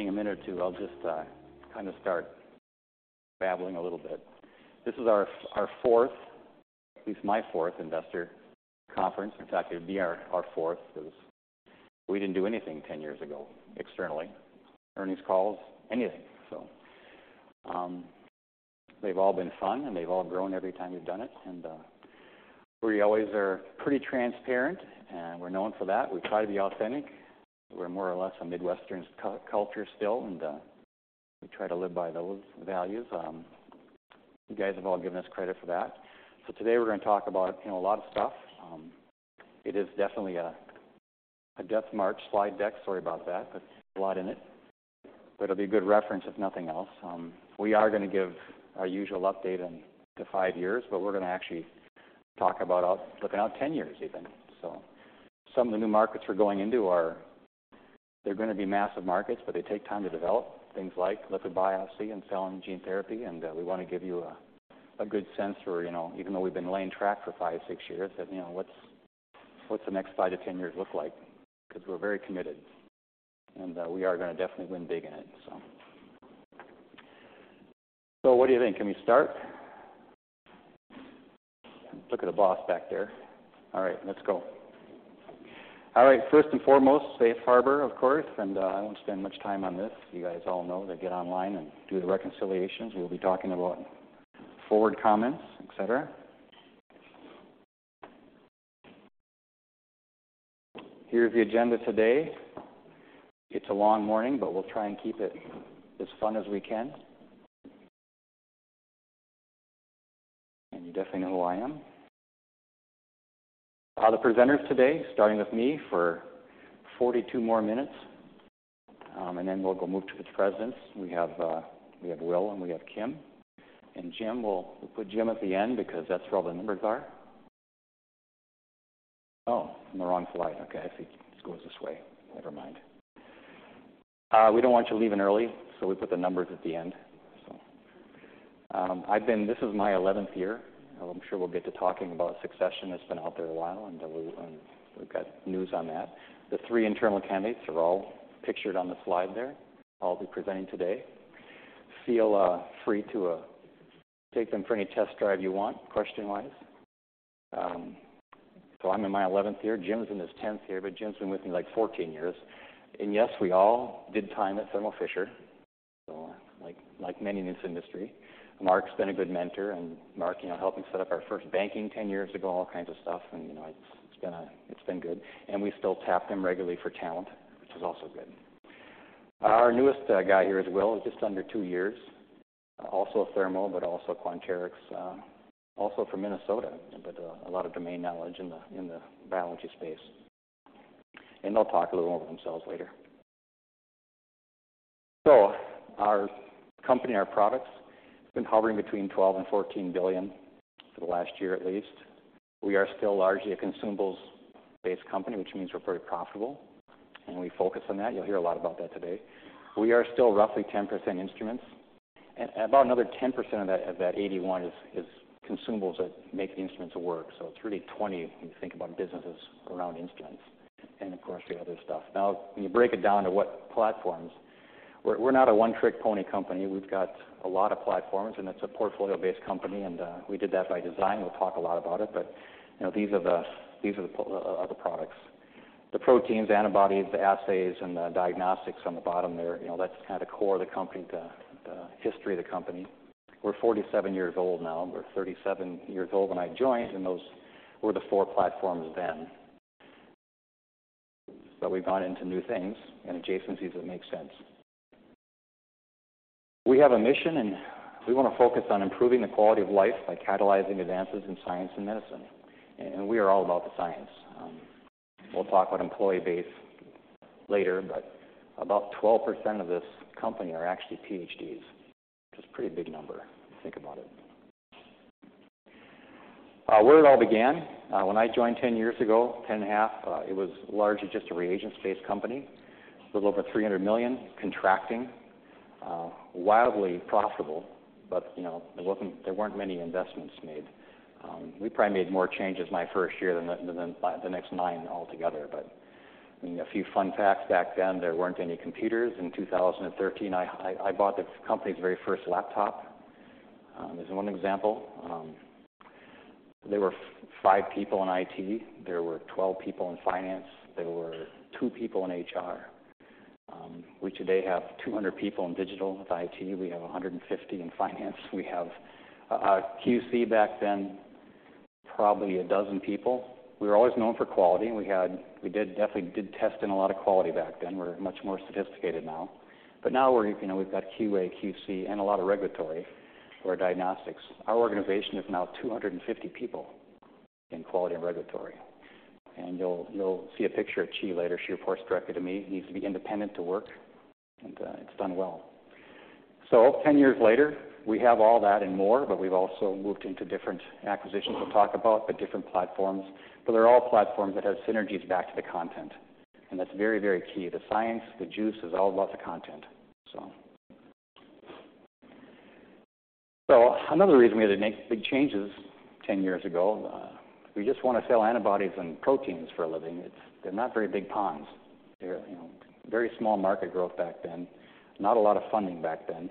Well, while we're waiting a minute or two, I'll just kind of start babbling a little bit. This is our fourth, at least my fourth, investor conference. In fact, it'd be our fourth, 'cause we didn't do anything 10 years ago externally, earnings calls, anything. So, they've all been fun, and they've all grown every time we've done it, and we always are pretty transparent, and we're known for that. We try to be authentic. We're more or less a Midwestern culture still, and we try to live by those values. You guys have all given us credit for that. So today we're gonna talk about, you know, a lot of stuff. It is definitely a death march slide deck. Sorry about that, but there's a lot in it. But it'll be a good reference, if nothing else. We are gonna give our usual update on the five years, but we're gonna actually talk about looking out ten years even, so. Some of the new markets we're going into are... They're gonna be massive markets, but they take time to develop. Things like liquid biopsy and cell and gene therapy, and we wanna give you a good sense for, you know, even though we've been laying track for five, six years, that, you know, what's the next five to ten years look like? 'Cause we're very committed, and we are gonna definitely win big in it, so. So what do you think? Can we start? Look at the boss back there. All right, let's go. All right, first and foremost, safe harbor, of course, and I won't spend much time on this. You guys all know to get online and do the reconciliations. We'll be talking about forward comments, et cetera. Here's the agenda today. It's a long morning, but we'll try and keep it as fun as we can. And you definitely know who I am. The presenters today, starting with me for 42 more minutes, and then we'll go move to the presidents. We have, we have Will, and we have Kim, and Jim. We'll put Jim at the end because that's where all the numbers are. Oh, I'm on the wrong slide. Okay, I see. It goes this way. Never mind. We don't want you leaving early, so we put the numbers at the end, so. This is my eleventh year. I'm sure we'll get to talking about succession. It's been out there a while, and we've got news on that. The three internal candidates are all pictured on the slide there. I'll be presenting today. Feel free to take them for any test drive you want, question-wise. So I'm in my 11th year. Jim's in his 10th year, but Jim's been with me, like, 14 years. And yes, we all did time at Thermo Fisher, so like, like many in this industry. Mark's been a good mentor, and Mark, you know, helped me set up our first banking 10 years ago, all kinds of stuff. And, you know, it's been good. And we still tap him regularly for talent, which is also good. Our newest guy here is Will, just under 2 years. Also Thermo, but also Quanterix. Also from Minnesota, but a lot of domain knowledge in the biology space. They'll talk a little more themselves later. Our company and our products have been hovering between $12 billion-$14 billion for the last year at least. We are still largely a consumables-based company, which means we're pretty profitable, and we focus on that. You'll hear a lot about that today. We are still roughly 10% instruments, and about another 10% of that 81 is consumables that make the instruments work. It's really 20 when you think about businesses around instruments and, of course, the other stuff. Now, when you break it down to what platforms, we're not a one-trick pony company. We've got a lot of platforms, and it's a portfolio-based company, and we did that by design. We'll talk a lot about it, but, you know, these are the, these are the products. The proteins, antibodies, the assays, and the diagnostics on the bottom there, you know, that's kind of the core of the company, the, the history of the company. We're 47 years old now. We were 37 years old when I joined, and those were the four platforms then. But we've gone into new things and adjacencies that make sense. We have a mission, and we want to focus on improving the quality of life by catalyzing advances in science and medicine. And we are all about the science. We'll talk about employee base later, but about 12% of this company are actually PhDs, which is a pretty big number if you think about it. Where it all began, when I joined 10 years ago, 10 and a half, it was largely just a reagents-based company, with a little over $300 million, contracting. Wildly profitable, but, you know, there weren't many investments made. We probably made more changes my first year than the next five, the next nine altogether. But, I mean, a few fun facts: back then, there weren't any computers. In 2013, I bought the company's very first laptop. This is one example. There were five people in IT. There were 12 people in Finance. There were two people in HR. We today have 200 people in digital with IT. We have 150 in Finance. We have QC back then, probably a dozen people. We were always known for quality, and we did, definitely did test and a lot of quality back then. We're much more sophisticated now. But now we're, you know, we've got QA, QC, and a lot of regulatory for our diagnostics. Our organization is now 250 people in quality and regulatory. And you'll, you'll see a picture of Qi later. She reports directly to me. Needs to be independent to work, and, it's done well. So 10 years later, we have all that and more, but we've also moved into different acquisitions we'll talk about, but different platforms. But they're all platforms that have synergies back to the content, and that's very, very key. The science, the juice is all about the content, so... Another reason we had to make big changes 10 years ago, we just want to sell antibodies and proteins for a living. It's—they're not very big ponds. They're, you know, very small market growth back then. Not a lot of funding back then,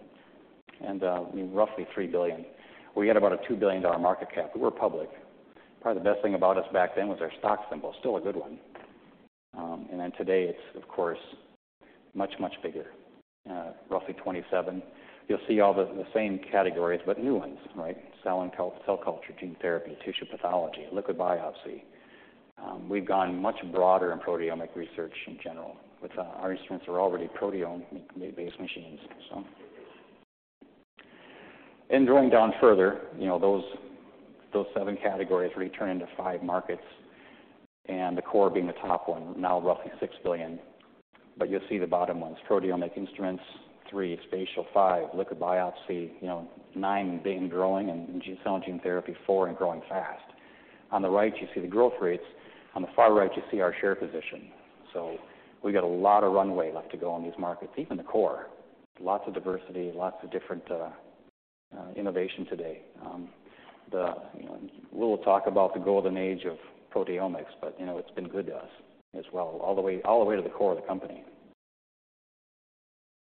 and, I mean, roughly $3 billion. We had about a $2 billion market cap. We were public. Probably the best thing about us back then was our stock symbol. Still a good one. And then today, it's, of course, much, much bigger, roughly $27 billion. You'll see all the, the same categories, but new ones, right? Cell culture, gene therapy, tissue pathology, liquid biopsy. We've gone much broader in proteomic research in general, with our, our instruments are already proteome-based machines, so. And drilling down further, you know, those, those 7 categories really turn into 5 markets, and the core being the top one, now roughly $6 billion. But you'll see the bottom ones, proteomic instruments, 3, spatial, 5, liquid biopsy, you know, 9 and big and growing, and gene, cell and gene therapy, 4 and growing fast. On the right, you see the growth rates. On the far right, you see our share position. So we've got a lot of runway left to go on these markets, even the core. Lots of diversity, lots of different innovation today. You know, we'll talk about the golden age of proteomics, but, you know, it's been good to us as well, all the way, all the way to the core of the company.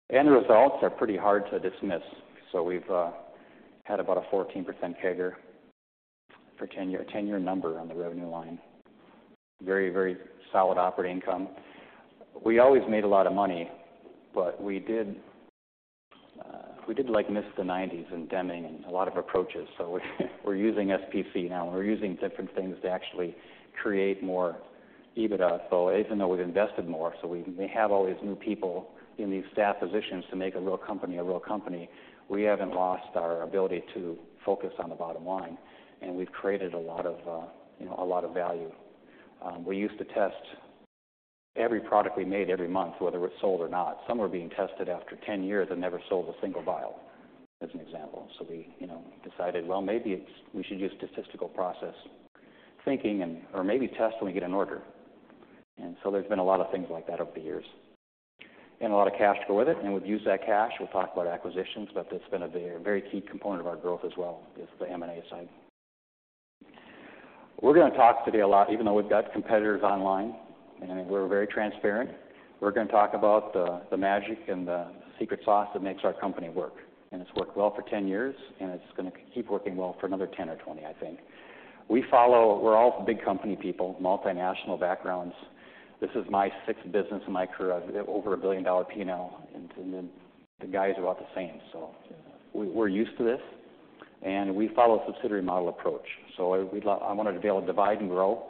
And the results are pretty hard to dismiss. So we've had about a 14% CAGR for 10-year, a 10-year number on the revenue line. Very, very solid operating income. We always made a lot of money, but we did, we did, like, miss the nineties and Deming and a lot of approaches. So we're using SPC now. We're using different things to actually create more EBITDA. So even though we've invested more, so we have all these new people in these staff positions to make a real company a real company, we haven't lost our ability to focus on the bottom line, and we've created a lot of, you know, a lot of value. We used to test every product we made every month, whether it was sold or not. Some were being tested after 10 years and never sold a single vial, as an example. So we, you know, decided, well, maybe it's we should use statistical process thinking and or maybe test when we get an order. And so there's been a lot of things like that over the years, and a lot of cash to go with it, and we've used that cash. We'll talk about acquisitions, but that's been a very key component of our growth as well, is the M&A side. We're gonna talk today a lot, even though we've got competitors online, and we're very transparent. We're gonna talk about the magic and the secret sauce that makes our company work. And it's worked well for 10 years, and it's gonna keep working well for another 10 or 20, I think. We follow... We're all big company people, multinational backgrounds. This is my sixth business in my career. I've over a $1 billion P&L, and the guys are about the same. So we're used to this, and we follow a subsidiary model approach. So I want to be able to divide and grow.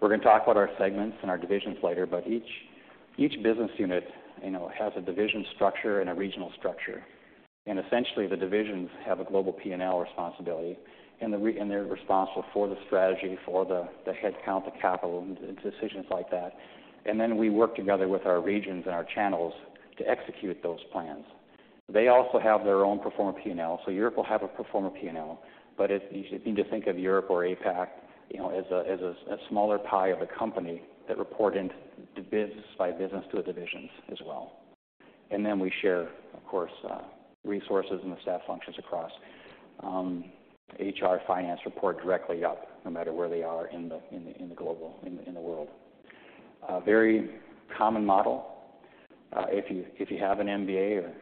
We're gonna talk about our segments and our divisions later, but each business unit, you know, has a division structure and a regional structure. And essentially, the divisions have a global P&L responsibility, and they're responsible for the strategy, for the headcount, the capital, and decisions like that. And then we work together with our regions and our channels to execute those plans. They also have their own pro forma P&L. So Europe will have a pro forma P&L, but it's... You need to think of Europe or APAC, you know, as a smaller pie of a company that report into biz by biz to the divisions as well. And then we share, of course, resources and the staff functions across. HR, finance report directly up, no matter where they are in the global, in the world. Very common model. If you have an MBA or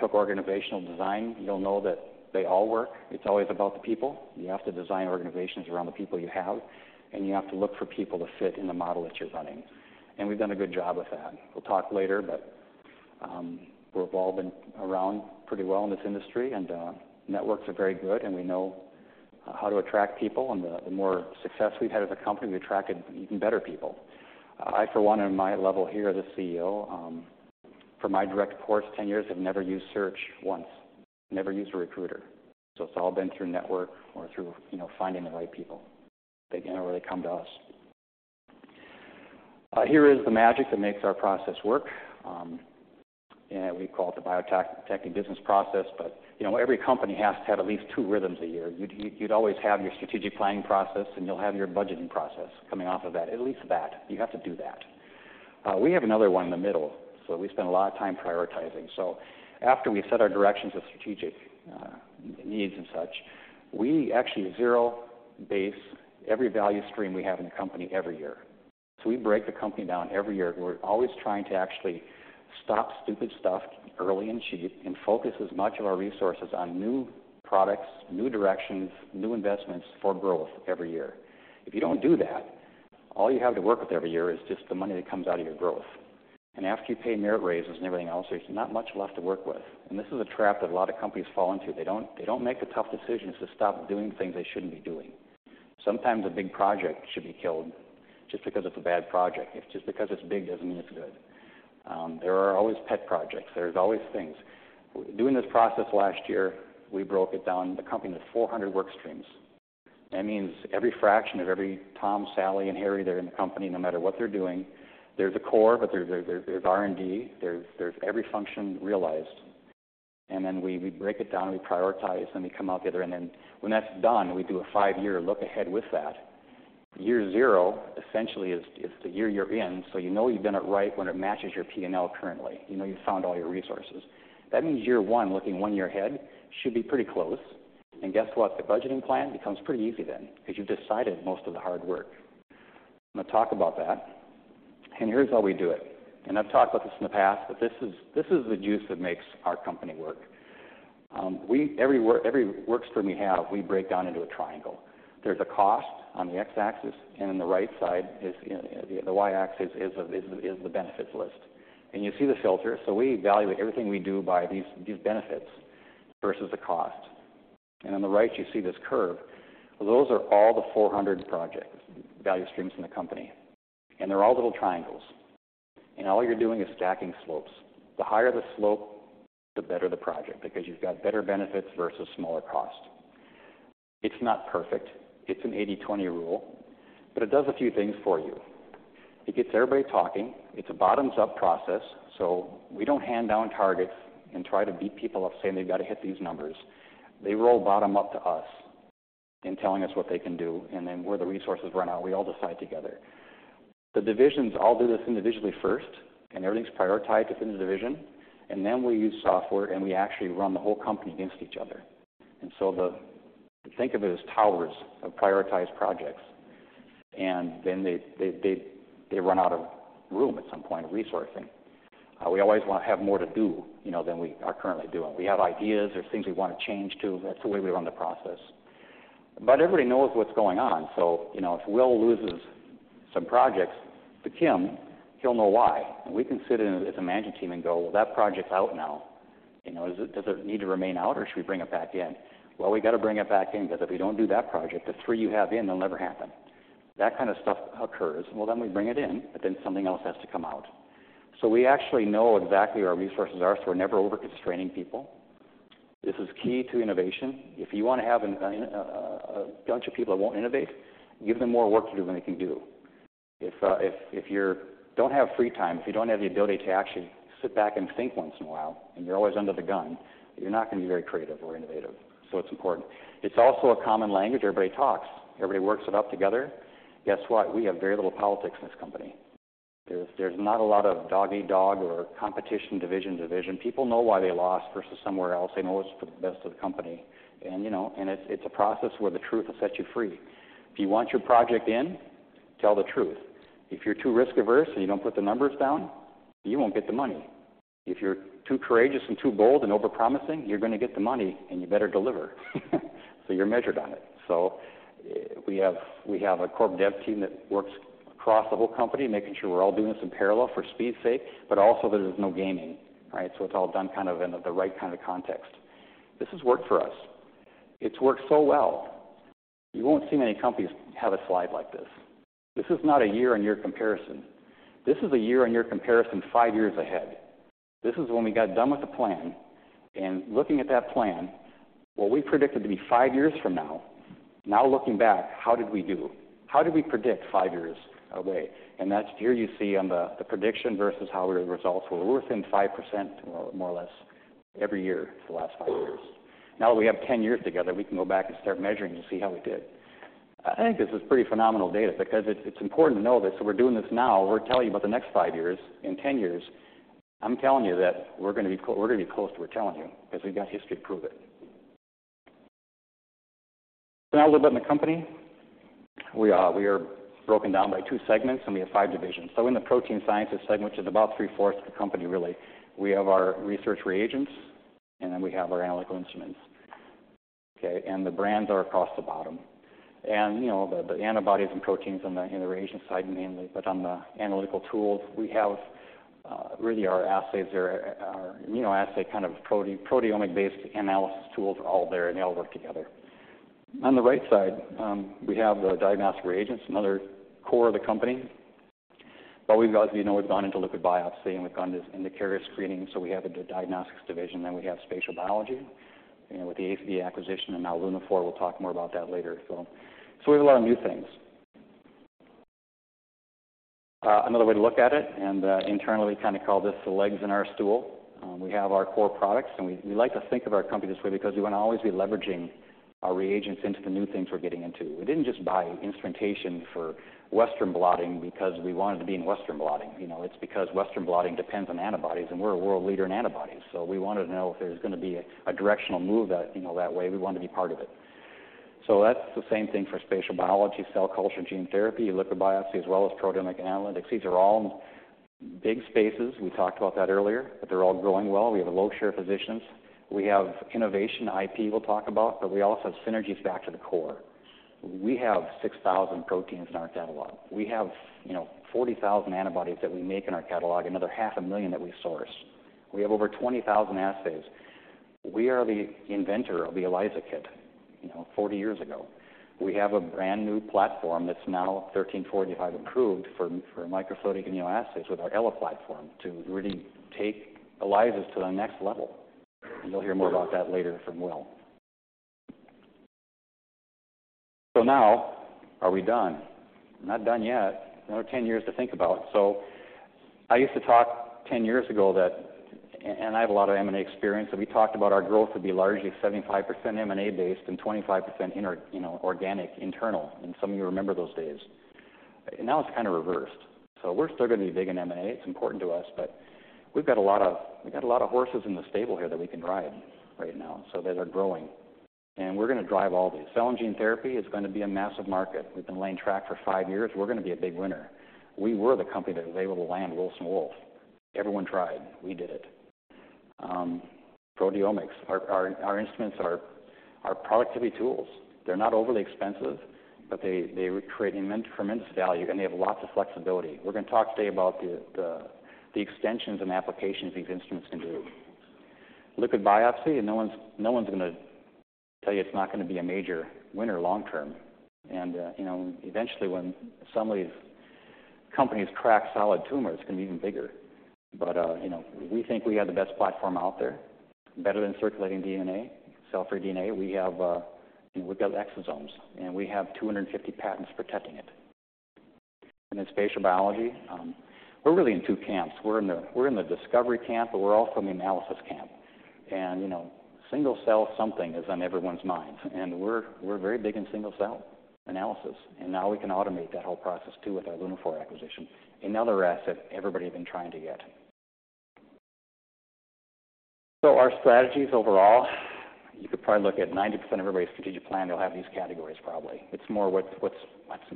took organizational design, you'll know that they all work. It's always about the people. You have to design organizations around the people you have, and you have to look for people to fit in the model that you're running. And we've done a good job with that. We'll talk later, but we've all been around pretty well in this industry, and networks are very good, and we know how to attract people. And the more success we've had as a company, we've attracted even better people. I, for one, in my level here as a CEO, for my direct reports, 10 years, I've never used search once, never used a recruiter. So it's all been through network or through, you know, finding the right people. They generally come to us. Here is the magic that makes our process work. And we call it the Bio-Techne technical business process, but you know, every company has to have at least two rhythms a year. You'd always have your strategic planning process, and you'll have your budgeting process coming off of that. At least that. You have to do that. We have another one in the middle, so we spend a lot of time prioritizing. After we've set our directions of strategic needs and such, we actually zero base every value stream we have in the company every year. We break the company down every year. We're always trying to actually stop stupid stuff early and cheap and focus as much of our resources on new products, new directions, new investments for growth every year. If you don't do that, all you have to work with every year is just the money that comes out of your growth. After you pay merit raises and everything else, there's not much left to work with. This is a trap that a lot of companies fall into. They don't, they don't make the tough decisions to stop doing things they shouldn't be doing. Sometimes a big project should be killed just because it's a bad project. Just because it's big, doesn't mean it's good. There are always pet projects. There's always things. Doing this process last year, we broke it down. The company has 400 work streams. That means every fraction of every Tom, Sally, and Harry that are in the company, no matter what they're doing, there's a core, but there, there's R&D, there's every function realized. And then we break it down, and we prioritize, and we come out the other end. And when that's done, we do a five-year look ahead with that. Year zero essentially is the year you're in, so you know you've done it right when it matches your P&L currently. You know you've found all your resources. That means year one, looking one year ahead, should be pretty close. Guess what? The budgeting plan becomes pretty easy then, because you've decided most of the hard work. I'm gonna talk about that, and here's how we do it. I've talked about this in the past, but this is the juice that makes our company work. Every work stream we have, we break down into a triangle. There's a cost on the X-axis, and on the right side is the Y-axis is the benefits list. You see the filter. So we evaluate everything we do by these benefits versus the cost. On the right, you see this curve. Those are all the 400 projects, value streams in the company, and they're all little triangles. All you're doing is stacking slopes. The higher the slope, the better the project, because you've got better benefits versus smaller cost. It's not perfect. It's an 80/20 rule, but it does a few things for you. It gets everybody talking. It's a bottoms-up process, so we don't hand down targets and try to beat people up, saying, "They've got to hit these numbers." They roll bottom up to us in telling us what they can do, and then where the resources run out, we all decide together. The divisions all do this individually first, and everything's prioritized within the division, and then we use software, and we actually run the whole company against each other. And so think of it as towers of prioritized projects, and then they run out of room at some point, resourcing. We always wanna have more to do, you know, than we are currently doing. We have ideas. There's things we wanna change, too. That's the way we run the process. But everybody knows what's going on, so, you know, if Will loses some projects to Kim, he'll know why. And we can sit in as a management team and go, "Well, that project's out now. You know, does it need to remain out, or should we bring it back in? Well, we got to bring it back in, because if we don't do that project, the three you have in will never happen." That kind of stuff occurs. Well, then we bring it in, but then something else has to come out. So we actually know exactly where our resources are, so we're never over-constraining people. This is key to innovation. If you wanna have a bunch of people that won't innovate, give them more work to do than they can do. If you're... Don't have free time, if you don't have the ability to actually sit back and think once in a while, and you're always under the gun, you're not gonna be very creative or innovative. So it's important. It's also a common language. Everybody talks. Everybody works it up together. Guess what? We have very little politics in this company. There's, there's not a lot of dog-eat-dog or competition, division, division. People know why they lost versus somewhere else. They know it's for the best of the company. And, you know, and it's, it's a process where the truth will set you free. If you want your project in, tell the truth. If you're too risk-averse and you don't put the numbers down, you won't get the money. If you're too courageous and too bold and over-promising, you're gonna get the money, and you better deliver. So you're measured on it. So, we have a corp dev team that works across the whole company, making sure we're all doing this in parallel for speed's sake, but also there's no gaming, right? So it's all done kind of in the right kind of context. This has worked for us. It's worked so well. You won't see many companies have a slide like this. This is not a year-on-year comparison. This is a year-on-year comparison, five years ahead. This is when we got done with the plan, and looking at that plan, what we predicted to be five years from now, now looking back, how did we do? How did we predict five years away? And that's here you see on the, the prediction versus how the results were. We're within 5%, more or less, every year for the last five years. Now that we have 10 years together, we can go back and start measuring to see how we did. I think this is pretty phenomenal data because it, it's important to know this. So we're doing this now. We're telling you about the next five years. In 10 years, I'm telling you that we're gonna be co- we're gonna be close to what we're telling you, because we've got history to prove it. Now, a little bit on the company. We, we are broken down by two segments, and we have five divisions. So in the Protein Sciences segment, which is about three-fourths of the company, really, we have our research reagents, and then we have our analytical instruments. Okay, and the brands are across the bottom. You know, the antibodies and proteins on the reagents side mainly, but on the analytical tools, we have really our assays, our immunoassay, kind of, proteomic-based analysis tools are all there, and they all work together. On the right side, we have the diagnostic reagents, another core of the company. But we've got... You know, we've gone into liquid biopsy, and we've gone into carrier screening, so we have a diagnostics division. Then we have spatial biology, you know, with the ACD acquisition and now Lunaphore. We'll talk more about that later. So we have a lot of new things. Another way to look at it, and internally we kind of call this the legs in our stool. We have our core products, and we like to think of our company this way because we wanna always be leveraging our reagents into the new things we're getting into. We didn't just buy instrumentation for Western blotting because we wanted to be in Western blotting. You know, it's because Western blotting depends on antibodies, and we're a world leader in antibodies, so we wanted to know if there's gonna be a directional move that, you know, that way, we wanted to be part of it. So that's the same thing for spatial biology, cell culture, gene therapy, liquid biopsy, as well as proteomic analytics. These are all big spaces. We talked about that earlier, but they're all growing well. We have a low share of physicians. We have innovation, IP, we'll talk about, but we also have synergies back to the core. We have 6,000 proteins in our catalog. We have, you know, 40,000 antibodies that we make in our catalog, another 500,000 that we source. We have over 20,000 assays. We are the inventor of the ELISA kit, you know, 40 years ago. We have a brand-new platform that's now ISO 13485 improved for microfluidic immunoassays with our Ella platform to really take ELISAs to the next level. And you'll hear more about that later from Will. So now, are we done? Not done yet. Another 10 years to think about. I used to talk 10 years ago that, and I have a lot of M&A experience, so we talked about our growth would be largely 75% M&A based and 25% in our, you know, organic, internal. And some of you remember those days. Now it's kind of reversed. We're still gonna be big in M&A. It's important to us, but we've got a lot of horses in the stable here that we can ride right now, so that are growing, and we're gonna drive all these. Cell and gene therapy is gonna be a massive market. We've been laying track for five years. We're gonna be a big winner. We were the company that was able to land Wilson Wolf. Everyone tried. We did it. Proteomics. Our instruments are productivity tools. They're not overly expensive, but they create immense, tremendous value, and they have lots of flexibility. We're gonna talk today about the extensions and applications these instruments can do. Liquid Biopsy, and no one's gonna tell you it's not gonna be a major winner long term. You know, eventually, when some of these companies crack solid tumors, it's gonna be even bigger. But, you know, we think we have the best platform out there, better than circulating DNA, cell-free DNA. We have, you know, we've got exosomes, and we have 250 patents protecting it. And then spatial biology, we're really in two camps. We're in the, we're in the discovery camp, but we're also in the analysis camp. And, you know, single cell something is on everyone's minds, and we're, we're very big in single cell analysis, and now we can automate that whole process, too, with our Lunaphore acquisition, another asset everybody has been trying to get. So our strategies overall, you could probably look at 90% of everybody's strategic plan, they'll have these categories probably. It's more what's, what's,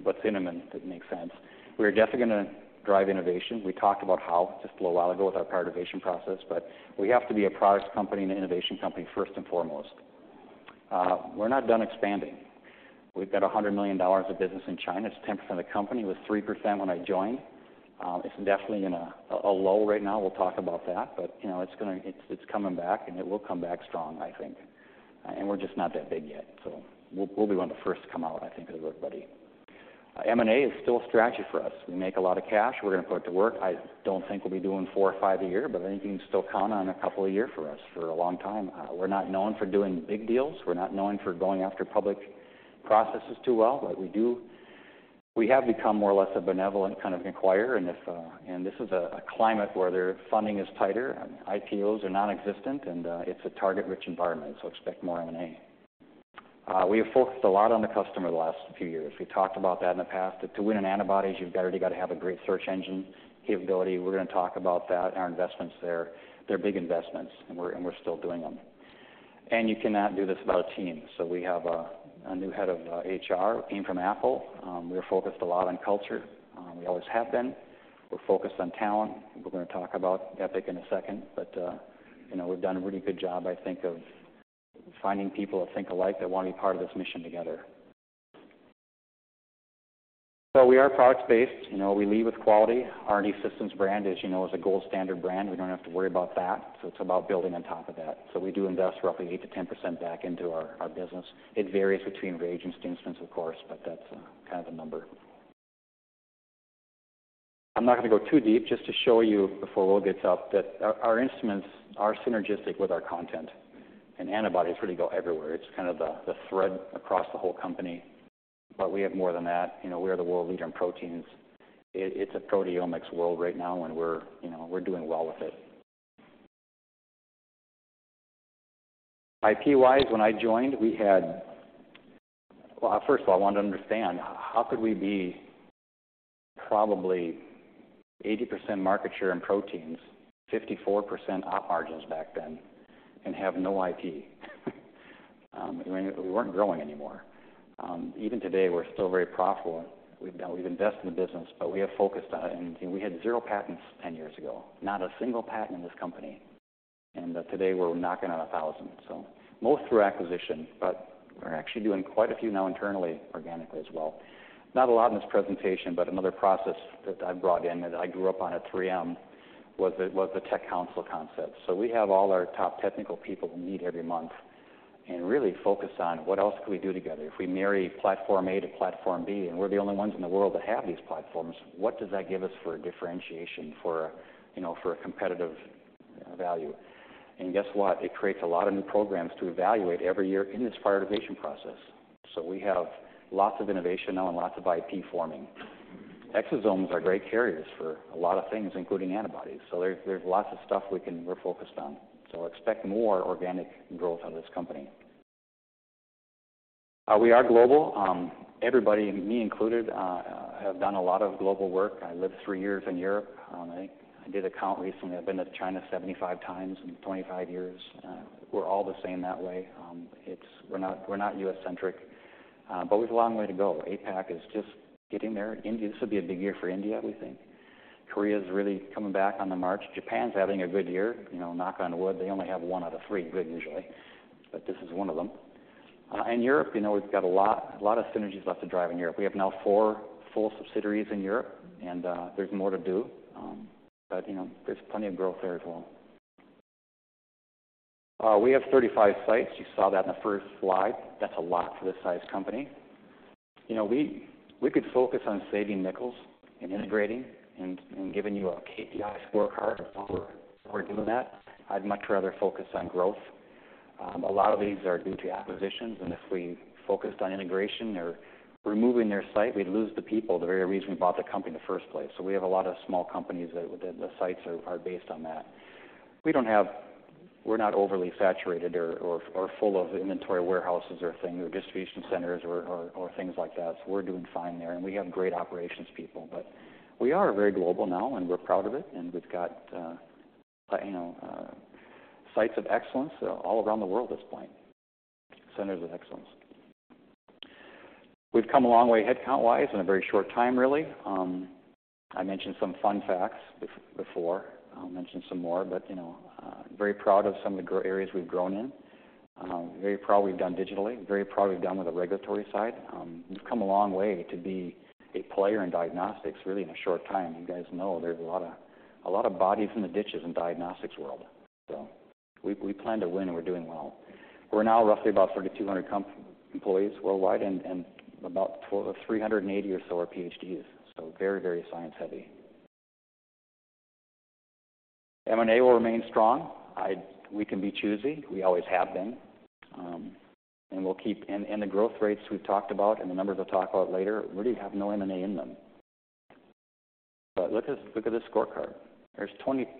what's in them that makes sense. We are definitely gonna drive innovation. We talked about how just a little while ago with our prioritization process, but we have to be a product company and an innovation company first and foremost. We're not done expanding. We've got $100 million of business in China. It's 10% of the company, was 3% when I joined. It's definitely in a low right now. We'll talk about that. But, you know, it's gonna, it's coming back, and it will come back strong, I think. And we're just not that big yet, so we'll be one of the first to come out, I think, of everybody. M&A is still a strategy for us. We make a lot of cash. We're gonna put it to work. I don't think we'll be doing four or five a year, but I think you can still count on a couple a year for us for a long time. We're not known for doing big deals. We're not known for going after public processes too well, but we do... We have become more or less a benevolent kind of inquirer, and if, and this is a climate where their funding is tighter, IPOs are nonexistent, and it's a target-rich environment, so expect more M&A. We have focused a lot on the customer the last few years. We talked about that in the past, that to win in antibodies, you've gotta, you've gotta have a great search engine capability. We're gonna talk about that and our investments there. They're big investments, and we're, and we're still doing them. You cannot do this without a team, so we have a new head of HR who came from Apple. We are focused a lot on culture. We always have been. We're focused on talent. We're gonna talk about EPIC in a second, but you know, we've done a really good job, I think, of finding people that think alike, that want to be part of this mission together. So we are products based. You know, we lead with quality. Our new systems brand, as you know, is a gold standard brand. We don't have to worry about that, so it's about building on top of that. So we do invest roughly 8%-10% back into our business. It varies between reagents and instruments, of course, but that's kind of the number. I'm not gonna go too deep, just to show you before Will gets up, that our instruments are synergistic with our content, and antibodies really go everywhere. It's kind of the thread across the whole company. But we have more than that. You know, we are the world leader in proteins. It's a proteomics world right now, and we're, you know, we're doing well with it. IP-wise, when I joined, we had... Well, first of all, I wanted to understand, how could we be probably 80% market share in proteins, 54% op margins back then, and have no IP? We weren't growing anymore. Even today, we're still very profitable. We've now, we've invested in the business, but we have focused on it. And we had zero patents 10 years ago, not a single patent in this company. Today we're knocking on 1,000, so most through acquisition, but we're actually doing quite a few now internally, organically as well. Not a lot in this presentation, but another process that I've brought in, that I grew up on at 3M, was the tech council concept. So we have all our top technical people who meet every month and really focus on what else could we do together. If we marry platform A to platform B, and we're the only ones in the world that have these platforms, what does that give us for a differentiation for, you know, for a competitive value? And guess what? It creates a lot of new programs to evaluate every year in this prioritization process. So we have lots of innovation now and lots of IP forming. Exosomes are great carriers for a lot of things, including antibodies, so there's lots of stuff we can—we're focused on. So expect more organic growth out of this company. We are global. Everybody, and me included, have done a lot of global work. I lived 3 years in Europe. I did a count recently. I've been to China 75 times in 25 years. We're all the same that way. It's... We're not, we're not US-centric, but we've a long way to go. APAC is just getting there. India, this will be a big year for India, we think. Korea's really coming back on the march. Japan's having a good year, you know, knock on wood. They only have 1 out of 3 good usually, but this is one of them. And Europe, you know, we've got a lot, a lot of synergies left to drive in Europe. We have now four full subsidiaries in Europe, and there's more to do. But, you know, there's plenty of growth there as well. We have 35 sites. You saw that in the first slide. That's a lot for this size company. You know, we could focus on saving nickels and integrating and giving you a KPI scorecard, so we're doing that. I'd much rather focus on growth. A lot of these are due to acquisitions, and if we focused on integration or removing their site, we'd lose the people, the very reason we bought the company in the first place. So we have a lot of small companies that the sites are based on that. We're not overly saturated or full of inventory warehouses or things or distribution centers or things like that, so we're doing fine there, and we have great operations people. But we are very global now, and we're proud of it, and we've got you know sites of excellence all around the world at this point, centers of excellence. We've come a long way headcount-wise in a very short time, really. I mentioned some fun facts before. I'll mention some more, but you know very proud of some of the growth areas we've grown in, very proud of what we've done digitally, very proud of what we've done with the regulatory side. We've come a long way to be a player in diagnostics really in a short time. You guys know there's a lot of bodies in the ditches in diagnostics world. So we plan to win, and we're doing well. We're now roughly about 3,200 employees worldwide, and about 380 or so are PhDs, so very, very science-heavy. M&A will remain strong. We can be choosy. We always have been. And we'll keep... And the growth rates we've talked about and the numbers I'll talk about later really have no M&A in them. But look at this, look at this scorecard.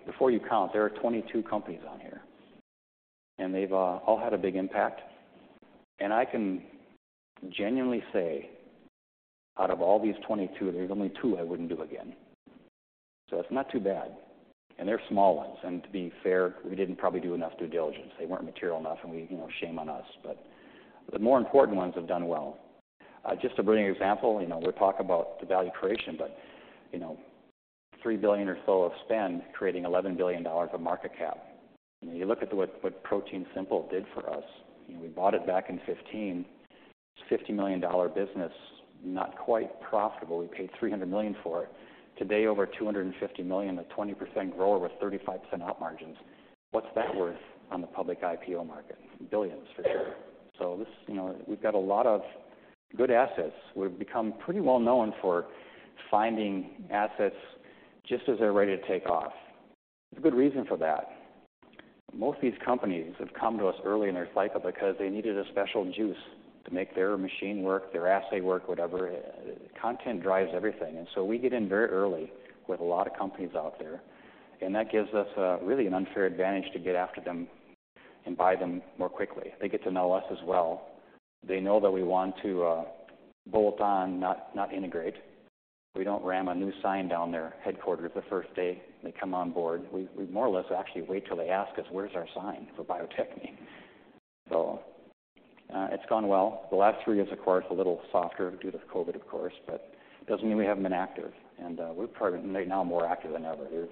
Before you count, there are 22 companies on here, and they've all had a big impact. And I can genuinely say, out of all these 22, there's only two I wouldn't do again, so it's not too bad. They're small ones, and to be fair, we didn't probably do enough due diligence. They weren't material enough, and we - you know, shame on us, but the more important ones have done well. Just to bring an example, you know, we talk about the value creation, but, you know, $3 billion or so of spend, creating $11 billion of market cap. You look at what ProteinSimple did for us, and we bought it back in 2015. It was a $50 million business, not quite profitable. We paid $300 million for it. Today, over $250 million, a 20% grower with 35% op margins. What's that worth on the public IPO market? Billions, for sure. So this, you know, we've got a lot of good assets. We've become pretty well known for finding assets just as they're ready to take off. There's a good reason for that. Most of these companies have come to us early in their cycle because they needed a special juice to make their machine work, their assay work, whatever. Content drives everything, and so we get in very early with a lot of companies out there, and that gives us really an unfair advantage to get after them and buy them more quickly. They get to know us as well. They know that we want to bolt on, not, not integrate. We don't ram a new sign down their headquarters the first day they come on board. We, we more or less actually wait till they ask us, "Where's our sign for Bio-Techne?" So, it's gone well. The last three years, of course, a little softer due to COVID, of course, but doesn't mean we haven't been active, and we're probably right now more active than ever. There's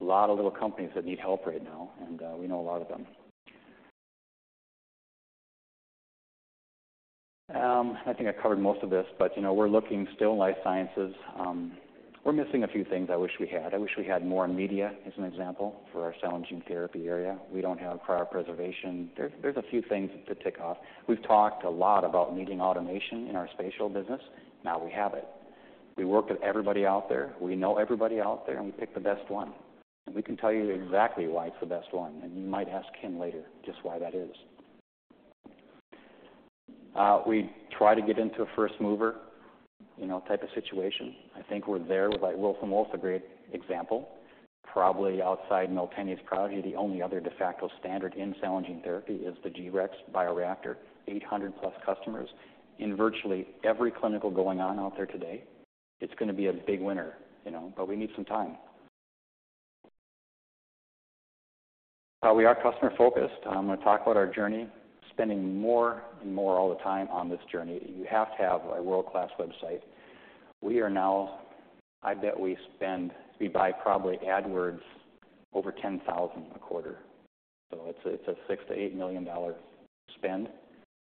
a lot of little companies that need help right now, and we know a lot of them. I think I covered most of this, but, you know, we're looking still life sciences. We're missing a few things I wish we had. I wish we had more in media, as an example, for our cell and gene therapy area. We don't have cryopreservation. There's a few things to tick off. We've talked a lot about needing automation in our spatial business. Now we have it. We work with everybody out there, we know everybody out there, and we pick the best one, and we can tell you exactly why it's the best one, and you might ask Ken later just why that is. We try to get into a first mover, you know, type of situation. I think we're there with, like, Wilson Wolf, a great example. Probably outside Miltenyi's probably the only other de facto standard in cell and gene therapy is the G-Rex bioreactor, 800+ customers. In virtually every clinical going on out there today, it's gonna be a big winner, you know, but we need some time. We are customer-focused. I'm gonna talk about our journey, spending more and more all the time on this journey. You have to have a world-class website. We are now. I bet we spend; we buy probably AdWords over 10,000 a quarter, so it's a $6 million-$8 million spend.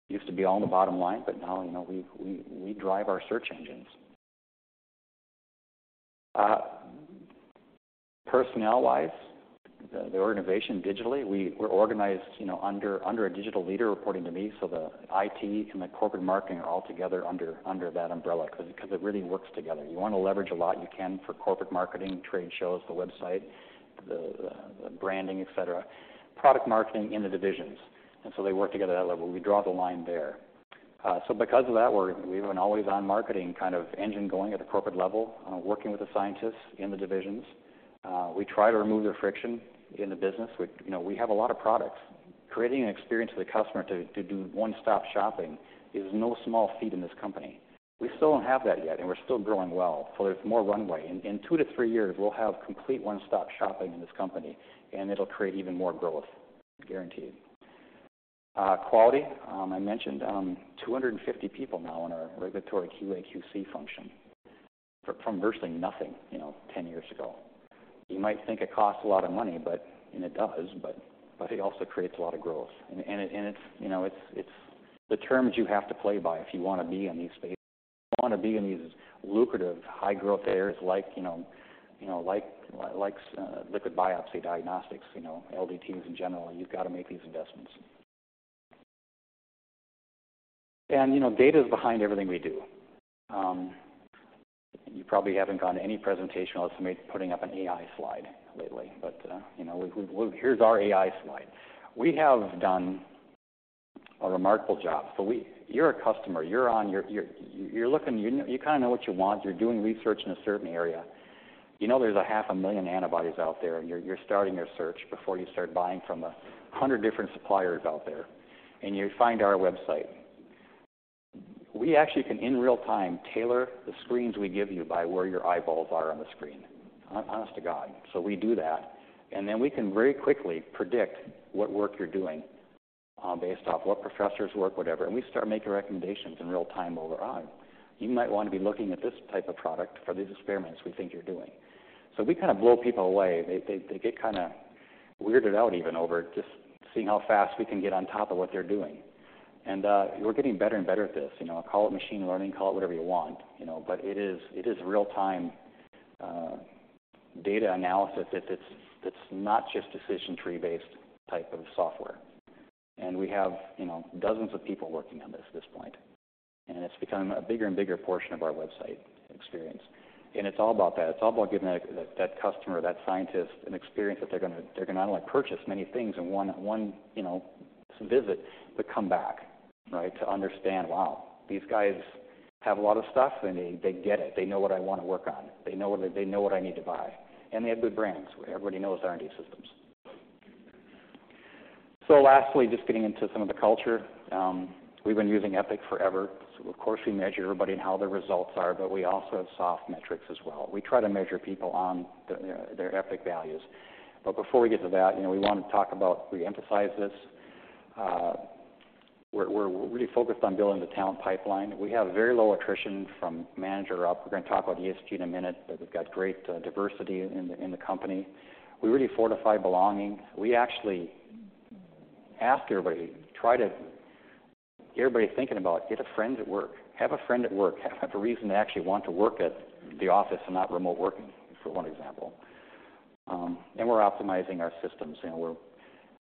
Used to be all on the bottom line, but now, you know, we drive our search engines. Personnel-wise, the organization digitally, we're organized, you know, under a digital leader reporting to me, so the IT and the corporate marketing are all together under that umbrella, 'cause it really works together. You want to leverage a lot you can for corporate marketing, trade shows, the website, the branding, et cetera. Product marketing in the divisions, and so they work together at that level. We draw the line there. So because of that, we have an always-on marketing kind of engine going at the corporate level, working with the scientists in the divisions. We try to remove the friction in the business. We, you know, we have a lot of products. Creating an experience for the customer to do one-stop shopping is no small feat in this company. We still don't have that yet, and we're still growing well, so there's more runway. In 2-3 years, we'll have complete one-stop shopping in this company, and it'll create even more growth, guaranteed. Quality, I mentioned, 250 people now in our regulatory QA/QC function, from virtually nothing, you know, 10 years ago. You might think it costs a lot of money, but... and it does, but it also creates a lot of growth. And it's, you know, it's the terms you have to play by if you wanna be in these spaces. If you wanna be in these lucrative, high-growth areas, like, you know, like, like, liquid biopsy diagnostics, you know, LDTs in general, you've got to make these investments. And, you know, data is behind everything we do. You probably haven't gone to any presentation without somebody putting up an AI slide lately, but, you know, we, well, here's our AI slide. We have done a remarkable job. So we, you're a customer, you're on your, you're looking, you know, you kind of know what you want. You're doing research in a certain area. You know there's 500,000 antibodies out there, and you're starting your search before you start buying from 100 different suppliers out there, and you find our website. We actually can, in real time, tailor the screens we give you by where your eyeballs are on the screen. Honest to God. So we do that, and then we can very quickly predict what work you're doing based off what professor's work, whatever, and we start making recommendations in real time while we're on. You might want to be looking at this type of product for these experiments we think you're doing. So we kind of blow people away. They get kind of weirded out even over just seeing how fast we can get on top of what they're doing. And we're getting better and better at this. You know, call it machine learning, call it whatever you want, you know, but it is, it is real-time data analysis that's, that's not just decision tree-based type of software. And we have, you know, dozens of people working on this at this point, and it's become a bigger and bigger portion of our website experience. And it's all about that. It's all about giving that, that, that customer, that scientist, an experience that they're gonna... They're gonna not only purchase many things in one, one, you know, visit, but come back, right? To understand, wow, these guys have a lot of stuff, and they, they get it. They know what I want to work on. They know what, they know what I need to buy, and they have good brands. Everybody knows R&D Systems. So lastly, just getting into some of the culture. We've been using Epic forever, so of course, we measure everybody on how their results are, but we also have soft metrics as well. We try to measure people on their, their Epic values. But before we get to that, you know, we want to talk about... We emphasize this. We're, we're really focused on building the talent pipeline. We have very low attrition from manager up. We're gonna talk about ESG in a minute, but we've got great, uh, diversity in the, in the company. We really fortify belonging. We actually ask everybody, try to get everybody thinking about get a friend at work. Have a friend at work. Have, have a reason to actually want to work at the office and not remote working, for one example. And we're optimizing our systems, you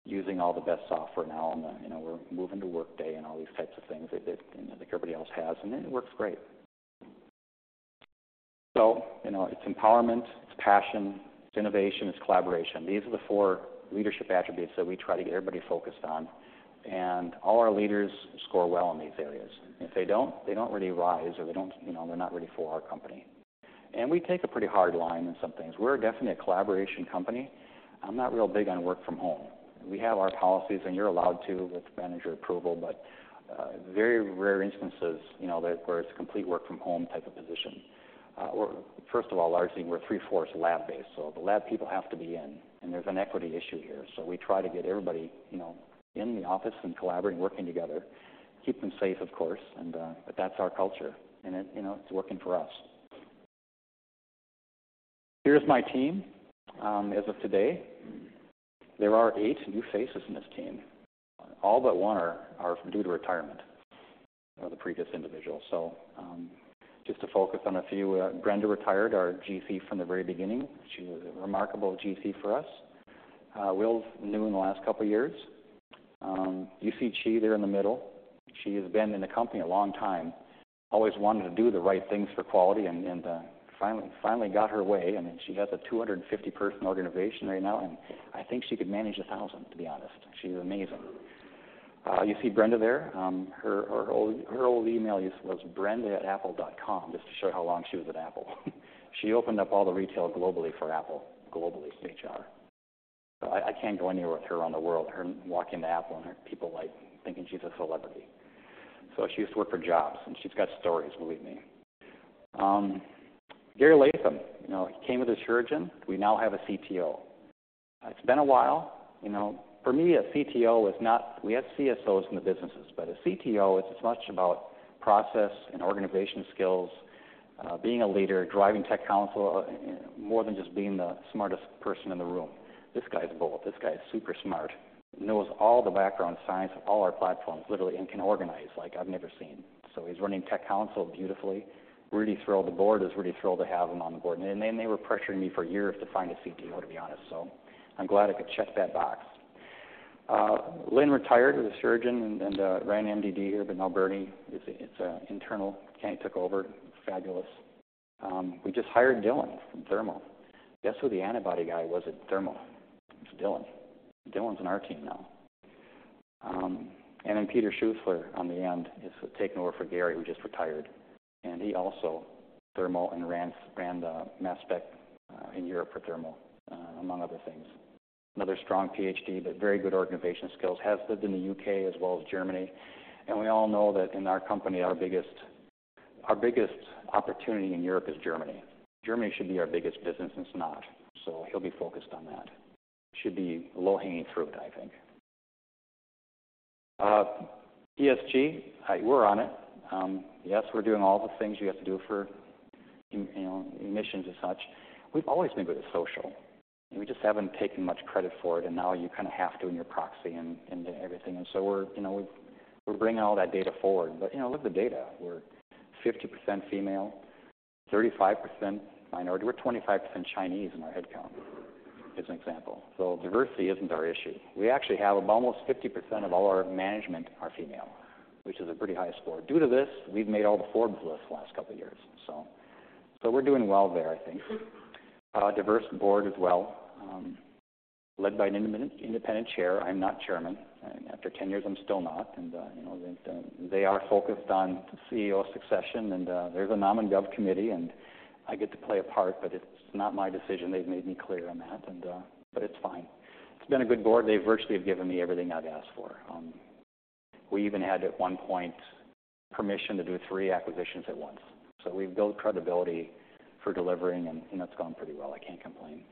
know, we're using all the best software now, and, you know, we're moving to Workday and all these types of things that, that, you know, like everybody else has, and it works great. So, you know, it's empowerment, it's passion, it's innovation, it's collaboration. These are the four leadership attributes that we try to get everybody focused on, and all our leaders score well on these areas. If they don't, they don't really rise, or they don't, you know, they're not really for our company. And we take a pretty hard line on some things. We're definitely a collaboration company. I'm not real big on work from home. We have our policies, and you're allowed to with manager approval, but, very rare instances, you know, where, where it's complete work-from-home type of position. We're... First of all, largely, we're three-fourths lab-based, so the lab people have to be in, and there's an equity issue here. So we try to get everybody, you know, in the office and collaborating, working together. Keep them safe, of course, and, but that's our culture, and it, you know, it's working for us. Here's my team. As of today, there are eight new faces in this team. All but one are due to retirement of the previous individual. So, just to focus on a few. Brenda retired, our GC from the very beginning. She was a remarkable GC for us. Will's new in the last couple of years. You see Chi there in the middle. She has been in the company a long time, always wanting to do the right things for quality and finally got her way, and she has a 250-person organization right now, and I think she could manage a 1,000, to be honest. She's amazing. You see Brenda there? Her old email was Brenda@apple.com, just to show how long she was at Apple. She opened up all the retail globally for Apple. Globally, HR. So I can't go anywhere with her around the world. Walk into Apple, and there are people, like, thinking she's a celebrity. So she used to work for Jobs, and she's got stories, believe me. Gary Latham, you know, he came with Asuragen. We now have a CTO. It's been a while. You know, for me, a CTO is not... We have CSOs in the businesses, but a CTO, it's as much about process and organization skills, being a leader, driving tech council, more than just being the smartest person in the room. This guy's both. This guy is super smart, knows all the background science of all our platforms, literally, and can organize like I've never seen. So he's running tech council beautifully. Really thrilled. The board is really thrilled to have him on the board, and they were pressuring me for years to find a CTO, to be honest, so I'm glad I could check that box. Lynn retired with Asuragenand ran MDD here, but now Bernie is internal. Kenny took over. Fabulous. We just hired Dylan from Thermo. Guess who the antibody guy was at Thermo? It's Dylan. Dylan's on our team now. And then Peter Schuessler on the end is taking over for Gary, who just retired. And he also, Thermo and ran the Mass Spec in Europe for Thermo, among other things. Another strong Ph.D., but very good organization skills. Has lived in the U.K. as well as Germany, and we all know that in our company, our biggest opportunity in Europe is Germany. Germany should be our biggest business, and it's not, so he'll be focused on that. Should be low-hanging fruit, I think. ESG, I... We're on it. Yes, we're doing all the things you have to do for them, you know, emissions and such. We've always been good with social, and we just haven't taken much credit for it, and now you kind of have to in your proxy and, and everything, and so we're, you know, we're, we're bringing all that data forward. But, you know, look at the data. We're 50% female, 35% minority. We're 25% Chinese in our headcount.... as an example. So diversity isn't our issue. We actually have almost 50% of all our management are female, which is a pretty high score. Due to this, we've made all the Forbes lists the last couple of years. So, so we're doing well there, I think. Diverse board as well, led by an independent chair. I'm not chairman, and after 10 years, I'm still not. You know, they are focused on CEO succession, and there's a nom and gov committee, and I get to play a part, but it's not my decision. They've made me clear on that, but it's fine. It's been a good board. They virtually have given me everything I've asked for. We even had, at one point, permission to do three acquisitions at once. So we've built credibility for delivering, and that's gone pretty well. I can't complain.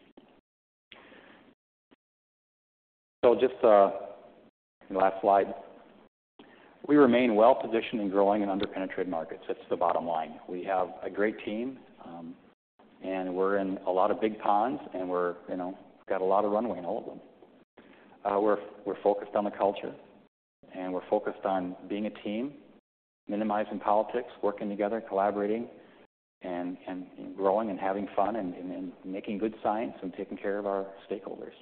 So just the last slide. We remain well-positioned and growing in underpenetrated markets. That's the bottom line. We have a great team, and we're in a lot of big ponds, and we're, you know, got a lot of runway in all of them. We're focused on the culture, and we're focused on being a team, minimizing politics, working together, collaborating, and growing and having fun and making good science and taking care of our stakeholders.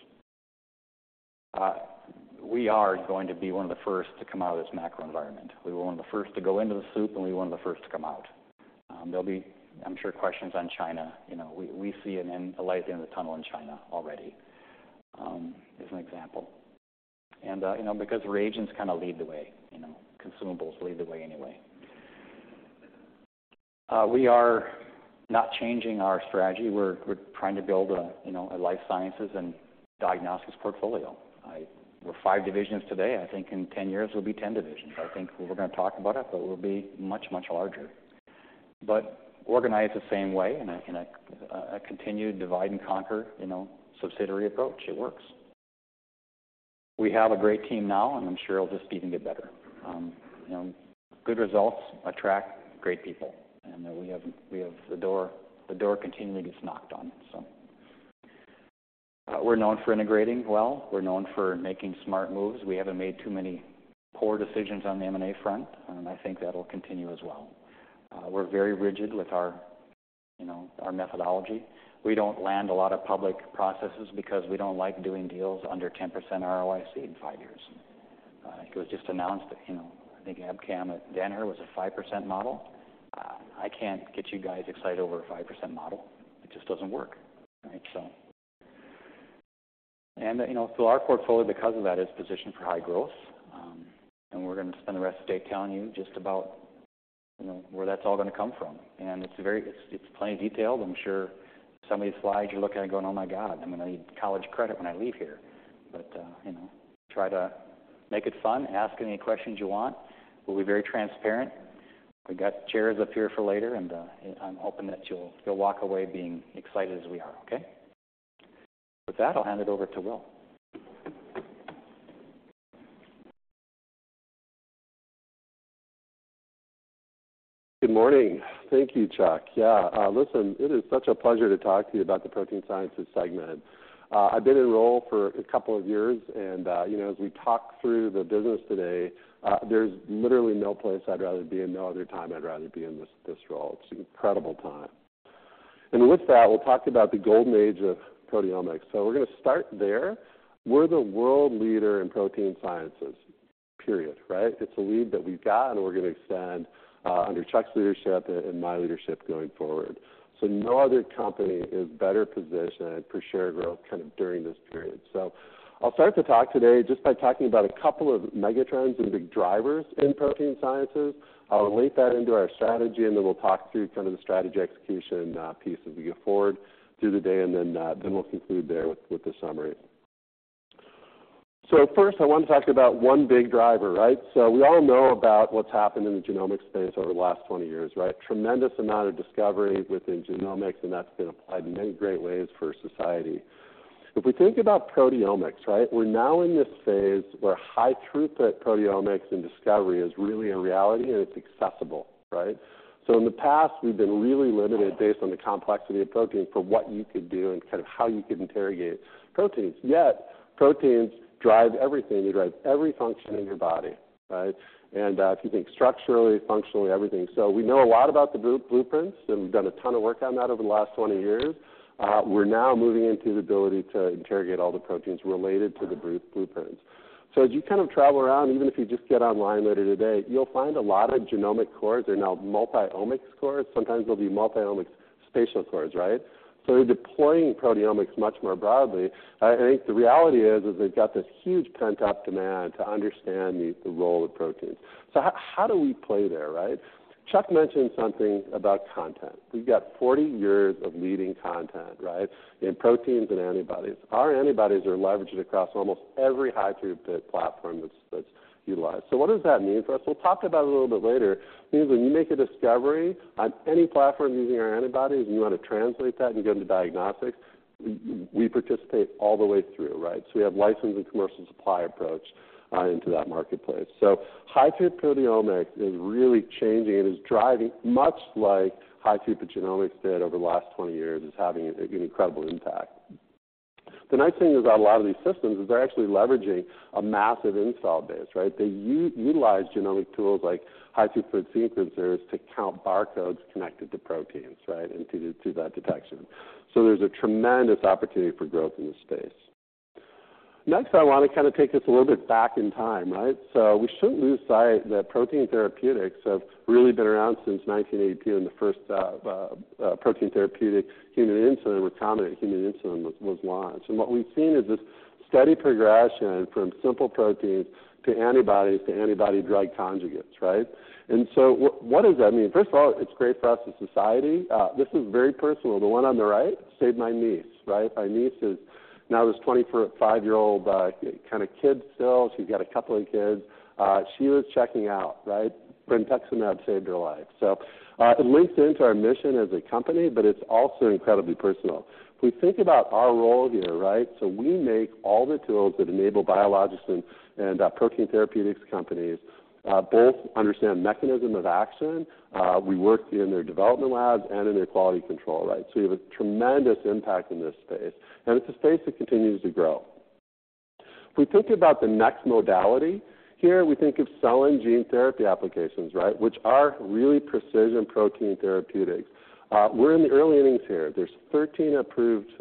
We are going to be one of the first to come out of this macro environment. We were one of the first to go into the soup, and we're one of the first to come out. There'll be, I'm sure, questions on China. You know, we see an end, a light at the end of the tunnel in China already, as an example. You know, because reagents kind of lead the way, you know, consumables lead the way anyway. We are not changing our strategy. We're trying to build a, you know, a life sciences and diagnostics portfolio. We're five divisions today. I think in 10 years, we'll be 10 divisions. I think we're gonna talk about it, but we'll be much, much larger. But organized the same way, in a continued divide-and-conquer, you know, subsidiary approach. It works. We have a great team now, and I'm sure it'll just even get better. You know, good results attract great people, and we have. The door continually gets knocked on, so. We're known for integrating well. We're known for making smart moves. We haven't made too many poor decisions on the M&A front, and I think that'll continue as well. We're very rigid with our, you know, our methodology. We don't land a lot of public processes because we don't like doing deals under 10% ROIC in five years. It was just announced that, you know, I think Abcam, Danaher was a 5% model. I can't get you guys excited over a 5% model. It just doesn't work, right? So, and, you know, so our portfolio, because of that, is positioned for high growth, and we're going to spend the rest of the day telling you just about, you know, where that's all gonna come from. And it's very, it's, it's plenty detailed. I'm sure some of these slides, you're looking at, and going, "Oh, my God, I'm gonna need college credit when I leave here." But, you know, try to make it fun. Ask any questions you want. We'll be very transparent. We've got chairs up here for later, and, and I'm hoping that you'll, you'll walk away being excited as we are, okay? With that, I'll hand it over to Will. Good morning. Thank you, Chuck. Yeah, listen, it is such a pleasure to talk to you about the Protein Sciences segment. I've been in role for a couple of years, and, you know, as we talk through the business today, there's literally no place I'd rather be and no other time I'd rather be in this, this role. It's an incredible time. And with that, we'll talk about the golden age of proteomics. So we're gonna start there. We're the world leader in Protein Sciences, period, right? It's a lead that we've got, and we're gonna expand under Chuck's leadership and my leadership going forward. So no other company is better positioned for shared growth kind of during this period. So I'll start the talk today just by talking about a couple of megatrends and big drivers in Protein Sciences. I'll relate that into our strategy, and then we'll talk through kind of the strategy execution piece as we go forward through the day, and then, then we'll conclude there with, with the summary. So first, I want to talk about one big driver, right? So we all know about what's happened in the genomics space over the last 20 years, right? Tremendous amount of discovery within genomics, and that's been applied in many great ways for society. If we think about proteomics, right, we're now in this phase where high-throughput proteomics and discovery is really a reality, and it's accessible, right? So in the past, we've been really limited based on the complexity of proteins, for what you could do and kind of how you could interrogate proteins. Yet, proteins drive everything. They drive every function in your body, right? If you think structurally, functionally, everything. So we know a lot about the blueprints, and we've done a ton of work on that over the last 20 years. We're now moving into the ability to interrogate all the proteins related to the blueprints. So as you kind of travel around, even if you just get online later today, you'll find a lot of genomic cores. They're now multi-omics cores. Sometimes they'll be multi-omics spatial cores, right? So we're deploying proteomics much more broadly. I think the reality is they've got this huge pent-up demand to understand the role of proteins. So how do we play there, right? Chuck mentioned something about content. We've got 40 years of leading content, right, in proteins and antibodies. Our antibodies are leveraged across almost every high-throughput platform that's utilized. So what does that mean for us? We'll talk about it a little bit later. It means when you make a discovery on any platform using our antibodies, and you want to translate that and go into diagnostics, we participate all the way through, right? So we have license and commercial supply approach into that marketplace. So high-throughput proteomics is really changing and is driving, much like high-throughput genomics did over the last 20 years. It's having an incredible impact. The nice thing is about a lot of these systems is they're actually leveraging a massive install base, right? They utilize genomic tools like high-throughput sequencers to count barcodes connected to proteins, right, and to do that detection. So there's a tremendous opportunity for growth in this space.... Next, I want to kind of take us a little bit back in time, right? So we shouldn't lose sight that protein therapeutics have really been around since 1982, and the first protein therapeutic human insulin, recombinant human insulin, was launched. And what we've seen is this steady progression from simple proteins to antibodies, to antibody drug conjugates, right? And so what does that mean? First of all, it's great for us as society. This is very personal. The one on the right saved my niece, right? My niece is now this 24- or 25-year-old kind of kid still. She's got a couple of kids. She was checking out, right? Brentuximab saved her life. So it links into our mission as a company, but it's also incredibly personal. If we think about our role here, right? So we make all the tools that enable biologists and protein therapeutics companies both understand mechanism of action. We work in their development labs and in their quality control, right? So we have a tremendous impact in this space, and it's a space that continues to grow. If we think about the next modality here, we think of cell and gene therapy applications, right? Which are really precision protein therapeutics. We're in the early innings here. There's 13 approved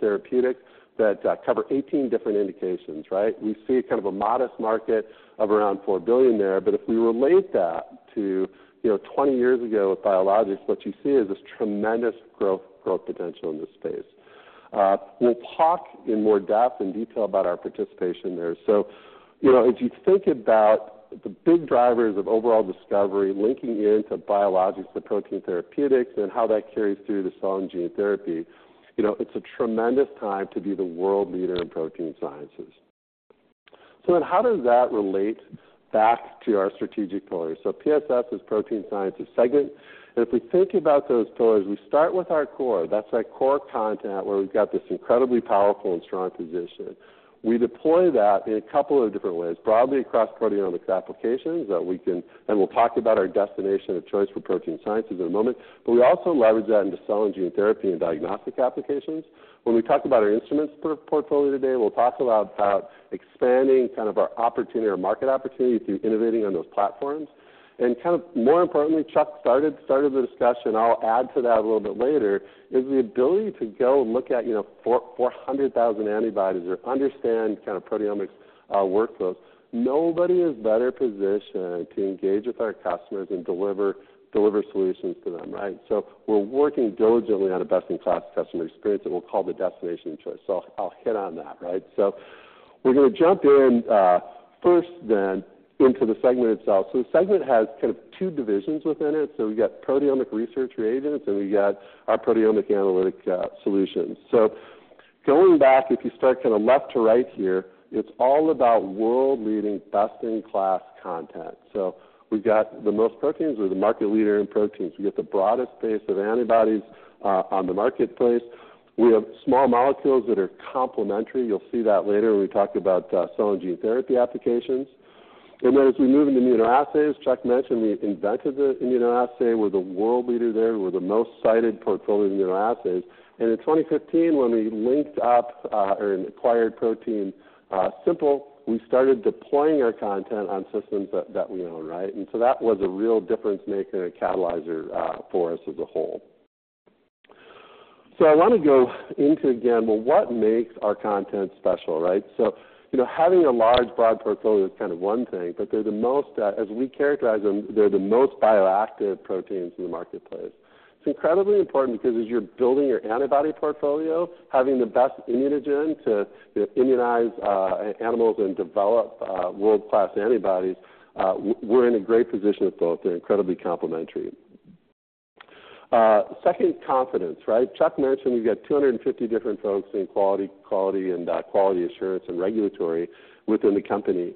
therapeutics that cover 18 different indications, right? We see kind of a modest market of around $4 billion there, but if we relate that to, you know, 20 years ago with biologics, what you see is this tremendous growth, growth potential in this space. We'll talk in more depth and detail about our participation there. So, you know, if you think about the big drivers of overall discovery linking into biologics and protein therapeutics and how that carries through to cell and gene therapy, you know, it's a tremendous time to be the world leader in protein sciences. So then how does that relate back to our strategic pillars? So PSD is Protein Sciences segment. And if we think about those pillars, we start with our core. That's our core content, where we've got this incredibly powerful and strong position. We deploy that in a couple of different ways, broadly across proteomics applications that we can... And we'll talk about our destination of choice for protein sciences in a moment, but we also leverage that into cell and gene therapy and diagnostic applications. When we talk about our instruments portfolio today, we'll talk about about expanding kind of our opportunity or market opportunity through innovating on those platforms. And kind of more importantly, Chuck started the discussion. I'll add to that a little bit later, is the ability to go and look at, you know, 400,000 antibodies or understand kind of proteomics workflows. Nobody is better positioned to engage with our customers and deliver solutions to them, right? So we're working diligently on a best-in-class customer experience, and we'll call the destination of choice. So I'll hit on that, right? So we're going to jump in first then into the segment itself. So the segment has kind of two divisions within it. So we've got proteomic research reagents, and we've got our proteomic analytic solutions. So going back, if you start kind of left to right here, it's all about world-leading, best-in-class content. So we've got the most proteins. We're the market leader in proteins. We get the broadest base of antibodies on the marketplace. We have small molecules that are complementary. You'll see that later when we talk about cell and gene therapy applications. And then as we move into immunoassays, Chuck mentioned we invented the immunoassay. We're the world leader there. We're the most cited portfolio of immunoassays. And in 2015, when we linked up or acquired ProteinSimple, we started deploying our content on systems that we own, right? And so that was a real difference-maker and a catalyzer for us as a whole. So I want to go into, again, well, what makes our content special, right? So, you know, having a large, broad portfolio is kind of one thing, but they're the most. As we characterize them, they're the most bioactive proteins in the marketplace. It's incredibly important because as you're building your antibody portfolio, having the best immunogen to immunize animals and develop world-class antibodies, we're in a great position with both. They're incredibly complementary. Second, confidence, right? Chuck mentioned we've got 250 different folks in quality, quality, and quality assurance and regulatory within the company.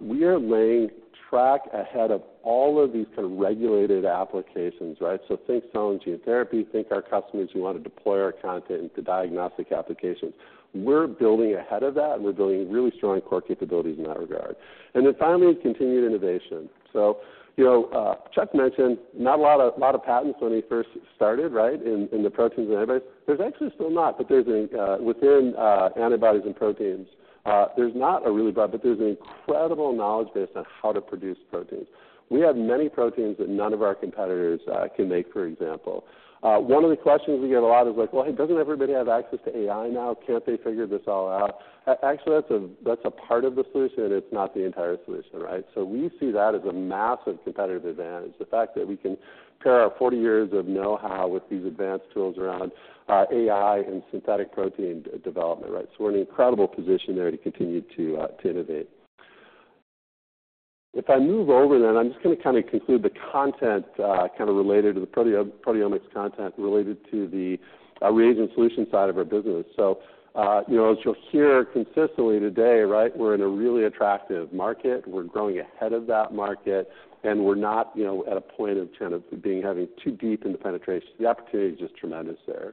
We are laying track ahead of all of these kind of regulated applications, right? So think cell and gene therapy, think our customers who want to deploy our content into diagnostic applications. We're building ahead of that, and we're building really strong core capabilities in that regard. And then finally, continued innovation. So you know, Chuck mentioned not a lot of patents when he first started, right, in the proteins and antibodies. There's actually still not, but there's an within antibodies and proteins, there's not a really broad, but there's an incredible knowledge base on how to produce proteins. We have many proteins that none of our competitors can make, for example. One of the questions we get a lot is like: Well, hey, doesn't everybody have access to AI now? Can't they figure this all out? Actually, that's a part of the solution, and it's not the entire solution, right? So we see that as a massive competitive advantage. The fact that we can pair our 40 years of know-how with these advanced tools around AI and synthetic protein development, right? So we're in an incredible position there to continue to to innovate. If I move over, then I'm just going to kind of conclude the content, kind of related to the proteomics content related to the reagent solution side of our business. So, you know, as you'll hear consistently today, right, we're in a really attractive market. We're growing ahead of that market, and we're not, you know, at a point of kind of being having too deep in the penetration. The opportunity is just tremendous there.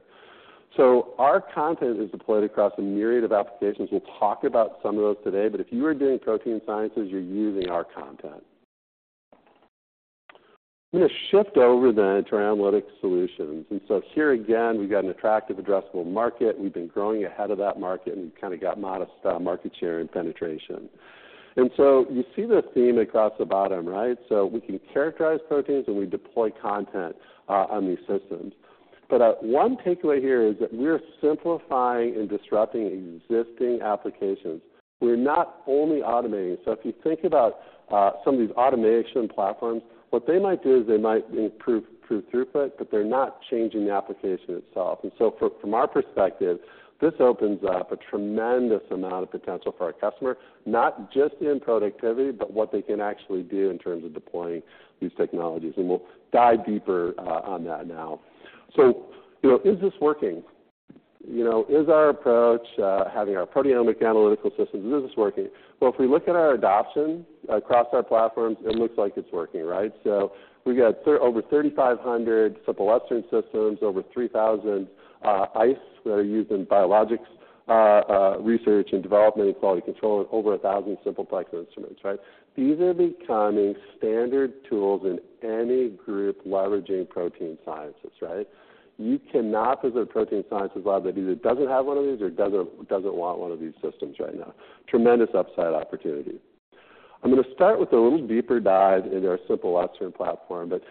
So our content is deployed across a myriad of applications. We'll talk about some of those today, but if you are doing protein sciences, you're using our content. I'm going to shift over then to our analytical solutions. And so here again, we've got an attractive addressable market. We've been growing ahead of that market, and we've kind of got modest market share and penetration.... And so you see the theme across the bottom, right? So we can characterize proteins, and we deploy content on these systems. But one takeaway here is that we're simplifying and disrupting existing applications. We're not only automating. So if you think about some of these automation platforms, what they might do is they might improve true throughput, but they're not changing the application itself. And so from our perspective, this opens up a tremendous amount of potential for our customer, not just in productivity, but what they can actually do in terms of deploying these technologies. And we'll dive deeper on that now. So, you know, is this working? You know, is our approach having our proteomic analytical systems, is this working? Well, if we look at our adoption across our platforms, it looks like it's working, right? So we've got over 3,500 Simple Western systems, over 3,000 ICE that are used in biologics research and development and quality control, and over 1,000 Simple Plex instruments, right? These are becoming standard tools in any group leveraging protein sciences, right? You cannot visit a protein sciences lab that either doesn't have one of these or doesn't want one of these systems right now. Tremendous upside opportunity. I'm going to start with a little deeper dive into our Simple Western platform, but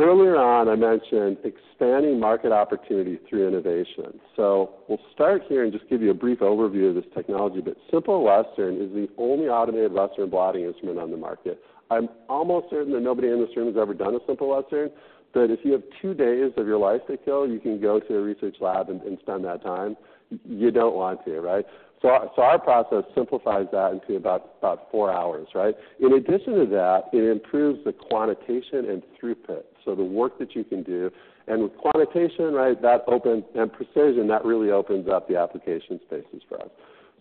earlier on, I mentioned expanding market opportunity through innovation. So we'll start here and just give you a brief overview of this technology. But Simple Western is the only automated Western blotting instrument on the market. I'm almost certain that nobody in this room has ever done a Simple Western, but if you have 2 days of your life to kill, you can go to a research lab and spend that time. You don't want to, right? So our process simplifies that into about 4 hours, right? In addition to that, it improves the quantitation and throughput, so the work that you can do. And with quantitation, right, that opens... and precision, that really opens up the application spaces for us.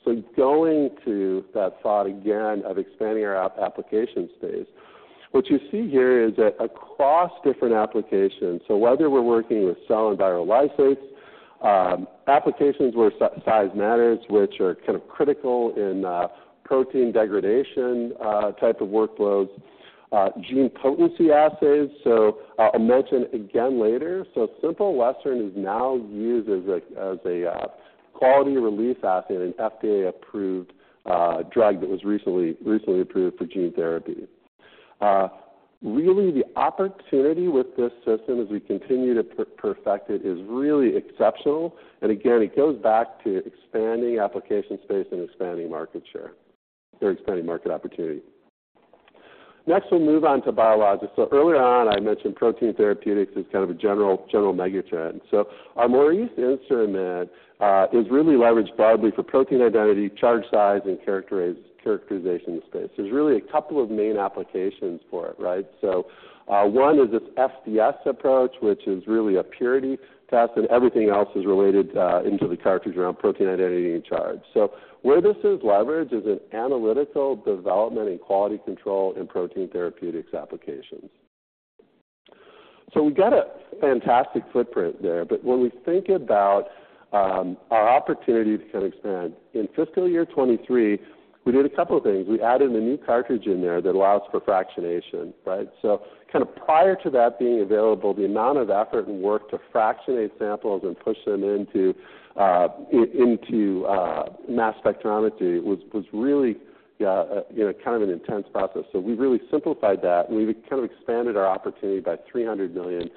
So going to that thought again of expanding our application space, what you see here is that across different applications, so whether we're working with cell and viral lysates, applications where size matters, which are kind of critical in protein degradation type of workloads, gene potency assays. So I'll mention again later, so Simple Western is now used as a quality release assay in an FDA-approved drug that was recently approved for gene therapy. Really, the opportunity with this system, as we continue to perfect it, is really exceptional, and again, it goes back to expanding application space and expanding market share, or expanding market opportunity. Next, we'll move on to biologics. So earlier on, I mentioned protein therapeutics as kind of a general megatrend. So our Maurice instrument is really leveraged broadly for protein identity, charge size, and characterization space. There's really a couple of main applications for it, right? So one is this SDS approach, which is really a purity test, and everything else is related into the cartridge around protein identity and charge. So where this is leveraged is in analytical development and quality control in protein therapeutics applications. So we've got a fantastic footprint there, but when we think about our opportunity to kind of expand, in fiscal year 2023, we did a couple of things. We added a new cartridge in there that allows for fractionation, right? So kind of prior to that being available, the amount of effort and work to fractionate samples and push them into mass spectrometry was really you know, kind of an intense process. So we really simplified that, and we kind of expanded our opportunity by $300 million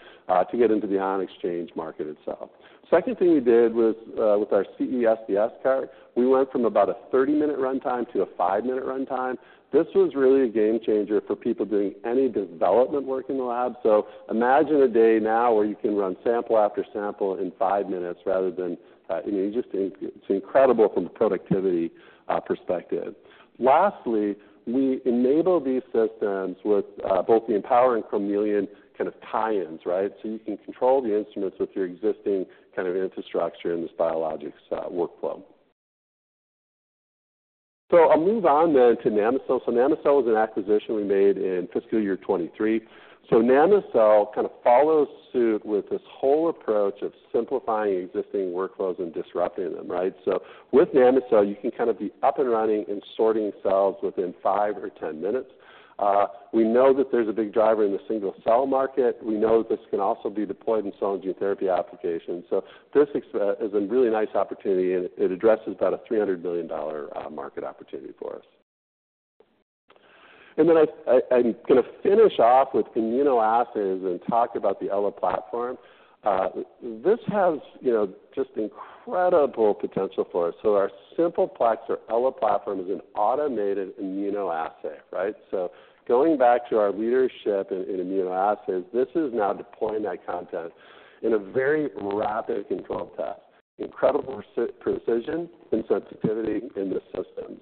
to get into the ion exchange market itself. Second thing we did was with our CE-SDS cart, we went from about a 30-minute run time to a 5-minute run time. This was really a game changer for people doing any development work in the lab. So imagine a day now where you can run sample after sample in 5 minutes, rather than... I mean, you just, it's incredible from a productivity perspective. Lastly, we enable these systems with both the Empower and Chromeleon kind of tie-ins, right? So you can control the instruments with your existing kind of infrastructure in this biologics workflow. So I'll move on then to NanoCell. So NanoCell was an acquisition we made in fiscal year 2023. So NanoCell kind of follows suit with this whole approach of simplifying existing workflows and disrupting them, right? So with NanoCell, you can kind of be up and running and sorting cells within 5 or 10 minutes. We know that there's a big driver in the single-cell market. We know this can also be deployed in cell and gene therapy applications. So this is a really nice opportunity, and it addresses about a $300 million market opportunity for us. And then I'm gonna finish off with immunoassays and talk about the Ella platform. This has, you know, just incredible potential for us. So our Simple Plex or Ella platform is an automated immunoassay, right? So going back to our leadership in immunoassays, this is now deploying that content in a very rapid and robust test. Incredible precision and sensitivity in the systems.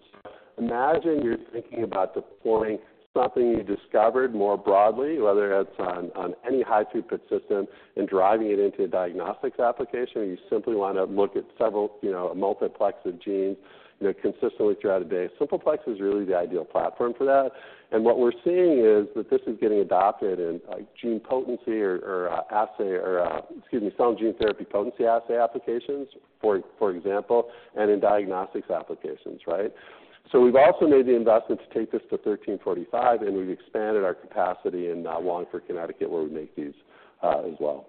Imagine you're thinking about deploying something you discovered more broadly, whether it's on any high-throughput system, and driving it into a diagnostics application, or you simply want to look at several, you know, a multiplex of genes, you know, consistently throughout a day. Simple Plex is really the ideal platform for that. And what we're seeing is that this is getting adopted in, like, gene potency or assay or, excuse me, cell and gene therapy potency assay applications, for example, and in diagnostics applications, right? So we've also made the investment to take this to ISO 13485, and we've expanded our capacity in Wallingford, Connecticut, where we make these as well.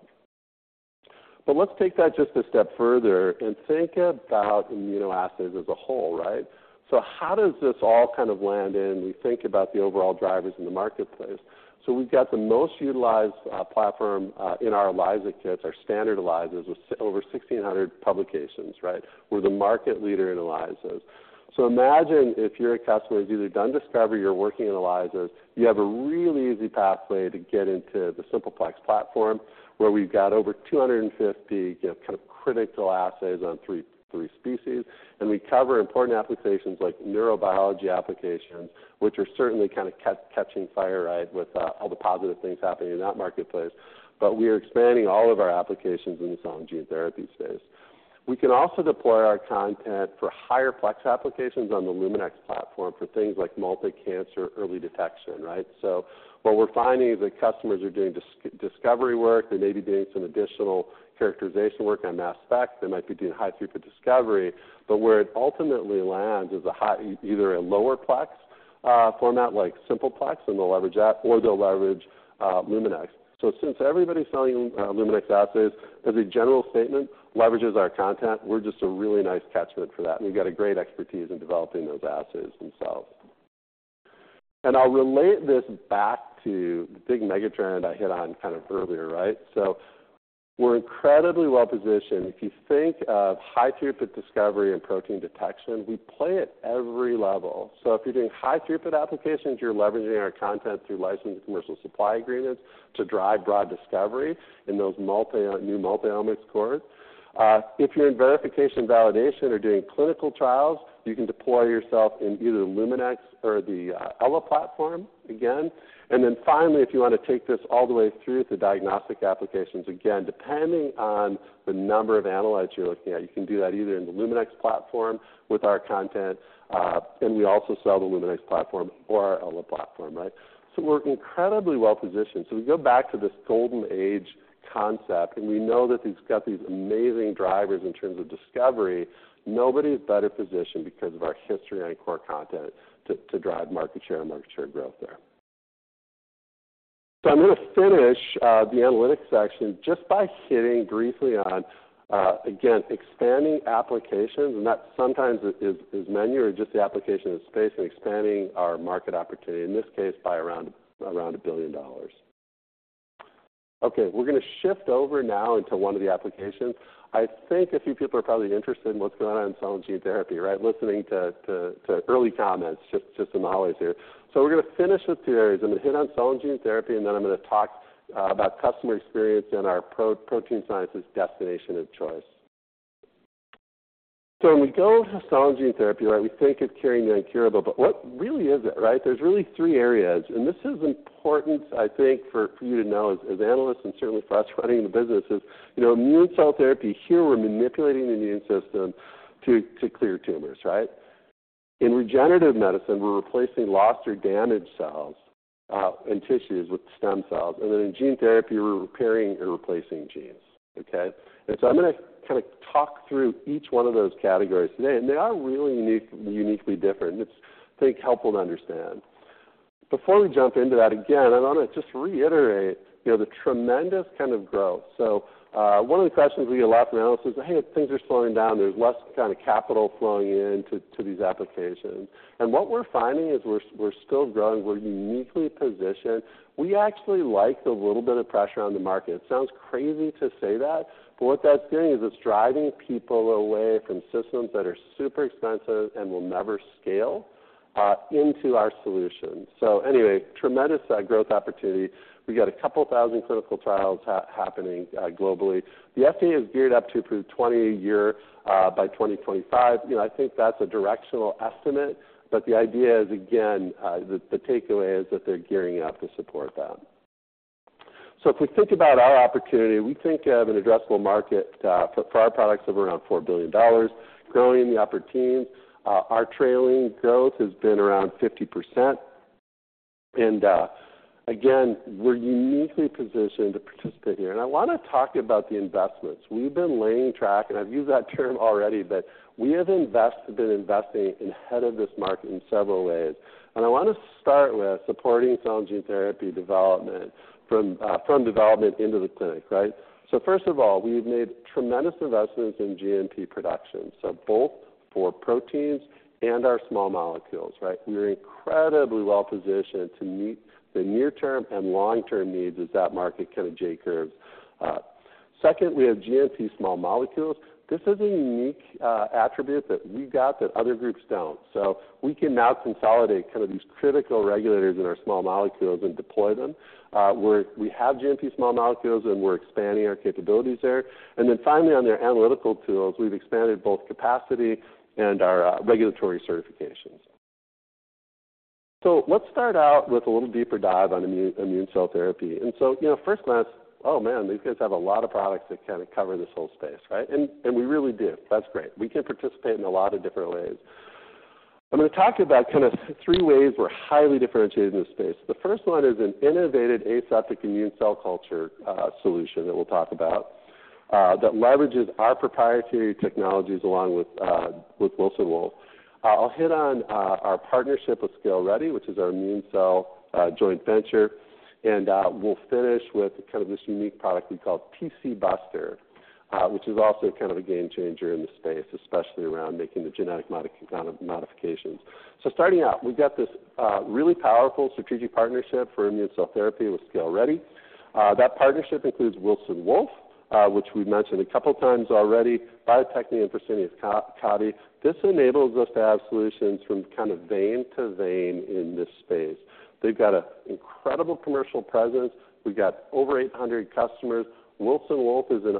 But let's take that just a step further and think about immunoassays as a whole, right? So how does this all kind of land in, we think about the overall drivers in the marketplace. So we've got the most utilized platform in our ELISA kits, our standard ELISAs, with over 1,600 publications, right? We're the market leader in ELISAs. So imagine if you're a customer who's either done discovery or you're working in ELISAs, you have a really easy pathway to get into the Simple Plex platform, where we've got over 250, you know, kind of critical assays on three species. And we cover important applications like neurobiology applications, which are certainly kind of catching fire, right, with all the positive things happening in that marketplace. But we are expanding all of our applications into cell and gene therapy space. We can also deploy our content for higher plex applications on the Luminex platform for things like multi-cancer early detection, right? So what we're finding is that customers are doing discovery work. They may be doing some additional characterization work on mass spec. They might be doing high-throughput discovery. But where it ultimately lands is a high... either a lower plex format, like Simple Plex, and they'll leverage that, or they'll leverage Luminex. So since everybody's selling Luminex assays, as a general statement, leverages our content. We're just a really nice catchment for that, and we've got a great expertise in developing those assays themselves. And I'll relate this back to the big megatrend I hit on kind of earlier, right? So we're incredibly well-positioned. If you think of high-throughput discovery and protein detection, we play at every level. So if you're doing high-throughput applications, you're leveraging our content through licensed commercial supply agreements to drive broad discovery in those multi new multiomics cores. If you're in verification, validation, or doing clinical trials, you can deploy yourself in either the Luminex or the Ella platform again. And then finally, if you want to take this all the way through to diagnostic applications, again, depending on the number of analytes you're looking at, you can do that either in the Luminex platform with our content, and we also sell the Luminex platform or our Ella platform, right? So we're incredibly well-positioned. So we go back to this golden age concept, and we know that it's got these amazing drivers in terms of discovery. Nobody is better positioned because of our history and core content to drive market share and market share growth there. So I'm going to finish the analytics section just by hitting briefly on again, expanding applications. And that sometimes is menu or just the application of space and expanding our market opportunity, in this case, by around $1 billion. Okay, we're going to shift over now into one of the applications. I think a few people are probably interested in what's going on in cell and gene therapy, right? Listening to early comments, just some highlights here. So we're going to finish with two areas. I'm going to hit on cell and gene therapy, and then I'm going to talk about customer experience and our Protein Sciences destination of choice. So when we go to cell and gene therapy, right, we think of curing the incurable, but what really is it, right? There's really three areas, and this is important, I think, for you to know, as analysts and certainly for us running the business is, you know, immune cell therapy. Here, we're manipulating the immune system to clear tumors, right? In regenerative medicine, we're replacing lost or damaged cells, and tissues with stem cells, and then in gene therapy, we're repairing and replacing genes. Okay? And so I'm going to kind of talk through each one of those categories today, and they are really unique, uniquely different. It's, I think, helpful to understand. Before we jump into that, again, I want to just reiterate, you know, the tremendous kind of growth. So, one of the questions we get a lot from analysts is, "Hey, things are slowing down. There's less kind of capital flowing into these applications." And what we're finding is we're still growing. We're uniquely positioned. We actually like the little bit of pressure on the market. It sounds crazy to say that, but what that's doing is it's driving people away from systems that are super expensive and will never scale into our solutions. So anyway, tremendous growth opportunity. We got a couple thousand clinical trials happening globally. The FDA is geared up to approve 20 a year by 2025. You know, I think that's a directional estimate, but the idea is, again, the takeaway is that they're gearing up to support that. So if we think about our opportunity, we think of an addressable market for our products of around $4 billion, growing in the upper teens. Our trailing growth has been around 50%. And again, we're uniquely positioned to participate here. And I want to talk about the investments. We've been laying track, and I've used that term already, but we have been investing ahead of this market in several ways. And I want to start with supporting cell and gene therapy development from from development into the clinic, right? So first of all, we've made tremendous investments in GMP production, so both for proteins and our small molecules, right? We're incredibly well positioned to meet the near-term and long-term needs as that market kind of J-curves up. Secondly, we have GMP small molecules. This is a unique attribute that we've got that other groups don't. So we can now consolidate kind of these critical regulators in our small molecules and deploy them. We have GMP small molecules, and we're expanding our capabilities there. And then finally, on their analytical tools, we've expanded both capacity and our regulatory certifications. So let's start out with a little deeper dive on immune cell therapy. And so, you know, first glance, oh, man, these guys have a lot of products that kind of cover this whole space, right? And we really do. That's great. We can participate in a lot of different ways. I'm going to talk about kind of three ways we're highly differentiated in this space. The first one is an innovative aseptic immune cell culture solution that we'll talk about that leverages our proprietary technologies along with Wilson Wolf. I'll hit on our partnership with ScaleReady, which is our immune cell joint venture, and we'll finish with kind of this unique product we call TcBuster, which is also kind of a game changer in the space, especially around making the genetic modifications. So starting out, we've got this, really powerful strategic partnership for immune cell therapy with ScaleReady. That partnership includes Wilson Wolf, which we've mentioned a couple of times already, Bio-Techne, and Fresenius Kabi. This enables us to have solutions from kind of vein to vein in this space. They've got an incredible commercial presence. We've got over 800 customers. Wilson Wolf is in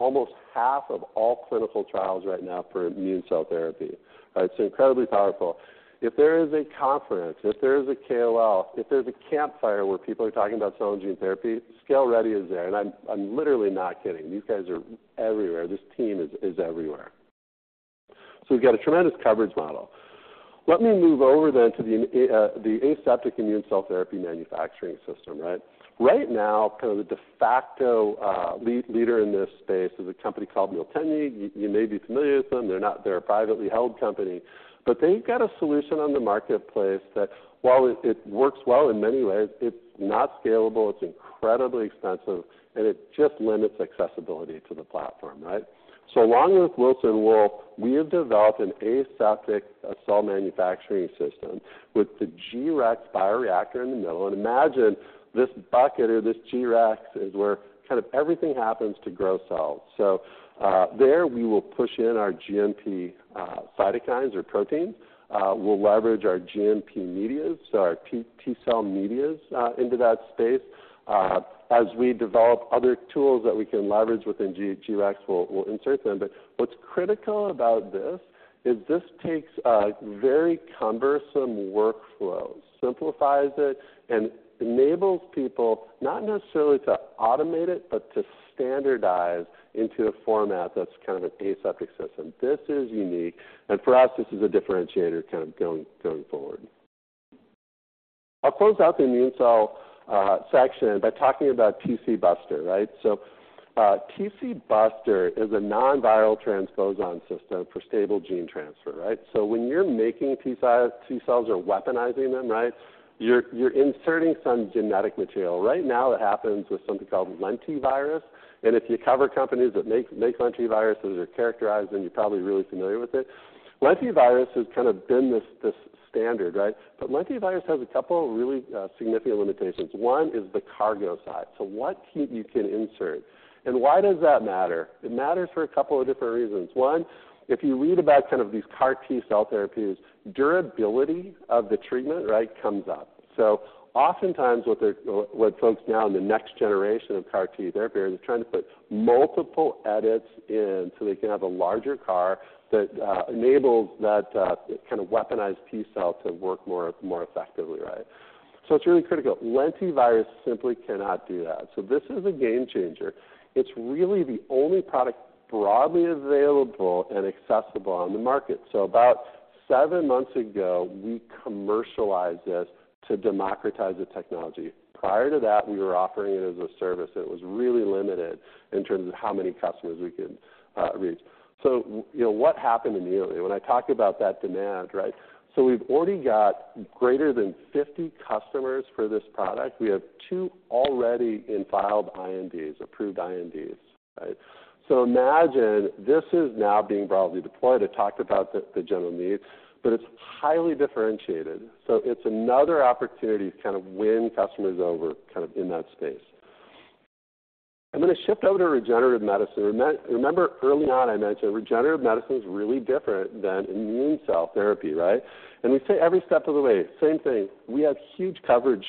almost half of all clinical trials right now for immune cell therapy. It's incredibly powerful. If there is a conference, if there is a KOL, if there's a campfire where people are talking about cell and gene therapy, ScaleReady is there. And I'm literally not kidding, these guys are everywhere. This team is everywhere. So we've got a tremendous coverage model. Let me move over then to the aseptic immune cell therapy manufacturing system, right? Right now, kind of the de facto leader in this space is a company called Miltenyi. You may be familiar with them. They're a privately held company, but they've got a solution on the marketplace that while it works well in many ways, it's not scalable, it's incredibly expensive, and it just limits accessibility to the platform, right? So along with Wilson Wolf, we have developed an aseptic cell manufacturing system with the G-Rex bioreactor in the middle. Imagine this bucket or this G-Rex is where kind of everything happens to grow cells. So there we will push in our GMP cytokines or proteins. We'll leverage our GMP media, so our T-cell media, into that space. As we develop other tools that we can leverage within G-Rex, we'll insert them. But what's critical about this is this takes a very cumbersome workflow, simplifies it, and enables people not necessarily to automate it, but to standardize into a format that's kind of an aseptic system. This is unique, and for us, this is a differentiator kind of going, going forward. I'll close out the immune cell section by talking about TC Buster, right? So, TC Buster is a nonviral transposon system for stable gene transfer, right? So when you're making T cells, T cells or weaponizing them, right, you're, you're inserting some genetic material. Right now, it happens with something called Lentivirus, and if you cover companies that make, make Lentiviruses or characterize them, you're probably really familiar with it. Lentivirus has kind of been this, this standard, right? But Lentivirus has a couple of really significant limitations. One is the cargo size, so what you can insert. Why does that matter? It matters for a couple of different reasons. One, if you read about kind of these CAR T cell therapies, durability of the treatment, right, comes up. So oftentimes, what folks now in the next generation of CAR T therapy are trying to put multiple edits in so they can have a larger CAR that enables that kind of weaponized T cell to work more, more effectively, right? So it's really critical. Lentivirus simply cannot do that. So this is a game changer. It's really the only product broadly available and accessible on the market. So about 7 months ago, we commercialized this to democratize the technology. Prior to that, we were offering it as a service, and it was really limited in terms of how many customers we could reach. So you know, what happened immediately? When I talk about that demand, right, so we've already got greater than 50 customers for this product. We have two already in filed INDs, approved INDs, right? So imagine this is now being broadly deployed. I talked about the general needs, but it's highly differentiated, so it's another opportunity to kind of win customers over, kind of in that space. I'm gonna shift over to regenerative medicine. Remember, early on I mentioned regenerative medicine is really different than immune cell therapy, right? And we say every step of the way, same thing, we have huge coverage,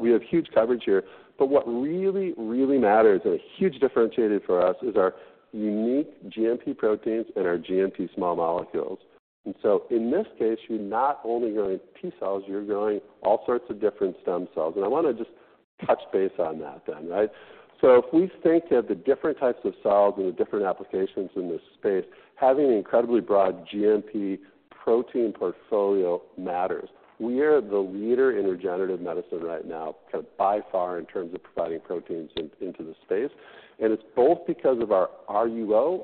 we have huge coverage here, but what really, really matters and a huge differentiator for us is our unique GMP proteins and our GMP small molecules. In this case, you're not only growing T cells, you're growing all sorts of different stem cells, and I wanna just touch base on that then, right? If we think of the different types of cells and the different applications in this space, having an incredibly broad GMP protein portfolio matters. We are the leader in regenerative medicine right now, kind of by far, in terms of providing proteins into the space, and it's both because of our RUO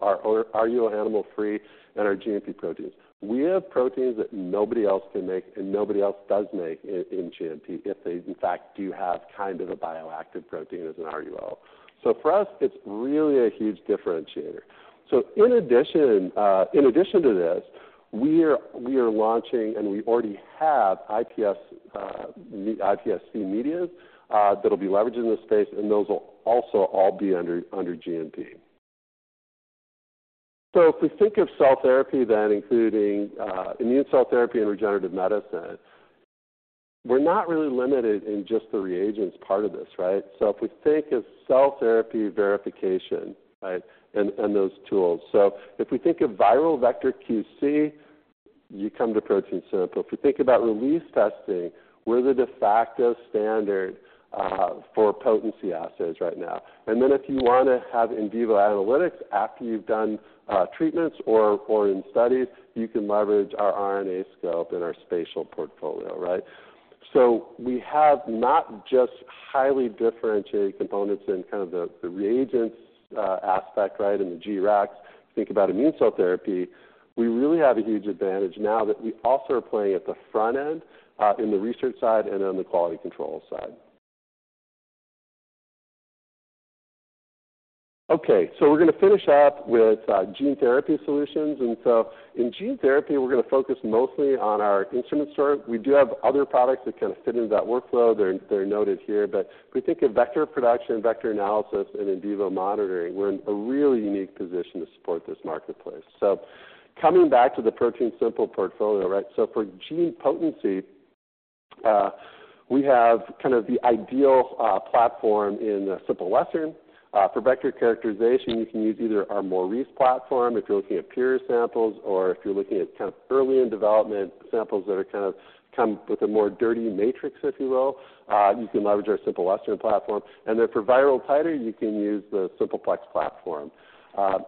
animal-free and our GMP proteins. We have proteins that nobody else can make and nobody else does make in GMP if they, in fact, do have kind of a bioactive protein as an RUO. For us, it's really a huge differentiator. So in addition, in addition to this, we are launching, and we already have iPS iPSC media, that'll be leveraged in this space, and those will also all be under GMP. So if we think of cell therapy, then including immune cell therapy and regenerative medicine, we're not really limited in just the reagents part of this, right? So if we think of cell therapy verification, right, and those tools. So if we think of viral vector QC, you come to ProteinSimple. If you think about release testing, we're the de facto standard for potency assays right now. And then if you wanna have in vivo analytics after you've done treatments or in studies, you can leverage our RNAscope and our spatial portfolio, right? So we have not just highly differentiated components in kind of the reagents aspect, right, and the G-Rex. Think about immune cell therapy. We really have a huge advantage now that we also are playing at the front end in the research side and on the quality control side.... Okay, so we're going to finish up with gene therapy solutions. And so in gene therapy, we're going to focus mostly on our instrument store. We do have other products that kind of fit into that workflow. They're noted here, but if we think of vector production, vector analysis, and in vivo monitoring, we're in a really unique position to support this marketplace. So coming back to the ProteinSimple portfolio, right? So for gene potency, we have kind of the ideal platform in a Simple Western. For vector characterization, you can use either our Maurice platform if you're looking at pure samples, or if you're looking at kind of early in development samples that are kind of come with a more dirty matrix, if you will, you can leverage our Simple Western platform. And then for viral titer, you can use the Simple Plex platform.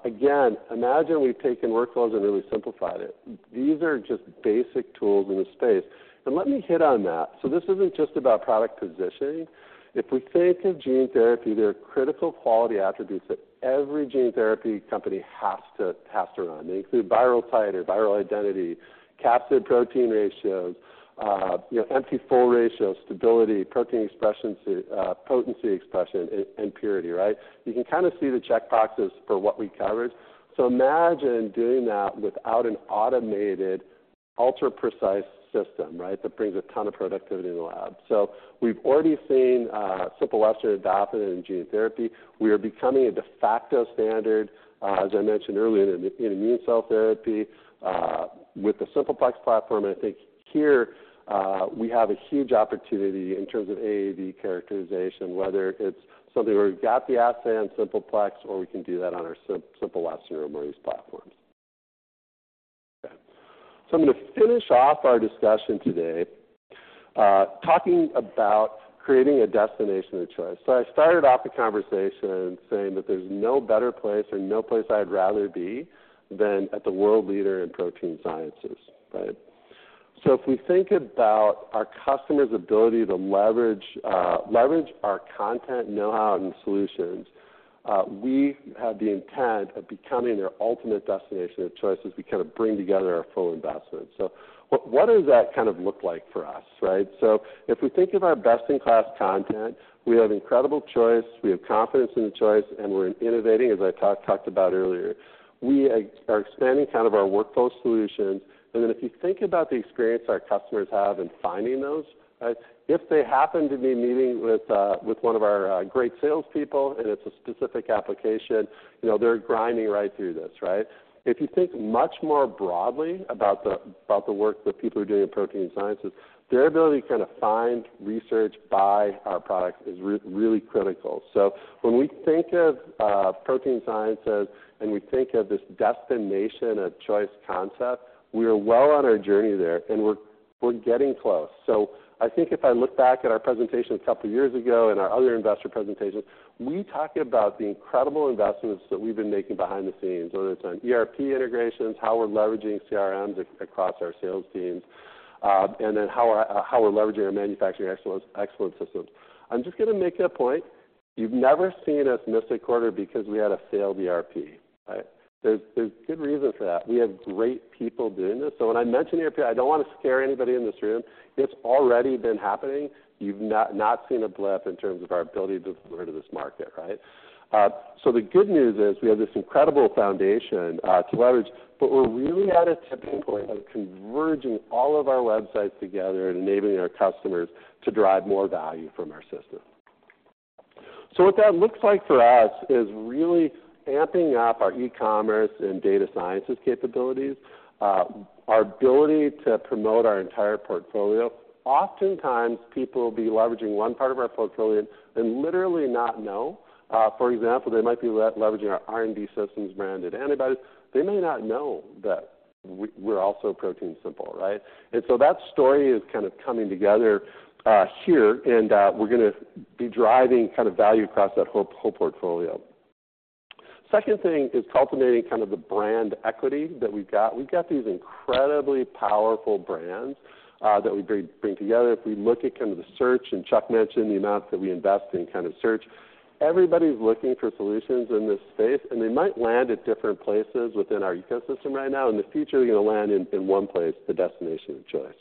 Again, imagine we've taken workflows and really simplified it. These are just basic tools in the space. Let me hit on that. So this isn't just about product positioning. If we think of gene therapy, there are critical quality attributes that every gene therapy company has to pass around. They include viral titer, viral identity, capsid protein ratios, you know, empty/full ratios, stability, protein expression to, potency expression, and, and purity, right? You can kind of see the check boxes for what we covered. So imagine doing that without an automated, ultra-precise system, right, that brings a ton of productivity in the lab. So we've already seen Simple Western adopted in gene therapy. We are becoming a de facto standard, as I mentioned earlier, in immune cell therapy, with the Simple Plex platform. I think here, we have a huge opportunity in terms of ADC characterization, whether it's something where we've got the assay on Simple Plex, or we can do that on our Simple Western or Maurice platforms. So I'm going to finish off our discussion today, talking about creating a destination of choice. So I started off the conversation saying that there's no better place or no place I'd rather be than at the world leader in protein sciences, right? So if we think about our customers' ability to leverage, leverage our content, know-how, and solutions, we have the intent of becoming their ultimate destination of choice as we kind of bring together our full investment. So what, what does that kind of look like for us, right? So if we think of our best-in-class content, we have incredible choice, we have confidence in the choice, and we're innovating, as I talked, talked about earlier. We are, are expanding kind of our workflow solutions. And then if you think about the experience our customers have in finding those, right, if they happen to be meeting with, with one of our, great salespeople, and it's a specific application, you know, they're grinding right through this, right? If you think much more broadly about the, about the work that people are doing in protein sciences, their ability to kind of find research by our products is really critical. So when we think of protein sciences and we think of this destination of choice concept, we are well on our journey there, and we're getting close. So I think if I look back at our presentation a couple of years ago and our other investor presentations, we talked about the incredible investments that we've been making behind the scenes, whether it's on ERP integrations, how we're leveraging CRMs across our sales teams, and then how we're leveraging our manufacturing excellence, excellence systems. I'm just going to make a point. You've never seen us miss a quarter because we had a failed ERP, right? There's good reason for that. We have great people doing this. So when I mention ERP, I don't want to scare anybody in this room. It's already been happening. You've not seen a blip in terms of our ability to deliver to this market, right? So the good news is, we have this incredible foundation to leverage, but we're really at a tipping point of converging all of our websites together and enabling our customers to derive more value from our system. So what that looks like for us is really amping up our e-commerce and data sciences capabilities, our ability to promote our entire portfolio. Oftentimes, people will be leveraging one part of our portfolio and literally not know. For example, they might be leveraging our R&D Systems branded antibodies. They may not know that we're also ProteinSimple, right? And so that story is kind of coming together here, and we're going to be deriving kind of value across that whole, whole portfolio. Second thing is cultivating kind of the brand equity that we've got. We've got these incredibly powerful brands that we bring, bring together. If we look at kind of the search, and Chuck mentioned the amount that we invest in kind of search, everybody's looking for solutions in this space, and they might land at different places within our ecosystem right now. In the future, they're going to land in one place, the destination of choice.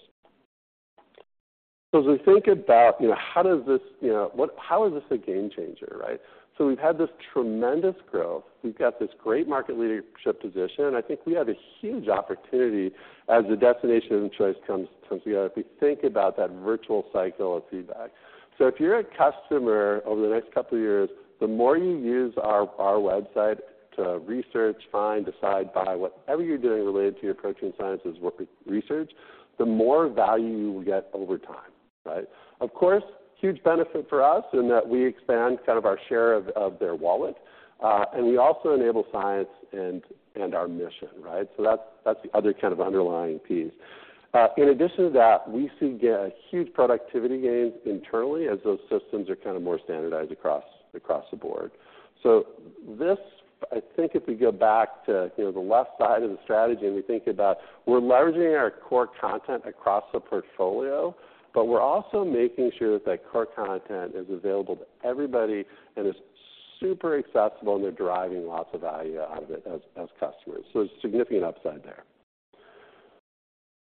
So as we think about, you know, how does this... you know, what- how is this a game changer, right? So we've had this tremendous growth. We've got this great market leadership position, and I think we have a huge opportunity as the destination of choice comes together if we think about that virtual cycle of feedback. So if you're a customer over the next couple of years, the more you use our website to research, find, decide, buy, whatever you're doing related to your protein sciences work research, the more value you will get over time, right? Of course, huge benefit for us in that we expand kind of our share of their wallet, and we also enable science and our mission, right? So that's the other kind of underlying piece. In addition to that, we see huge productivity gains internally as those systems are kind of more standardized across the board. So this, I think if we go back to, you know, the left side of the strategy, and we think about we're leveraging our core content across the portfolio, but we're also making sure that core content is available to everybody and is super accessible, and they're deriving lots of value out of it as customers. So there's significant upside there.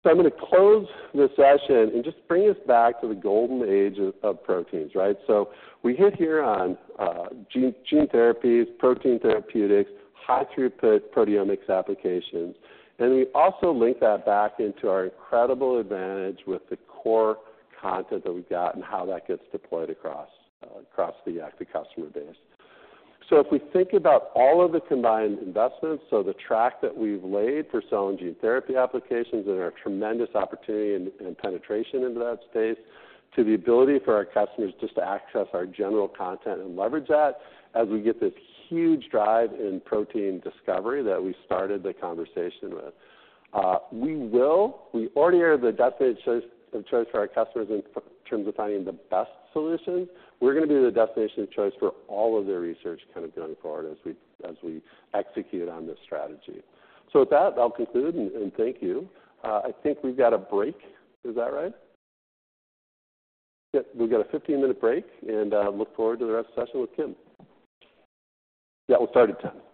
So I'm going to close the session and just bring us back to the golden age of proteins, right? So we hit here on gene therapies, protein therapeutics, high-throughput proteomics applications, and we also link that back into our incredible advantage with the core content that we've got and how that gets deployed across the active customer base. So if we think about all of the combined investments, so the track that we've laid for cell and gene therapy applications and our tremendous opportunity and penetration into that space, to the ability for our customers just to access our general content and leverage that as we get this huge drive in protein discovery that we started the conversation with. We already are the destination of choice for our customers in terms of finding the best solution. We're going to be the destination of choice for all of their research kind of going forward as we execute on this strategy. So with that, I'll conclude, and thank you. I think we've got a break. Is that right? Yep, we've got a 15-minute break, and look forward to the next session with Kim. Yeah, we'll start at 10:00 A.M. Yep.... Yeah, my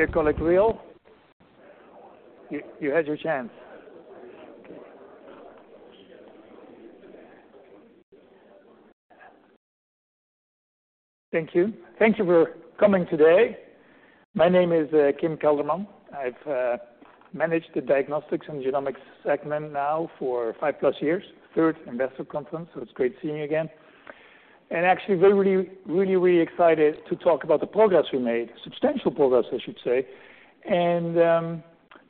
dear colleague, Will, you, you had your chance. Thank you. Thank you for coming today. My name is Kim Kelderman. I've managed the diagnostics and genomics segment now for five-plus years, third investor conference, so it's great seeing you again. And actually, we're really, really, really excited to talk about the progress we made, substantial progress, I should say, and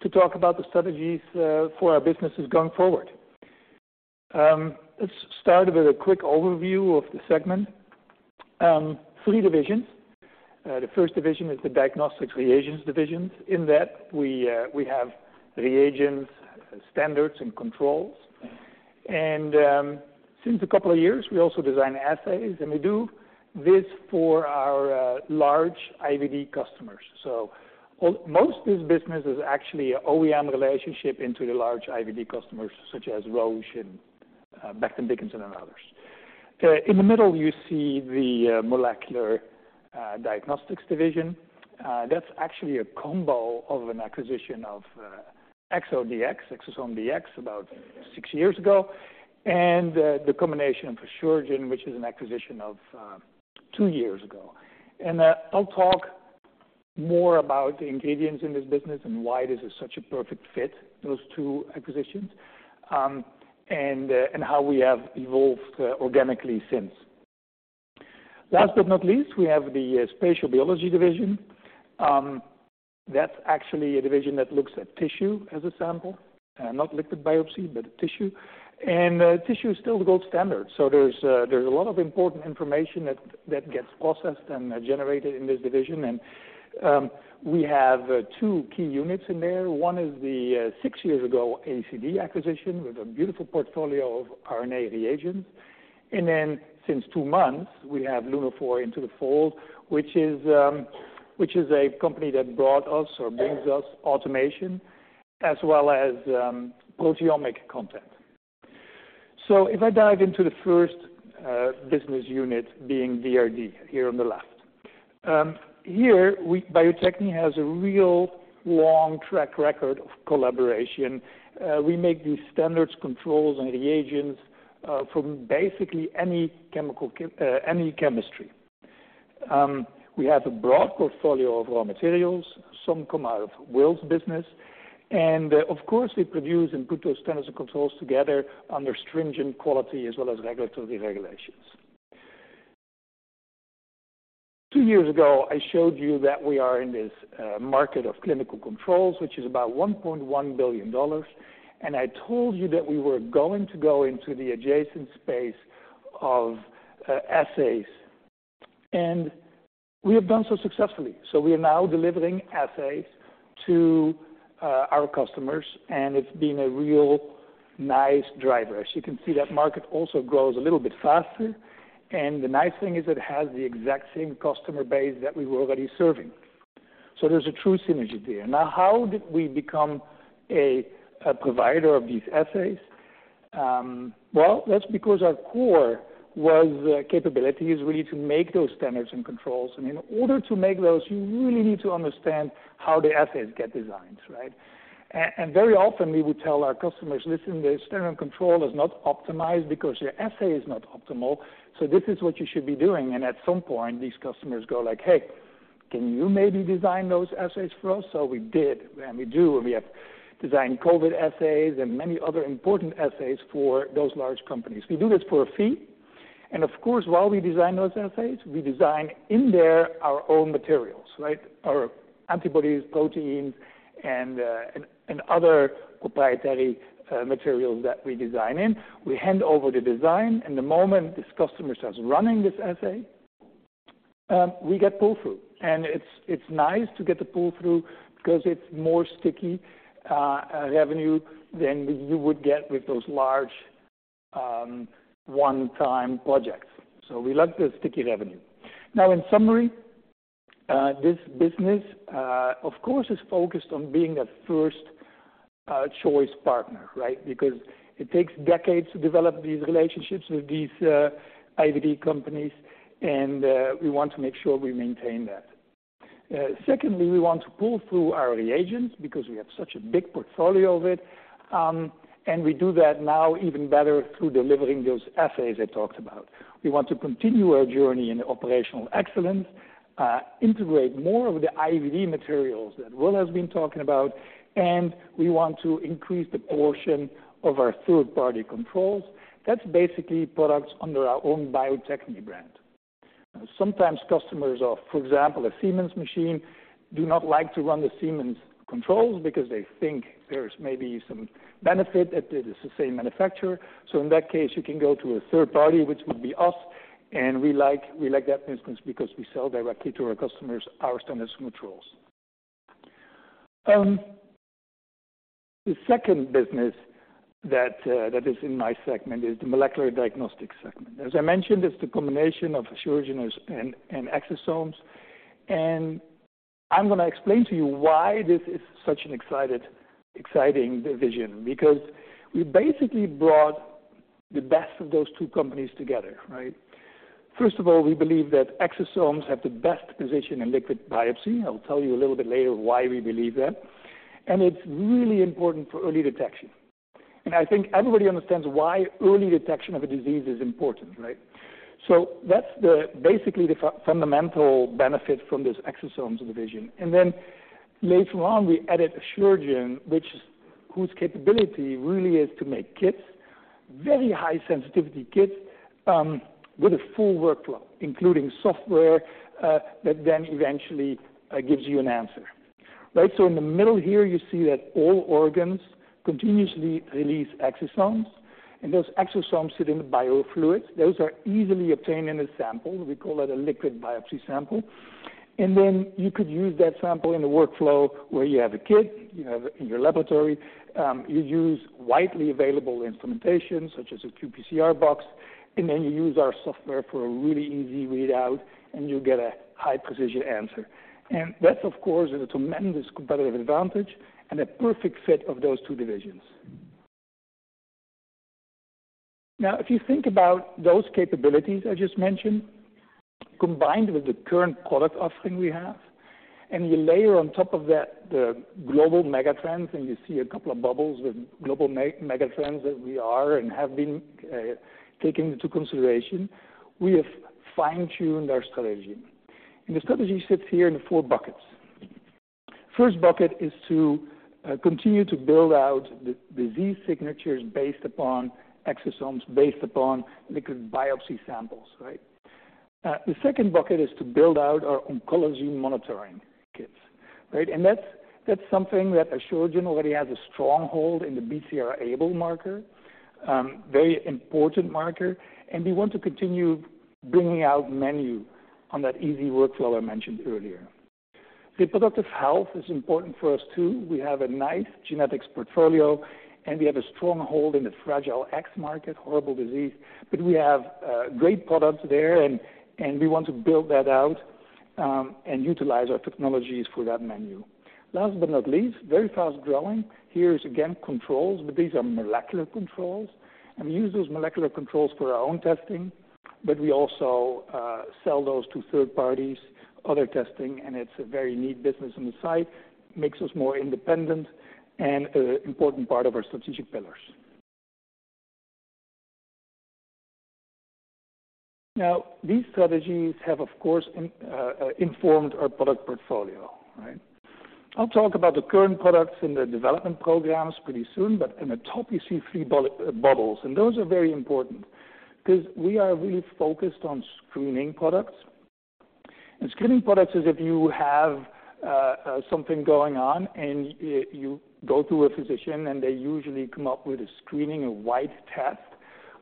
to talk about the strategies for our businesses going forward. Let's start with a quick overview of the segment. Three divisions. The first division is the Diagnostics Reagents Division. In that, we have reagents, standards, and controls. And since a couple of years, we also design assays, and we do this for our large IVD customers. So most of this business is actually an OEM relationship into the large IVD customers, such as Roche and, Becton Dickinson, and others. In the middle, you see the Molecular Diagnostics Division. That's actually a combo of an acquisition of ExoDx, ExosomeDX, about six years ago, and the combination of Asuragen, which is an acquisition of two years ago. I'll talk more about the ingredients in this business and why this is such a perfect fit, those two acquisitions, and how we have evolved organically since. Last but not least, we have the spatial biology division. That's actually a division that looks at tissue as a sample, not liquid biopsy, but tissue. Tissue is still the gold standard, so there's a lot of important information that gets processed and generated in this division. We have two key units in there. One is the 6 years ago, ACD acquisition, with a beautiful portfolio of RNA reagents. And then since 2 months, we have Lunaphore into the fold, which is a company that brought us or brings us automation as well as proteomic content. So if I dive into the first business unit being D here on the left. Bio-Techne has a real long track record of collaboration. We make these standards, controls, and reagents from basically any chemistry. We have a broad portfolio of raw materials. Some come out of Will's business, and, of course, we produce and put those standards and controls together under stringent quality as well as regulatory regulations. Two years ago, I showed you that we are in this market of clinical controls, which is about $1.1 billion, and I told you that we were going to go into the adjacent space of assays, and we have done so successfully. So we are now delivering assays to our customers, and it's been a real nice driver. As you can see, that market also grows a little bit faster, and the nice thing is it has the exact same customer base that we were already serving. So there's a true synergy there. Now, how did we become a provider of these assays? Well, that's because our core was capabilities, really, to make those standards and controls. And in order to make those, you really need to understand how the assays get designed, right? And very often, we would tell our customers, "Listen, the standard control is not optimized because your assay is not optimal, so this is what you should be doing." And at some point, these customers go like, "Hey, can you maybe design those assays for us?" So we did, and we do, and we have designed COVID assays and many other important assays for those large companies. We do this for a fee.... And of course, while we design those assays, we design in there our own materials, right? Our antibodies, proteins, and other proprietary materials that we design in. We hand over the design, and the moment this customer starts running this assay, we get pull-through. It's nice to get the pull-through because it's more sticky revenue than you would get with those large one-time projects. We like the sticky revenue. In summary, this business, of course, is focused on being a first choice partner, right? Because it takes decades to develop these relationships with these IVD companies, and we want to make sure we maintain that. Secondly, we want to pull through our reagents because we have such a big portfolio of it, and we do that now even better through delivering those assays I talked about. We want to continue our journey in operational excellence, integrate more of the IVD materials that Will has been talking about, and we want to increase the portion of our third-party controls. That's basically products under our own Bio-Techne brand. Sometimes customers of, for example, a Siemens machine, do not like to run the Siemens controls because they think there's maybe some benefit that it is the same manufacturer. So in that case, you can go to a third party, which would be us, and we like, we like that business because we sell directly to our customers, our standards controls. The second business that that is in my segment is the molecular diagnostics segment. As I mentioned, it's the combination of Asuragen and Exosome, and I'm gonna explain to you why this is such an exciting division. Because we basically brought the best of those two companies together, right? First of all, we believe that Exosomes have the best position in liquid biopsy. I'll tell you a little bit later why we believe that. And it's really important for early detection. And I think everybody understands why early detection of a disease is important, right? So that's the, basically, the fundamental benefit from this Exosomes division. And then later on, we added Asuragen, whose capability really is to make kits, very high sensitivity kits, with a full workflow, including software, that then eventually gives you an answer, right? So in the middle here, you see that all organs continuously release exosomes, and those exosomes sit in the biofluids. Those are easily obtained in a sample. We call it a liquid biopsy sample. Then you could use that sample in a workflow where you have a kit, you have it in your laboratory, you use widely available instrumentation, such as a qPCR box, and then you use our software for a really easy readout, and you get a high-precision answer. That, of course, is a tremendous competitive advantage and a perfect fit of those two divisions. Now, if you think about those capabilities I just mentioned, combined with the current product offering we have, and you layer on top of that the global megatrends, and you see a couple of bubbles with global megatrends that we are and have been taking into consideration, we have fine-tuned our strategy. The strategy sits here in four buckets. First bucket is to continue to build out the disease signatures based upon exosomes, based upon liquid biopsy samples, right? The second bucket is to build out our oncology monitoring kits, right? And that's, that's something that Asuragen already has a stronghold in the BCR-ABL marker, very important marker, and we want to continue bringing out menu on that easy workflow I mentioned earlier. Reproductive health is important for us, too. We have a nice genetics portfolio, and we have a stronghold in the Fragile X market, horrible disease, but we have great products there, and we want to build that out, and utilize our technologies for that menu. Last but not least, very fast-growing, here is, again, controls, but these are molecular controls. And we use those molecular controls for our own testing, but we also sell those to third parties, other testing, and it's a very neat business on the side. Makes us more independent and important part of our strategic pillars. Now, these strategies have, of course, informed our product portfolio, right? I'll talk about the current products in the development programs pretty soon, but in the top you see three bullet-bubbles, and those are very important because we are really focused on screening products. Screening products is if you have something going on and you go to a physician, and they usually come up with a screening, a wide test,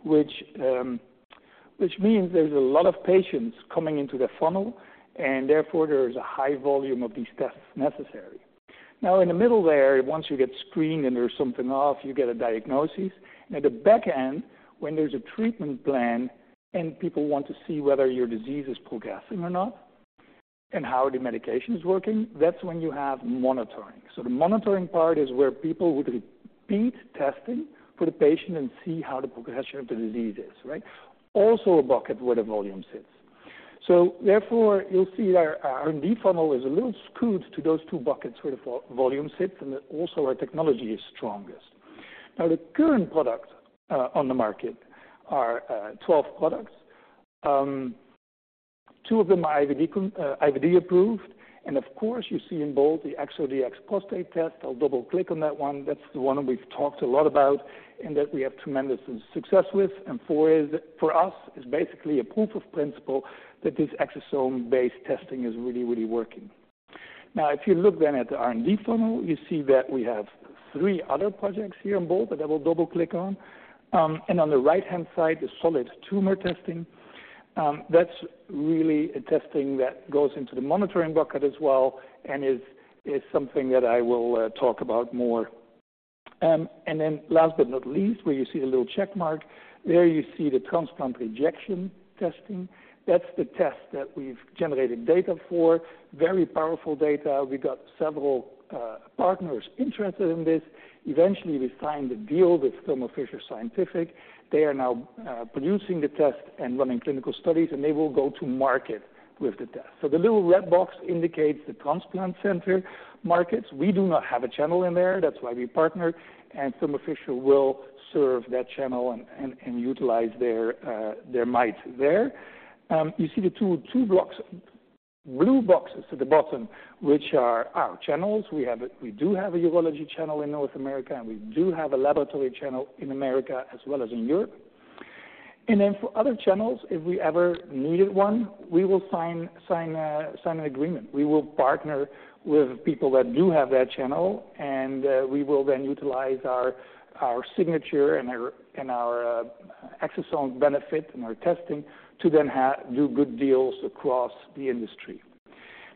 which means there's a lot of patients coming into the funnel, and therefore, there is a high volume of these tests necessary. Now, in the middle there, once you get screened and there's something off, you get a diagnosis. At the back end, when there's a treatment plan and people want to see whether your disease is progressing or not, and how the medication is working, that's when you have monitoring. So the monitoring part is where people would repeat testing for the patient and see how the progression of the disease is, right? Also, a bucket where the volume sits. So therefore, you'll see our R&D funnel is a little skewed to those two buckets where the volume sits, and also our technology is strongest. Now, the current product on the market are 12 products. Two of them are IVD approved. And of course, you see in both the ExoDx Prostate Test. I'll double click on that one. That's the one we've talked a lot about, and that we have tremendous success with. For us, it is basically a proof of principle that this exosome-based testing is really, really working. Now, if you look then at the R&D funnel, you see that we have three other projects here on both, that I will double click on. And on the right-hand side, the solid tumor testing. That's really a testing that goes into the monitoring bucket as well, and is something that I will talk about more. And then last but not least, where you see the little check mark, there you see the transplant rejection testing. That's the test that we've generated data for. Very powerful data. We got several partners interested in this. Eventually, we signed a deal with Thermo Fisher Scientific. They are now producing the test and running clinical studies, and they will go to market with the test. So the little red box indicates the transplant center markets. We do not have a channel in there. That's why we partnered, and Thermo Fisher will serve that channel and utilize their might there. You see the two blocks, blue boxes at the bottom, which are our channels. We do have a urology channel in North America, and we do have a laboratory channel in America as well as in Europe. And then for other channels, if we ever needed one, we will sign an agreement. We will partner with people that do have that channel, and we will then utilize our signature and our exosome benefit and our testing to then have, do good deals across the industry.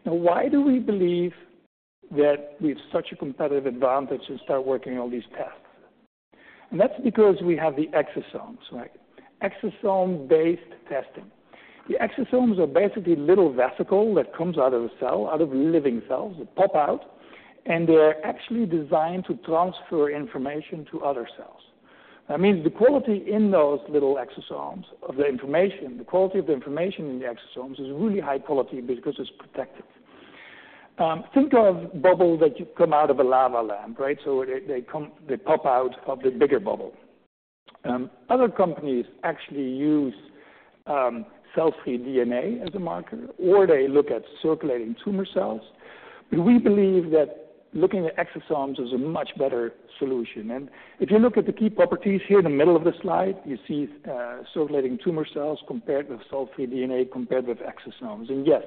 Now, why do we believe that we have such a competitive advantage to start working on all these tests? That's because we have the exosomes, right? Exosome-based testing. The exosomes are basically little vesicle that comes out of a cell, out of living cells, that pop out, and they're actually designed to transfer information to other cells. That means the quality in those little exosomes, of the information, the quality of the information in the exosomes is really high quality because it's protected. Think of bubbles that you come out of a lava lamp, right? So they, they come, they pop out of the bigger bubble. Other companies actually use, cell-free DNA as a marker, or they look at circulating tumor cells. But we believe that looking at exosomes is a much better solution. If you look at the key properties here in the middle of the slide, you see, circulating tumor cells compared with cell-free DNA, compared with exosomes. And yes,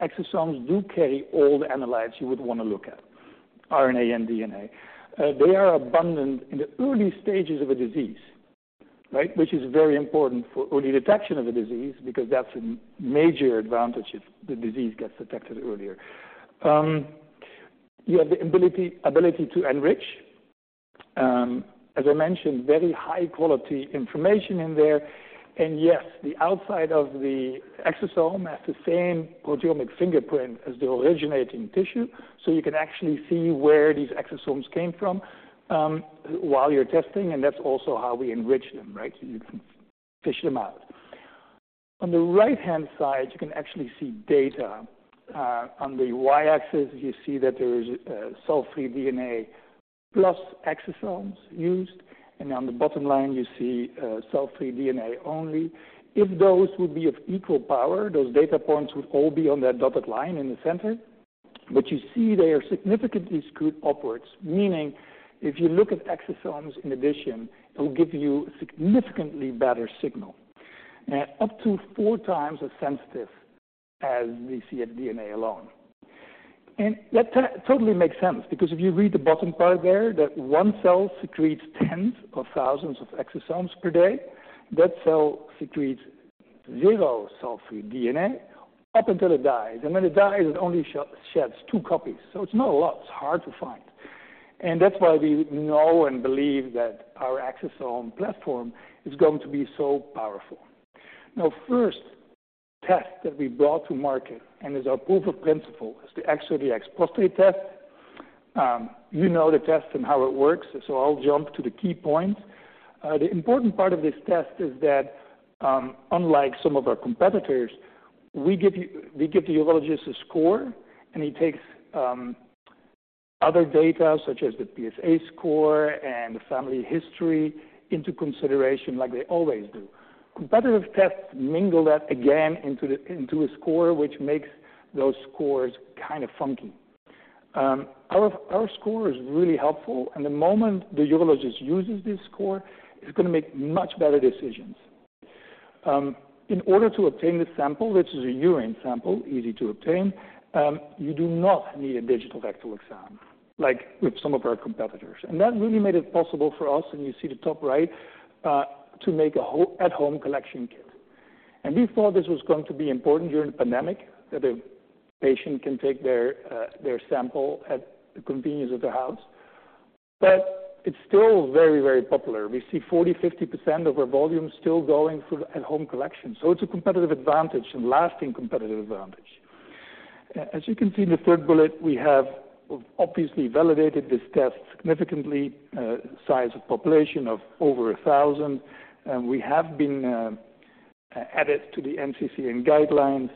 exosomes do carry all the analytes you would wanna look at, RNA and DNA. They are abundant in the early stages of a disease, right? Which is very important for early detection of a disease, because that's a major advantage if the disease gets detected earlier. You have the ability to enrich. As I mentioned, very high-quality information in there. And yes, the outside of the exosome has the same proteomic fingerprint as the originating tissue. So you can actually see where these exosomes came from, while you're testing, and that's also how we enrich them, right? So you can fish them out. On the right-hand side, you can actually see data. On the y-axis, you see that there is, cell-free DNA plus exosomes used, and on the bottom line, you see, cell-free DNA only. If those would be of equal power, those data points would all be on that dotted line in the center. But you see, they are significantly skewed upwards, meaning if you look at exosomes in addition, it will give you a significantly better signal, up to four times as sensitive as we see at DNA alone. And that totally makes sense, because if you read the bottom part there, that one cell secretes tens of thousands of exosomes per day. That cell secretes zero cell-free DNA up until it dies. And when it dies, it only sheds two copies, so it's not a lot. It's hard to find. That's why we know and believe that our exosome platform is going to be so powerful. Now, first test that we brought to market, and is our proof of principle, is the ExoDx Prostate Test. You know the test and how it works, so I'll jump to the key points. The important part of this test is that, unlike some of our competitors, we give you—we give the urologist a score, and he takes, other data, such as the PSA score and the family history, into consideration like they always do. Competitive tests mingle that again into the, into a score, which makes those scores kind of funky. Our, our score is really helpful, and the moment the urologist uses this score, he's gonna make much better decisions. In order to obtain the sample, which is a urine sample, easy to obtain, you do not need a digital rectal exam, like with some of our competitors. And that really made it possible for us, and you see the top right, to make an at-home collection kit. And we thought this was going to be important during the pandemic, that the patient can take their sample at the convenience of their house. But it's still very, very popular. We see 40%-50% of our volume still going through the at-home collection. So it's a competitive advantage and lasting competitive advantage. As you can see in the third bullet, we have obviously validated this test significantly, size of population of over 1,000, and we have been added to the NCCN Guidelines.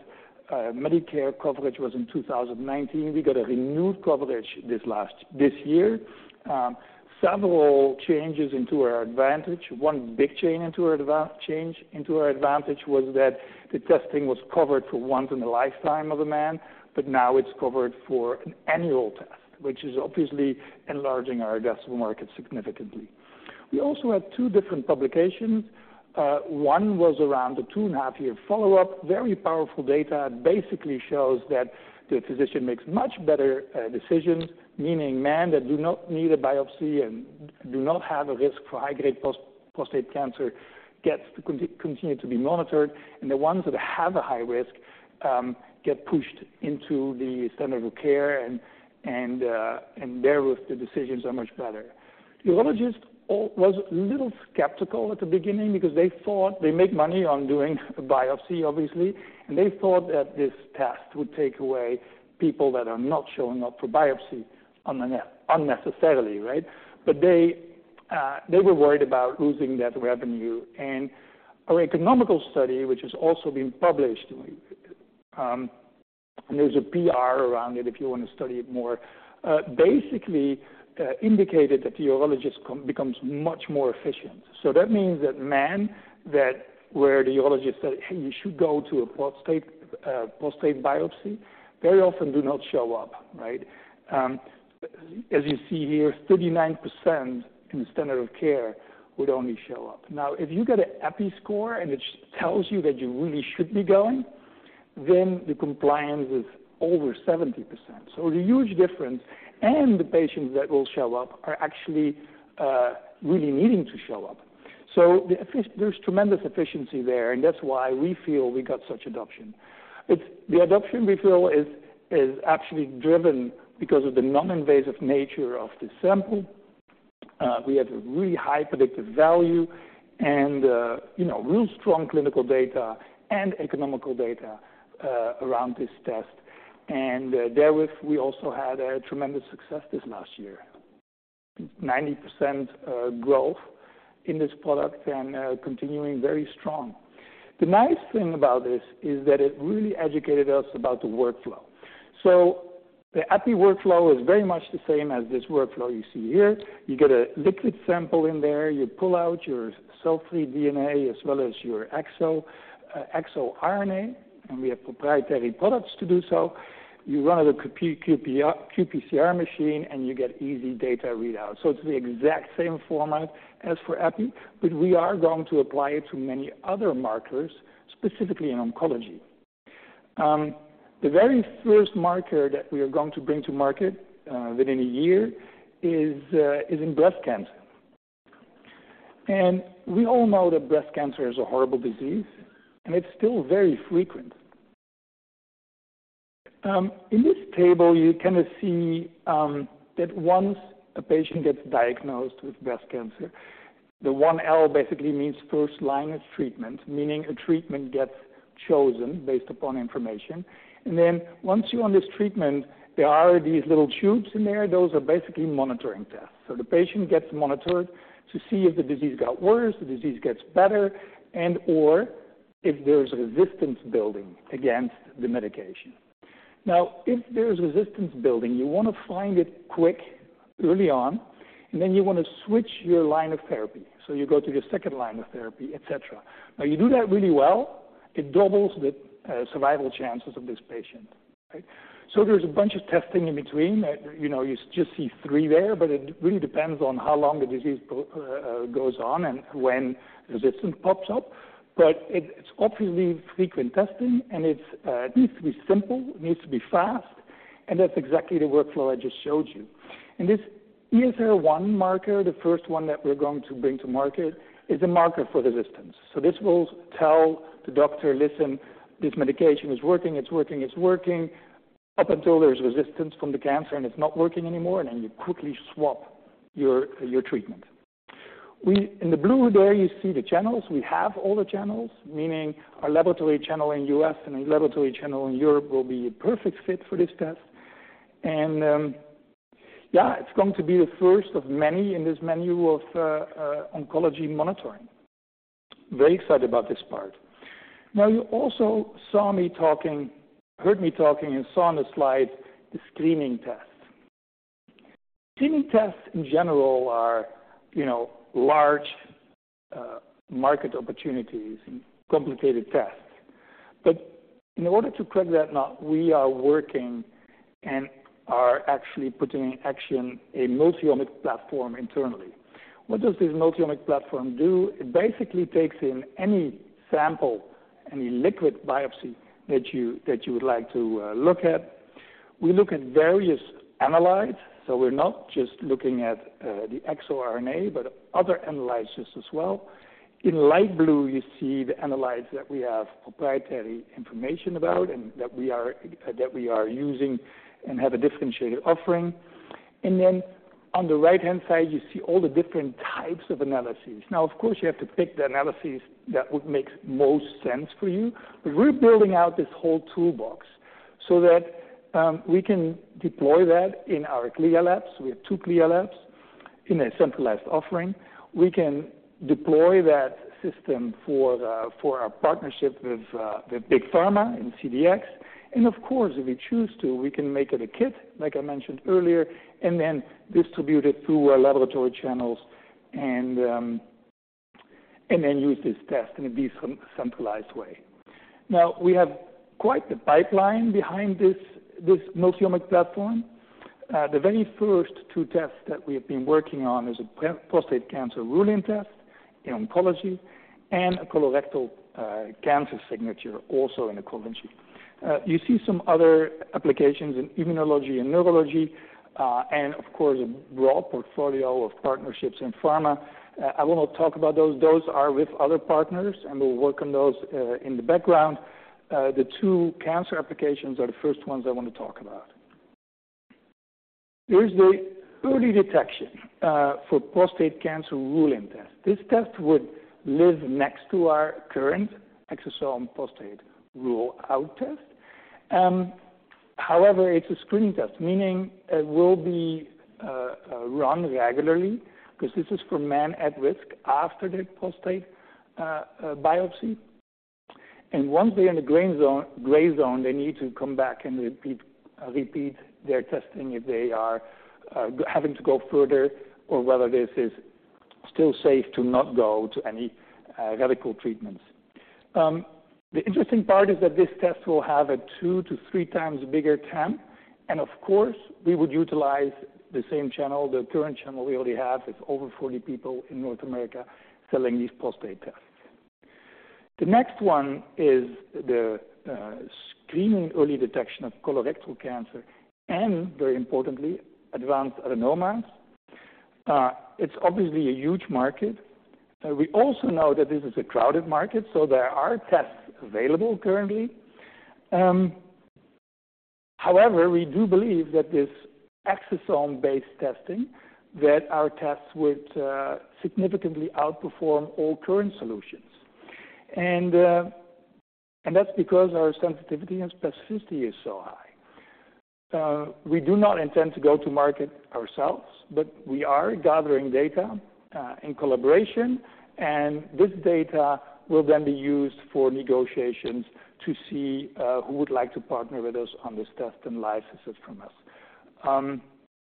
Medicare coverage was in 2019. We got a renewed coverage this year. Several changes to our advantage. One big change to our advantage was that the testing was covered for once in the lifetime of a man, but now it's covered for an annual test, which is obviously enlarging our addressable market significantly. We also had two different publications. One was around a 2.5-year follow-up. Very powerful data, basically shows that the physician makes much better decisions, meaning men that do not need a biopsy and do not have a risk for high-grade prostate cancer gets to continue to be monitored, and the ones that have a high risk get pushed into the standard of care and there with the decisions are much better. Urologists all were a little skeptical at the beginning because they thought they make money on doing a biopsy, obviously, and they thought that this test would take away people that are not showing up for biopsy unnecessarily, right? But they were worried about losing that revenue. And our economic study, which has also been published, and there's a PR around it if you want to study it more, basically, indicated that the urologist becomes much more efficient. So that means that men that where the urologist said, "Hey, you should go to a prostate prostate biopsy," very often do not show up, right? As you see here, 39% in the standard of care would only show up. Now, if you get an EPI score, and it tells you that you really should be going, then the compliance is over 70%, so a huge difference. And the patients that will show up are actually really needing to show up. So there's tremendous efficiency there, and that's why we feel we got such adoption. It's the adoption we feel is actually driven because of the non-invasive nature of this sample. We have a really high predictive value and you know real strong clinical data and economical data around this test. And therewith we also had a tremendous success this last year, 90% growth in this product and continuing very strong. The nice thing about this is that it really educated us about the workflow. So the EPI workflow is very much the same as this workflow you see here. You get a liquid sample in there, you pull out your cell-free DNA as well as your exo, exoRNA, and we have proprietary products to do so. You run it a qPCR machine, and you get easy data readout. So it's the exact same format as for EPI but we are going to apply it to many other markers, specifically in oncology. The very first marker that we are going to bring to market within a year is in breast cancer. And we all know that breast cancer is a horrible disease, and it's still very frequent. In this table, you kind of see that once a patient gets diagnosed with breast cancer, the one L basically means first line of treatment, meaning a treatment gets chosen based upon information. And then once you're on this treatment, there are these little tubes in there. Those are basically monitoring tests. So the patient gets monitored to see if the disease got worse, the disease gets better, and/or if there's resistance building against the medication. Now, if there's resistance building, you want to find it quick, early on, and then you want to switch your line of therapy. So you go to your second line of therapy, et cetera. Now, you do that really well, it doubles the survival chances of this patient, right? So there's a bunch of testing in between. You know, you just see three there, but it really depends on how long the disease pro- goes on and when resistance pops up. But it's obviously frequent testing, and it needs to be simple, it needs to be fast, and that's exactly the workflow I just showed you. And this ESR1 marker, the first one that we're going to bring to market, is a marker for resistance. So this will tell the doctor, "Listen, this medication is working, it's working, it's working," up until there's resistance from the cancer, and it's not working anymore, and then you quickly swap your, your treatment. We-- In the blue there, you see the channels. We have all the channels, meaning our laboratory channel in U.S. and our laboratory channel in Europe will be a perfect fit for this test. And, yeah, it's going to be the first of many in this menu of oncology monitoring. Very excited about this part. Now, you also saw me talking, heard me talking and saw on the slide, the screening tests. Screening tests, in general, are, you know, large market opportunities and complicated tests. But in order to crack that nut, we are working and are actually putting in action a multiomics platform internally. What does this multiomics platform do? It basically takes in any sample, any liquid biopsy that you, that you would like to look at. We look at various analytes, so we're not just looking at the exoRNA, but other analyses as well. In light blue, you see the analytes that we have proprietary information about and that we are using and have a differentiated offering. And then on the right-hand side, you see all the different types of analyses. Now, of course, you have to pick the analyses that would make most sense for you, but we're building out this whole toolbox so that we can deploy that in our CLIA labs. We have 2 CLIA labs in a centralized offering. We can deploy that system for the, for our partnership with big pharma in CDx. And of course, if we choose to, we can make it a kit, like I mentioned earlier, and then distribute it through our laboratory channels and, and then use this test in a decentralized way. Now, we have quite the pipeline behind this, this multiomic platform. The very first two tests that we have been working on is a prostate cancer rule-out test in oncology and a colorectal cancer signature, also in oncology. You see some other applications in immunology and neurology, and of course, a broad portfolio of partnerships in pharma. I will not talk about those. Those are with other partners, and we'll work on those in the background. The two cancer applications are the first ones I want to talk about. Here's the early detection for prostate cancer rule-out test. This test would live next to our current exosome prostate rule-out test. However, it's a screening test, meaning it will be run regularly, because this is for men at risk after their prostate biopsy. Once they're in the gray zone, gray zone, they need to come back and repeat, repeat their testing if they are having to go further or whether this is still safe to not go to any radical treatments. The interesting part is that this test will have a 2-3 times bigger TAM, and of course, we would utilize the same channel, the current channel we already have. It's over 40 people in North America selling these prostate tests. The next one is the screening early detection of colorectal cancer and, very importantly, advanced adenomas. It's obviously a huge market. We also know that this is a crowded market, so there are tests available currently. However, we do believe that this exosome-based testing, that our tests would significantly outperform all current solutions. That's because our sensitivity and specificity is so high. We do not intend to go to market ourselves, but we are gathering data in collaboration, and this data will then be used for negotiations to see who would like to partner with us on this test and license it from us.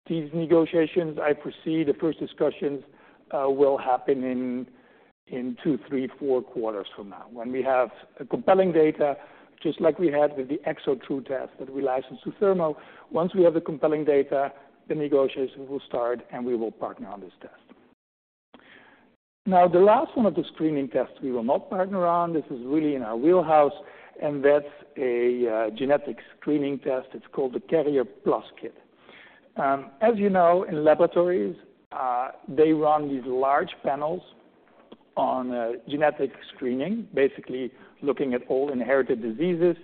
These negotiations, I foresee the first discussions will happen in 2-4 quarters from now. When we have a compelling data, just like we had with the ExoTRU test that we licensed to Thermo, once we have the compelling data, the negotiation will start, and we will partner on this test. Now, the last one of the screening tests we will not partner on, this is really in our wheelhouse, and that's a genetic screening test. It's called the Carrier Plus Kit. As you know, in laboratories, they run these large panels on genetic screening, basically looking at all inherited diseases,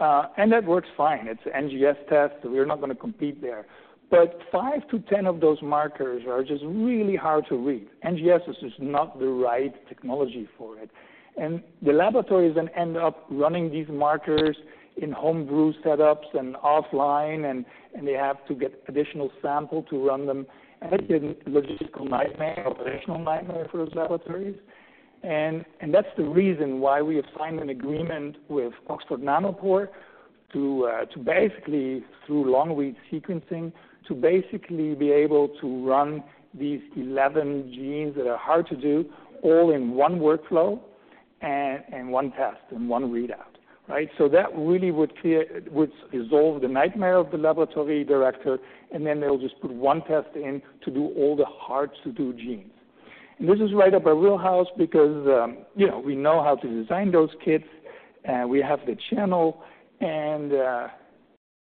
and that works fine. It's an NGS test, we're not going to compete there. But 5-10 of those markers are just really hard to read. NGS is just not the right technology for it. And the laboratories then end up running these markers in home brew setups and offline, and they have to get additional sample to run them. And it's a logistical nightmare, operational nightmare for those laboratories. And that's the reason why we have signed an agreement with Oxford Nanopore to basically, through long-read sequencing, to basically be able to run these 11 genes that are hard to do, all in 1 workflow and 1 test, in 1 readout, right? So that really would clear would resolve the nightmare of the laboratory director, and then they'll just put one test in to do all the hard-to-do genes. And this is right up our wheelhouse because, you know, we know how to design those kits, we have the channel, and,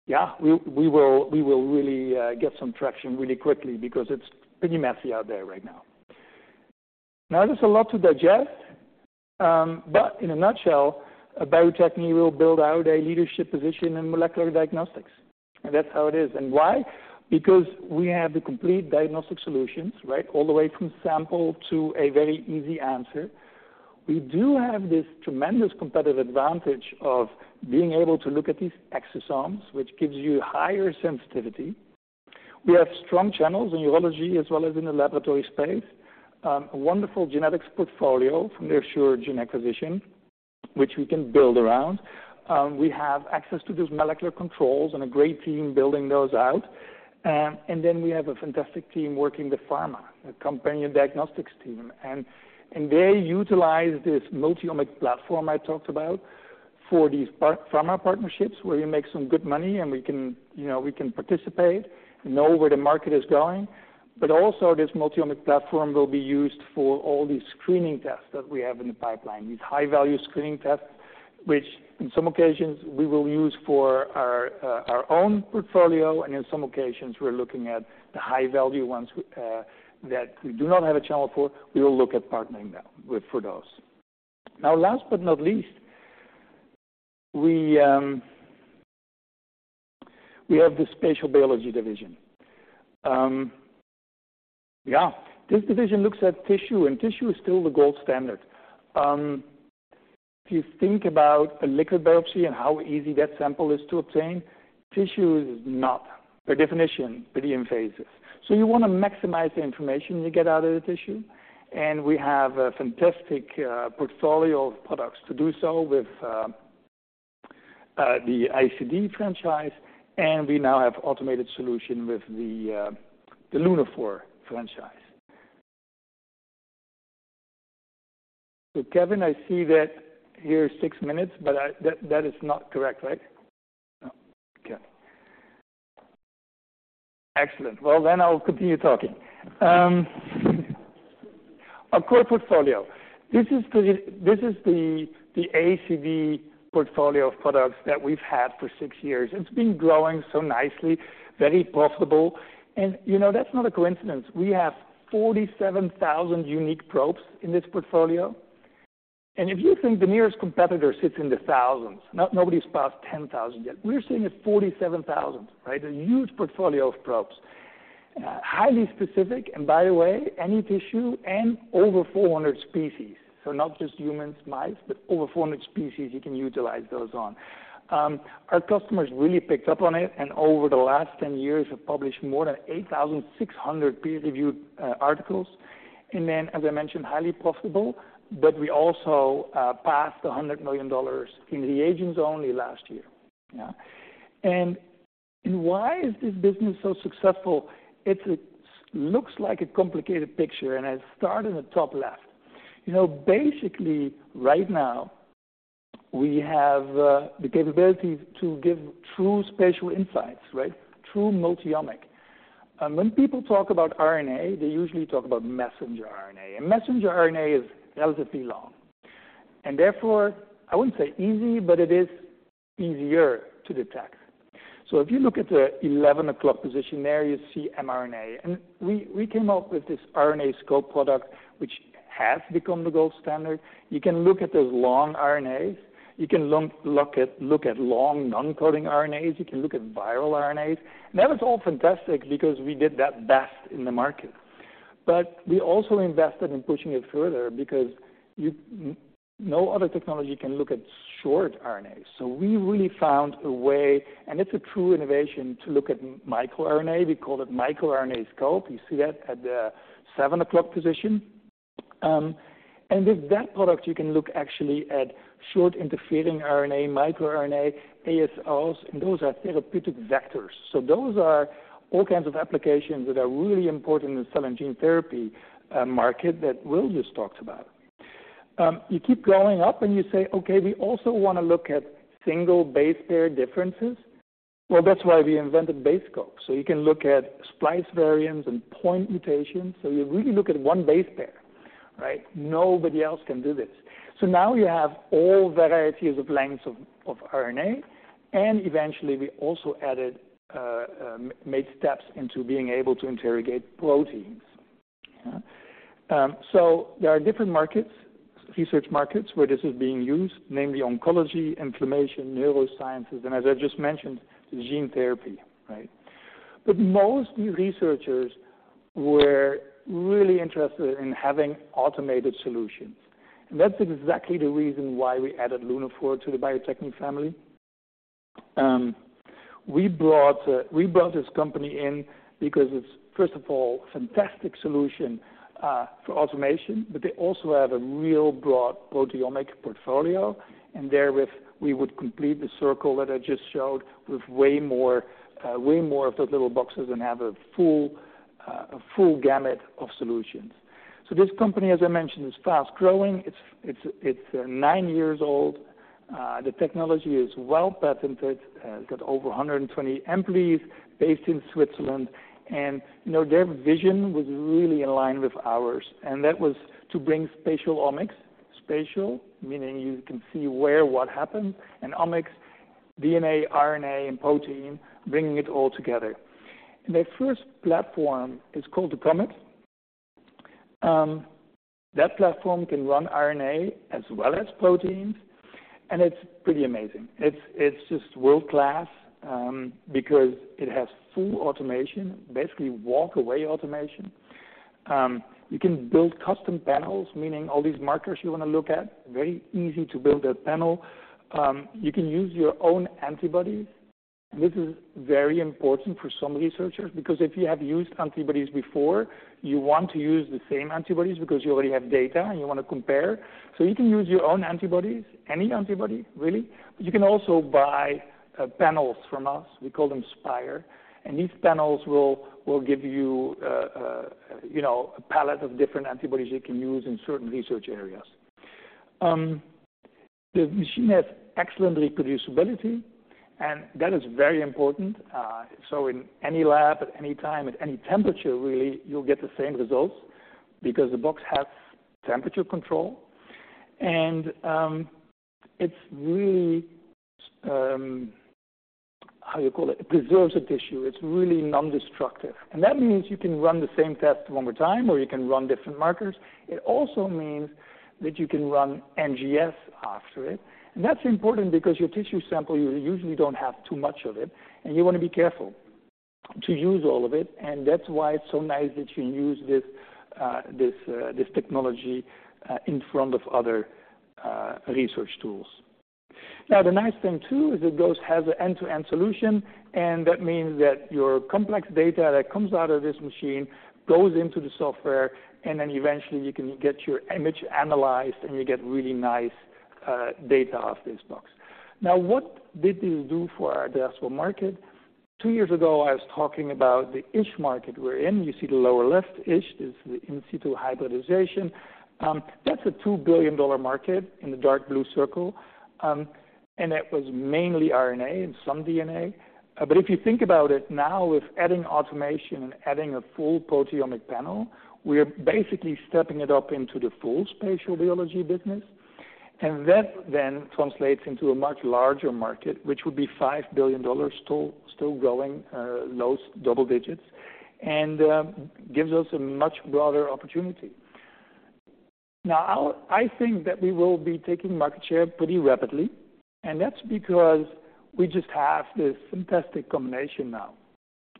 yeah, we will really get some traction really quickly because it's pretty messy out there right now. Now, there's a lot to digest, but in a nutshell, Bio-Techne will build out a leadership position in molecular diagnostics, and that's how it is. And why? Because we have the complete diagnostic solutions, right, all the way from sample to a very easy answer. We do have this tremendous competitive advantage of being able to look at these exosomes, which gives you higher sensitivity. We have strong channels in urology as well as in the laboratory space. A wonderful genetics portfolio from the Asuragen acquisition, which we can build around. We have access to those molecular controls and a great team building those out. And then we have a fantastic team working with pharma, a companion diagnostics team, and they utilize this multiomic platform I talked about for these pharma partnerships, where we make some good money and we can, you know, we can participate and know where the market is going. But also, this multiomic platform will be used for all these screening tests that we have in the pipeline, these high-value screening tests, which in some occasions, we will use for our our own portfolio, and in some occasions, we're looking at the high-value ones that we do not have a channel for. We will look at partnering them with for those. Now, last but not least, we have the spatial biology division. Yeah, this division looks at tissue, and tissue is still the gold standard. If you think about a liquid biopsy and how easy that sample is to obtain, tissue is not, by definition, pretty invasive. So you want to maximize the information you get out of the tissue, and we have a fantastic portfolio of products to do so with, the ACD franchise, and we now have automated solution with the Lunaphore franchise. So Kevin, I see that here six minutes, but that is not correct, right? Oh, okay. Excellent. Well, then I'll continue talking. Our core portfolio, this is the ACD portfolio of products that we've had for six years. It's been growing so nicely, very profitable, and, you know, that's not a coincidence. We have 47,000 unique probes in this portfolio, and if you think the nearest competitor sits in the thousands, nobody's passed 10,000 yet. We're sitting at 47,000, right? A huge portfolio of probes. Highly specific, and by the way, any tissue and over 400 species, so not just humans, mice, but over 400 species you can utilize those on. Our customers really picked up on it, and over the last 10 years, have published more than 8,600 peer-reviewed articles. And then, as I mentioned, highly profitable, but we also passed $100 million in reagents only last year. Yeah. And why is this business so successful? It looks like a complicated picture, and I'll start in the top left. You know, basically, right now, we have the capability to give true spatial insights, right? True multiomic. And when people talk about RNA, they usually talk about messenger RNA, and messenger RNA is relatively long, and therefore, I wouldn't say easy, but it is easier to detect. So if you look at the eleven o'clock position, there you see mRNA, and we came up with this RNAscope product, which has become the gold standard. You can look at those long RNAs, you can look at long non-coding RNAs, you can look at viral RNAs. And that was all fantastic because we did that best in the market. But we also invested in pushing it further because no other technology can look at short RNAs. So we really found a way, and it's a true innovation, to look at microRNA. We call it miRNAscope. You see that at the seven o'clock position. And with that product, you can look actually at short interfering RNA, microRNA, ASOs, and those are therapeutic vectors. So those are all kinds of applications that are really important in the cell and gene therapy market that Will just talked about. You keep going up, and you say, "Okay, we also want to look at single base pair differences." Well, that's why we invented BaseScope. So you can look at splice variants and point mutations, so you really look at one base pair, right? Nobody else can do this. So now you have all varieties of lengths of RNA, and eventually, we also made steps into being able to interrogate proteins. So there are different markets, research markets, where this is being used, namely oncology, inflammation, neurosciences, and as I just mentioned, gene therapy, right? But most new researchers were really interested in having automated solutions, and that's exactly the reason why we added Lunaphore to the Bio-Techne family. We brought this company in because it's, first of all, a fantastic solution for automation, but they also have a real broad proteomic portfolio, and therewith, we would complete the circle that I just showed with way more, way more of those little boxes and have a full, a full gamut of solutions. So this company, as I mentioned, is fast-growing. It's nine years old. The technology is well-patented. It's got over 120 employees based in Switzerland, and, you know, their vision was really in line with ours, and that was to bring spatial omics. Spatial, meaning you can see where, what happened, and omics, DNA, RNA, and protein, bringing it all together. And their first platform is called the COMET. That platform can run RNA as well as proteins, and it's pretty amazing. It's, it's just world-class, because it has full automation, basically walk-away automation. You can build custom panels, meaning all these markers you want to look at, very easy to build a panel. You can use your own antibodies. This is very important for some researchers because if you have used antibodies before, you want to use the same antibodies because you already have data, and you want to compare. So you can use your own antibodies, any antibody, really. You can also buy panels from us. We call them SPIRE, and these panels will give you, you know, a palette of different antibodies you can use in certain research areas. The machine has excellent reproducibility, and that is very important. So in any lab, at any time, at any temperature, really, you'll get the same results because the box has temperature control, and it's really, how you call it? It preserves a tissue. It's really non-destructive, and that means you can run the same test one more time, or you can run different markers. It also means that you can run NGS after it, and that's important because your tissue sample, you usually don't have too much of it, and you want to be careful... to use all of it, and that's why it's so nice that you use this, this technology, in front of other research tools. Now, the nice thing, too, is that those have an end-to-end solution, and that means that your complex data that comes out of this machine goes into the software, and then eventually you can get your image analyzed, and you get really nice data off this box. Now, what did this do for our addressable market? Two years ago, I was talking about the ISH market we're in. You see the lower left, ISH is the in situ hybridization. That's a $2 billion market in the dark blue circle. And it was mainly RNA and some DNA. But if you think about it now, with adding automation and adding a full proteomic panel, we are basically stepping it up into the full spatial biology business. And that then translates into a much larger market, which would be $5 billion, still growing those double digits, and gives us a much broader opportunity. Now, I'll, I think that we will be taking market share pretty rapidly, and that's because we just have this fantastic combination now.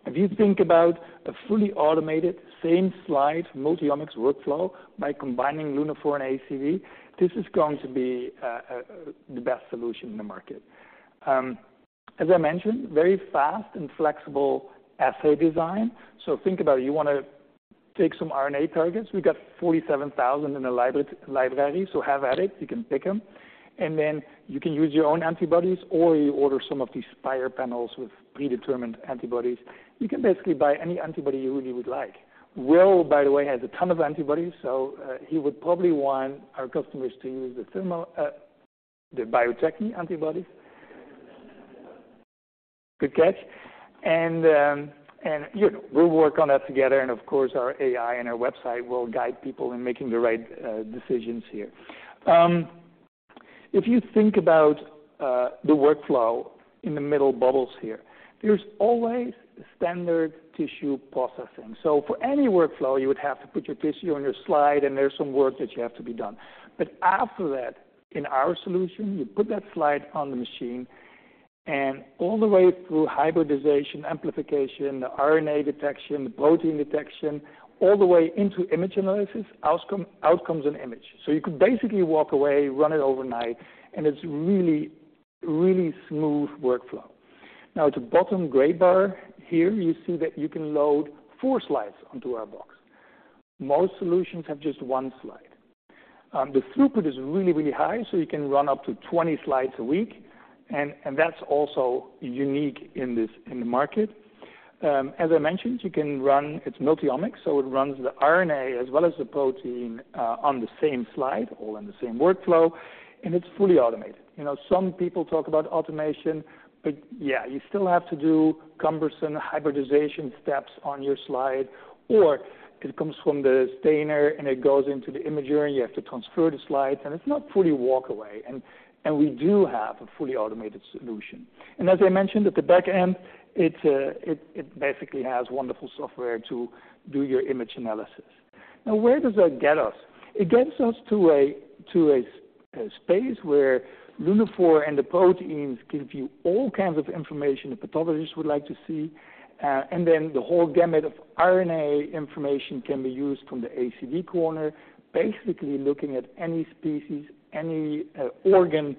If you think about a fully automated, same slide, multiomics workflow by combining Lunaphore and ACD, this is going to be the best solution in the market. As I mentioned, very fast and flexible assay design. So think about it. You want to take some RNA targets. We got 47,000 in the library, so have at it. You can pick them, and then you can use your own antibodies, or you order some of these SPIRE panels with predetermined antibodies. You can basically buy any antibody you really would like. Will, by the way, has a ton of antibodies, so, he would probably want our customers to use the Thermo, the Bio-Techne antibodies. Good catch. And, and, you know, we'll work on that together, and of course, our AI and our website will guide people in making the right, decisions here. If you think about, the workflow in the middle bubbles here, there's always standard tissue processing. So for any workflow, you would have to put your tissue on your slide, and there's some work that you have to be done. But after that, in our solution, you put that slide on the machine, and all the way through hybridization, amplification, the RNA detection, the protein detection, all the way into image analysis, outcome, out comes an image. So you could basically walk away, run it overnight, and it's really, really smooth workflow. Now, the bottom gray bar here, you see that you can load 4 slides onto our box. Most solutions have just 1 slide. The throughput is really, really high, so you can run up to 20 slides a week, and that's also unique in this, in the market. As I mentioned, you can run... It's Multiomics, so it runs the RNA as well as the protein, on the same slide, all in the same workflow, and it's fully automated. You know, some people talk about automation, but, yeah, you still have to do cumbersome hybridization steps on your slide, or it comes from the stainer, and it goes into the imager, and you have to transfer the slides, and it's not fully walk away. And we do have a fully automated solution. And as I mentioned, at the back end, it basically has wonderful software to do your image analysis. Now, where does that get us? It gets us to a space where Lunaphore and the proteins give you all kinds of information a pathologist would like to see, and then the whole gamut of RNA information can be used from the ACD corner, basically looking at any species, any organ,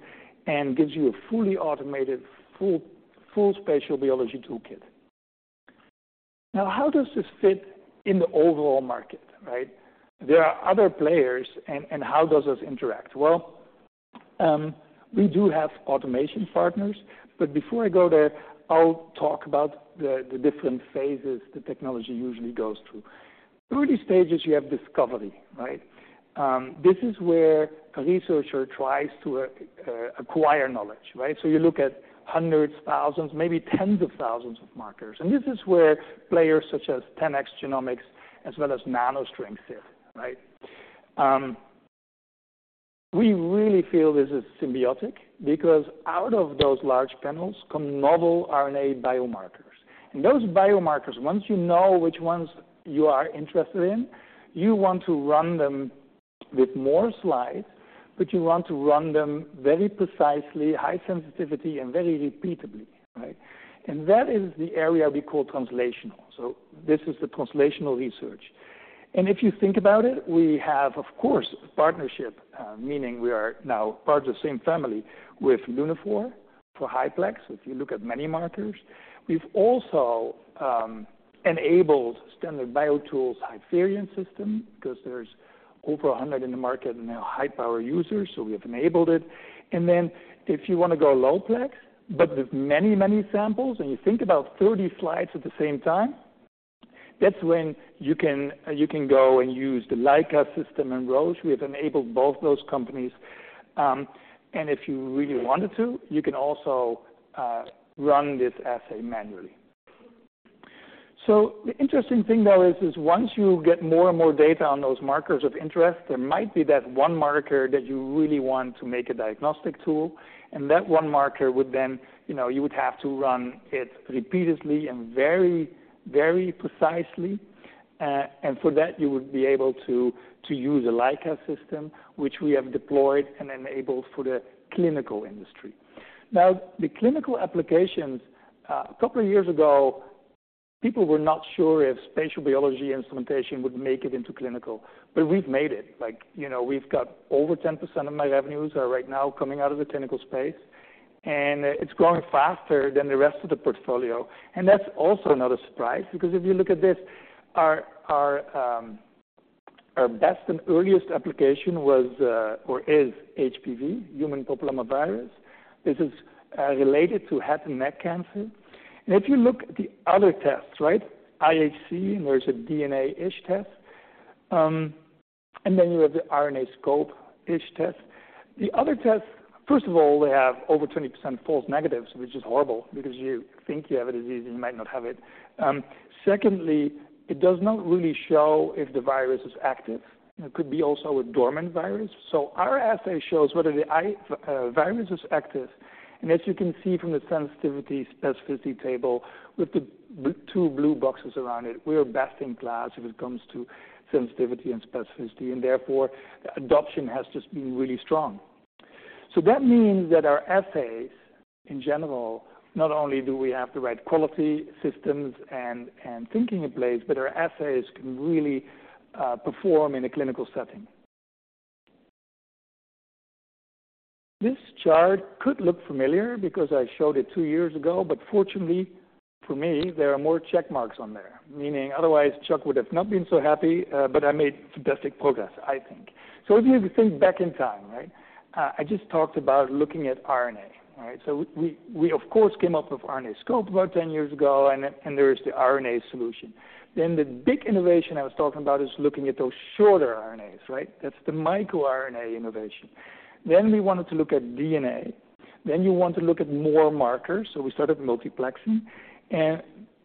and gives you a fully automated, full spatial biology toolkit. Now, how does this fit in the overall market, right? There are other players and how does this interact? Well, we do have automation partners, but before I go there, I'll talk about the different phases the technology usually goes through. Through these stages, you have discovery, right? This is where a researcher tries to acquire knowledge, right? So you look at hundreds, thousands, maybe tens of thousands of markers, and this is where players such as TenX Genomics as well as NanoString sit, right? We really feel this is symbiotic because out of those large panels come novel RNA biomarkers. And those biomarkers, once you know which ones you are interested in, you want to run them with more slides, but you want to run them very precisely, high sensitivity, and very repeatably, right? And that is the area we call translational. So this is the translational research. And if you think about it, we have, of course, partnership, meaning we are now part of the same family with Lunaphore for HiPlex, if you look at many markers. We've also enabled standard Standard BioTools Hyperion system because there's over 100 in the market and they are high-power users, so we have enabled it. And then if you want to go lowplex, but with many, many samples, and you think about 30 slides at the same time, that's when you can, you can go and use the Leica system and Roche. We have enabled both those companies. And if you really wanted to, you can also run this assay manually. So the interesting thing, though, is once you get more and more data on those markers of interest, there might be that one marker that you really want to make a diagnostic tool, and that one marker would then, you know, you would have to run it repeatedly and very, very precisely... And for that, you would be able to use a Leica system, which we have deployed and enabled for the clinical industry. Now, the clinical applications, a couple of years ago, people were not sure if spatial biology instrumentation would make it into clinical, but we've made it. Like, you know, we've got over 10% of my revenues are right now coming out of the clinical space, and it's growing faster than the rest of the portfolio. That's also another surprise, because if you look at this, our best and earliest application was or is HPV, human papillomavirus. This is related to head and neck cancer. And if you look at the other tests, right, IHC, and there's a DNA ISH test, and then you have the RNAscope ISH test. The other test. First of all, they have over 20% false negatives, which is horrible because you think you have a disease, and you might not have it. Secondly, it does not really show if the virus is active. It could be also a dormant virus. So our assay shows whether the HPV virus is active, and as you can see from the sensitivity/specificity table, with 2 blue boxes around it, we are best in class when it comes to sensitivity and specificity, and therefore, adoption has just been really strong. So that means that our assays, in general, not only do we have the right quality systems and thinking in place, but our assays can really perform in a clinical setting. This chart could look familiar because I showed it 2 years ago, but fortunately for me, there are more check marks on there. Meaning otherwise, Chuck would have not been so happy, but I made fantastic progress, I think. So if you think back in time, right, I just talked about looking at RNA, right? So we, of course, came up with RNAscope about 10 years ago, and there is the RNA solution. Then the big innovation I was talking about is looking at those shorter RNAs, right? That's the microRNA innovation. Then we wanted to look at DNA. Then you want to look at more markers, so we started multiplexing. And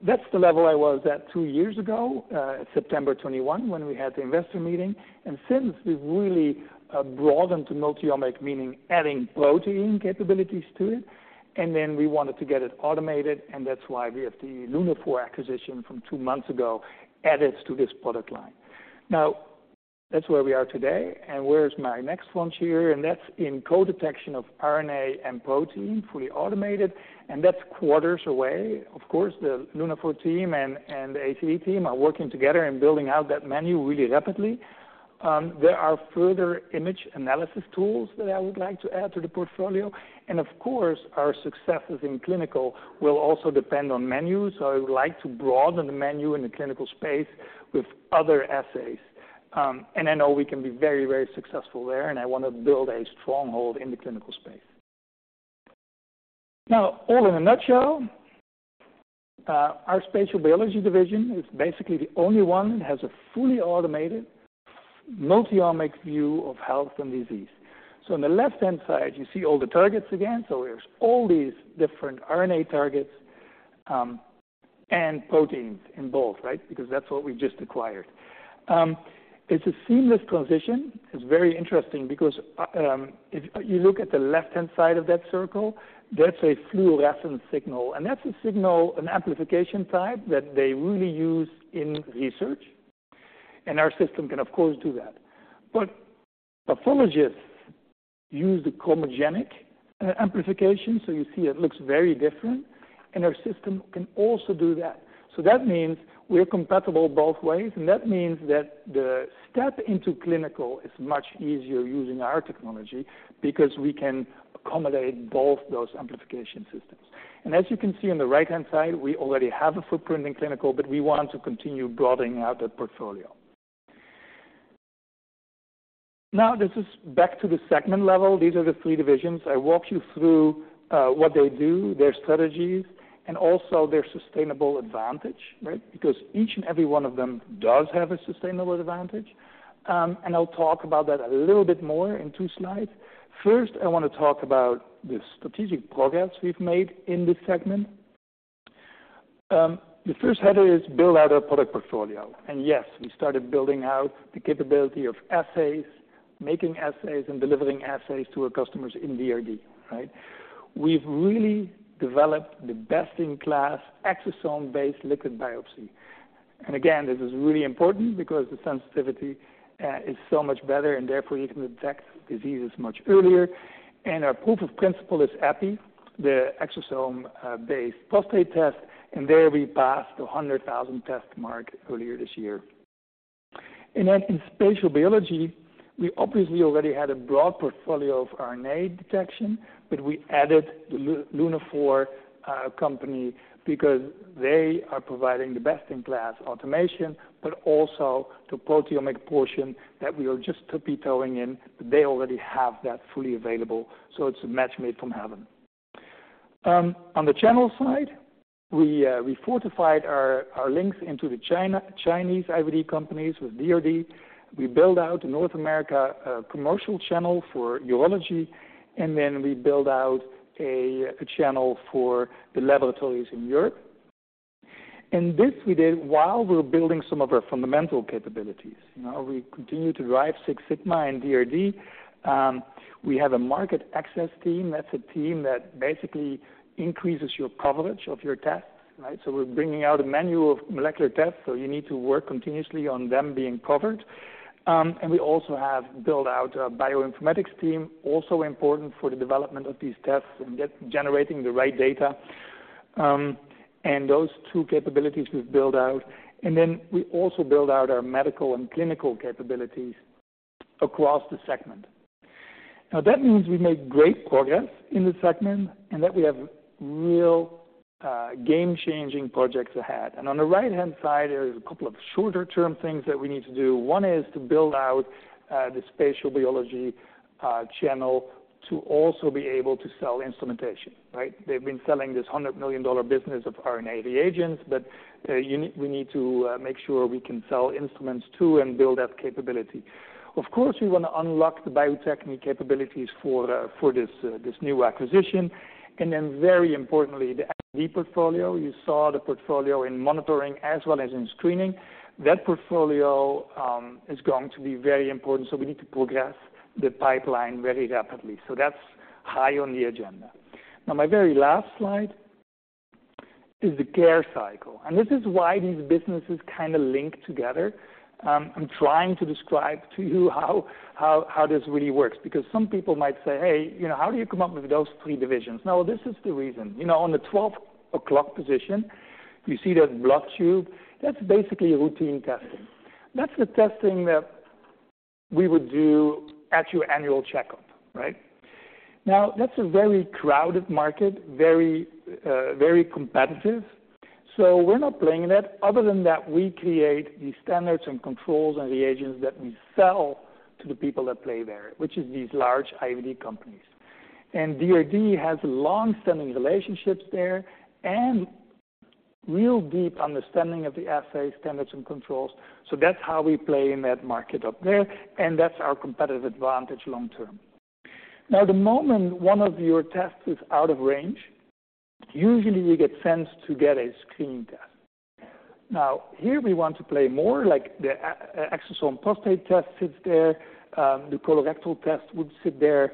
that's the level I was at 2 years ago, September 2021, when we had the investor meeting. And since, we've really broadened to multiomic, meaning adding protein capabilities to it, and then we wanted to get it automated, and that's why we have the Lunaphore acquisition from 2 months ago added to this product line. Now, that's where we are today, and where is my next launch here? And that's in co-detection of RNA and protein, fully automated, and that's quarters away. Of course, the Lunaphore team and the ACD team are working together and building out that menu really rapidly. There are further image analysis tools that I would like to add to the portfolio. Of course, our successes in clinical will also depend on menus. So I would like to broaden the menu in the clinical space with other assays. And I know we can be very, very successful there, and I want to build a stronghold in the clinical space. Now, all in a nutshell, our spatial biology division is basically the only one that has a fully automated multiomic view of health and disease. So on the left-hand side, you see all the targets again. So there's all these different RNA targets, and proteins in both, right? Because that's what we just acquired. It's a seamless transition. It's very interesting because if you look at the left-hand side of that circle, that's a fluorescent signal, and that's a signal, an amplification type that they really use in research, and our system can, of course, do that. But pathologists use the chromogenic amplification, so you see it looks very different, and our system can also do that. So that means we're compatible both ways, and that means that the step into clinical is much easier using our technology because we can accommodate both those amplification systems. And as you can see on the right-hand side, we already have a footprint in clinical, but we want to continue broadening out that portfolio. Now, this is back to the segment level. These are the three divisions. I walked you through what they do, their strategies, and also their sustainable advantage, right? Because each and every one of them does have a sustainable advantage. And I'll talk about that a little bit more in 2 slides. First, I want to talk about the strategic progress we've made in this segment. The first header is build out our product portfolio, and yes, we started building out the capability of assays, making assays, and delivering assays to our customers inxDRD, right? We've really developed the best-in-class exosome-based liquid biopsy. And again, this is really important because the sensitivity is so much better, and therefore, you can detect diseases much earlier. And our proof of principle is EPI, the exosome-based prostate test, and there we passed a 100,000 test mark earlier this year. Then in spatial biology, we obviously already had a broad portfolio of RNA detection, but we added the Lunaphore company because they are providing the best-in-class automation, but also the proteomic portion that we are just tippy-toeing in, but they already have that fully available, so it's a match made from heaven. On the channel side, we fortified our links into the Chinese IVD companies with DRD. We build out a North America promotional channel for urology, and then we build out a channel for the laboratories in Europe. And this we did while we were building some of our fundamental capabilities. You know, we continue to drive Six Sigma and DRD. We have a market access team. That's a team that basically increases your coverage of your test, right? So we're bringing out a menu of molecular tests, so you need to work continuously on them being covered. And we also have built out a bioinformatics team, also important for the development of these tests and generating the right data. And those two capabilities we've built out, and then we also build out our medical and clinical capabilities across the segment. Now, that means we've made great progress in the segment and that we have real, game-changing projects ahead. And on the right-hand side, there's a couple of shorter-term things that we need to do. One is to build out the Spatial Biology channel to also be able to sell instrumentation, right? They've been selling this $100 million business of RNA reagents, but you need, we need to make sure we can sell instruments, too, and build that capability. Of course, we want to unlock the Bio-Techne capabilities for this new acquisition. And then very importantly, the IVD portfolio. You saw the portfolio in monitoring as well as in screening. That portfolio is going to be very important, so we need to progress the pipeline very rapidly. So that's high on the agenda. Now, my very last slide is the care cycle, and this is why these businesses kind of link together. I'm trying to describe to you how this really works, because some people might say, "Hey, you know, how do you come up with those three divisions?" Now, this is the reason. You know, on the 12 o'clock position, you see that blood tube. That's basically routine testing. That's the testing that we would do at your annual checkup, right? Now, that's a very crowded market, very competitive. So we're not playing in that, other than that, we create the standards and controls and the agents that we sell to the people that play there, which is these large IVD companies. And the IVD has long-standing relationships there and real deep understanding of the assay standards and controls. So that's how we play in that market up there, and that's our competitive advantage long term. Now, the moment one of your tests is out of range, usually you get sent to get a screening test. Now, here we want to play more, like the ExoDx prostate test sits there, the colorectal test would sit there.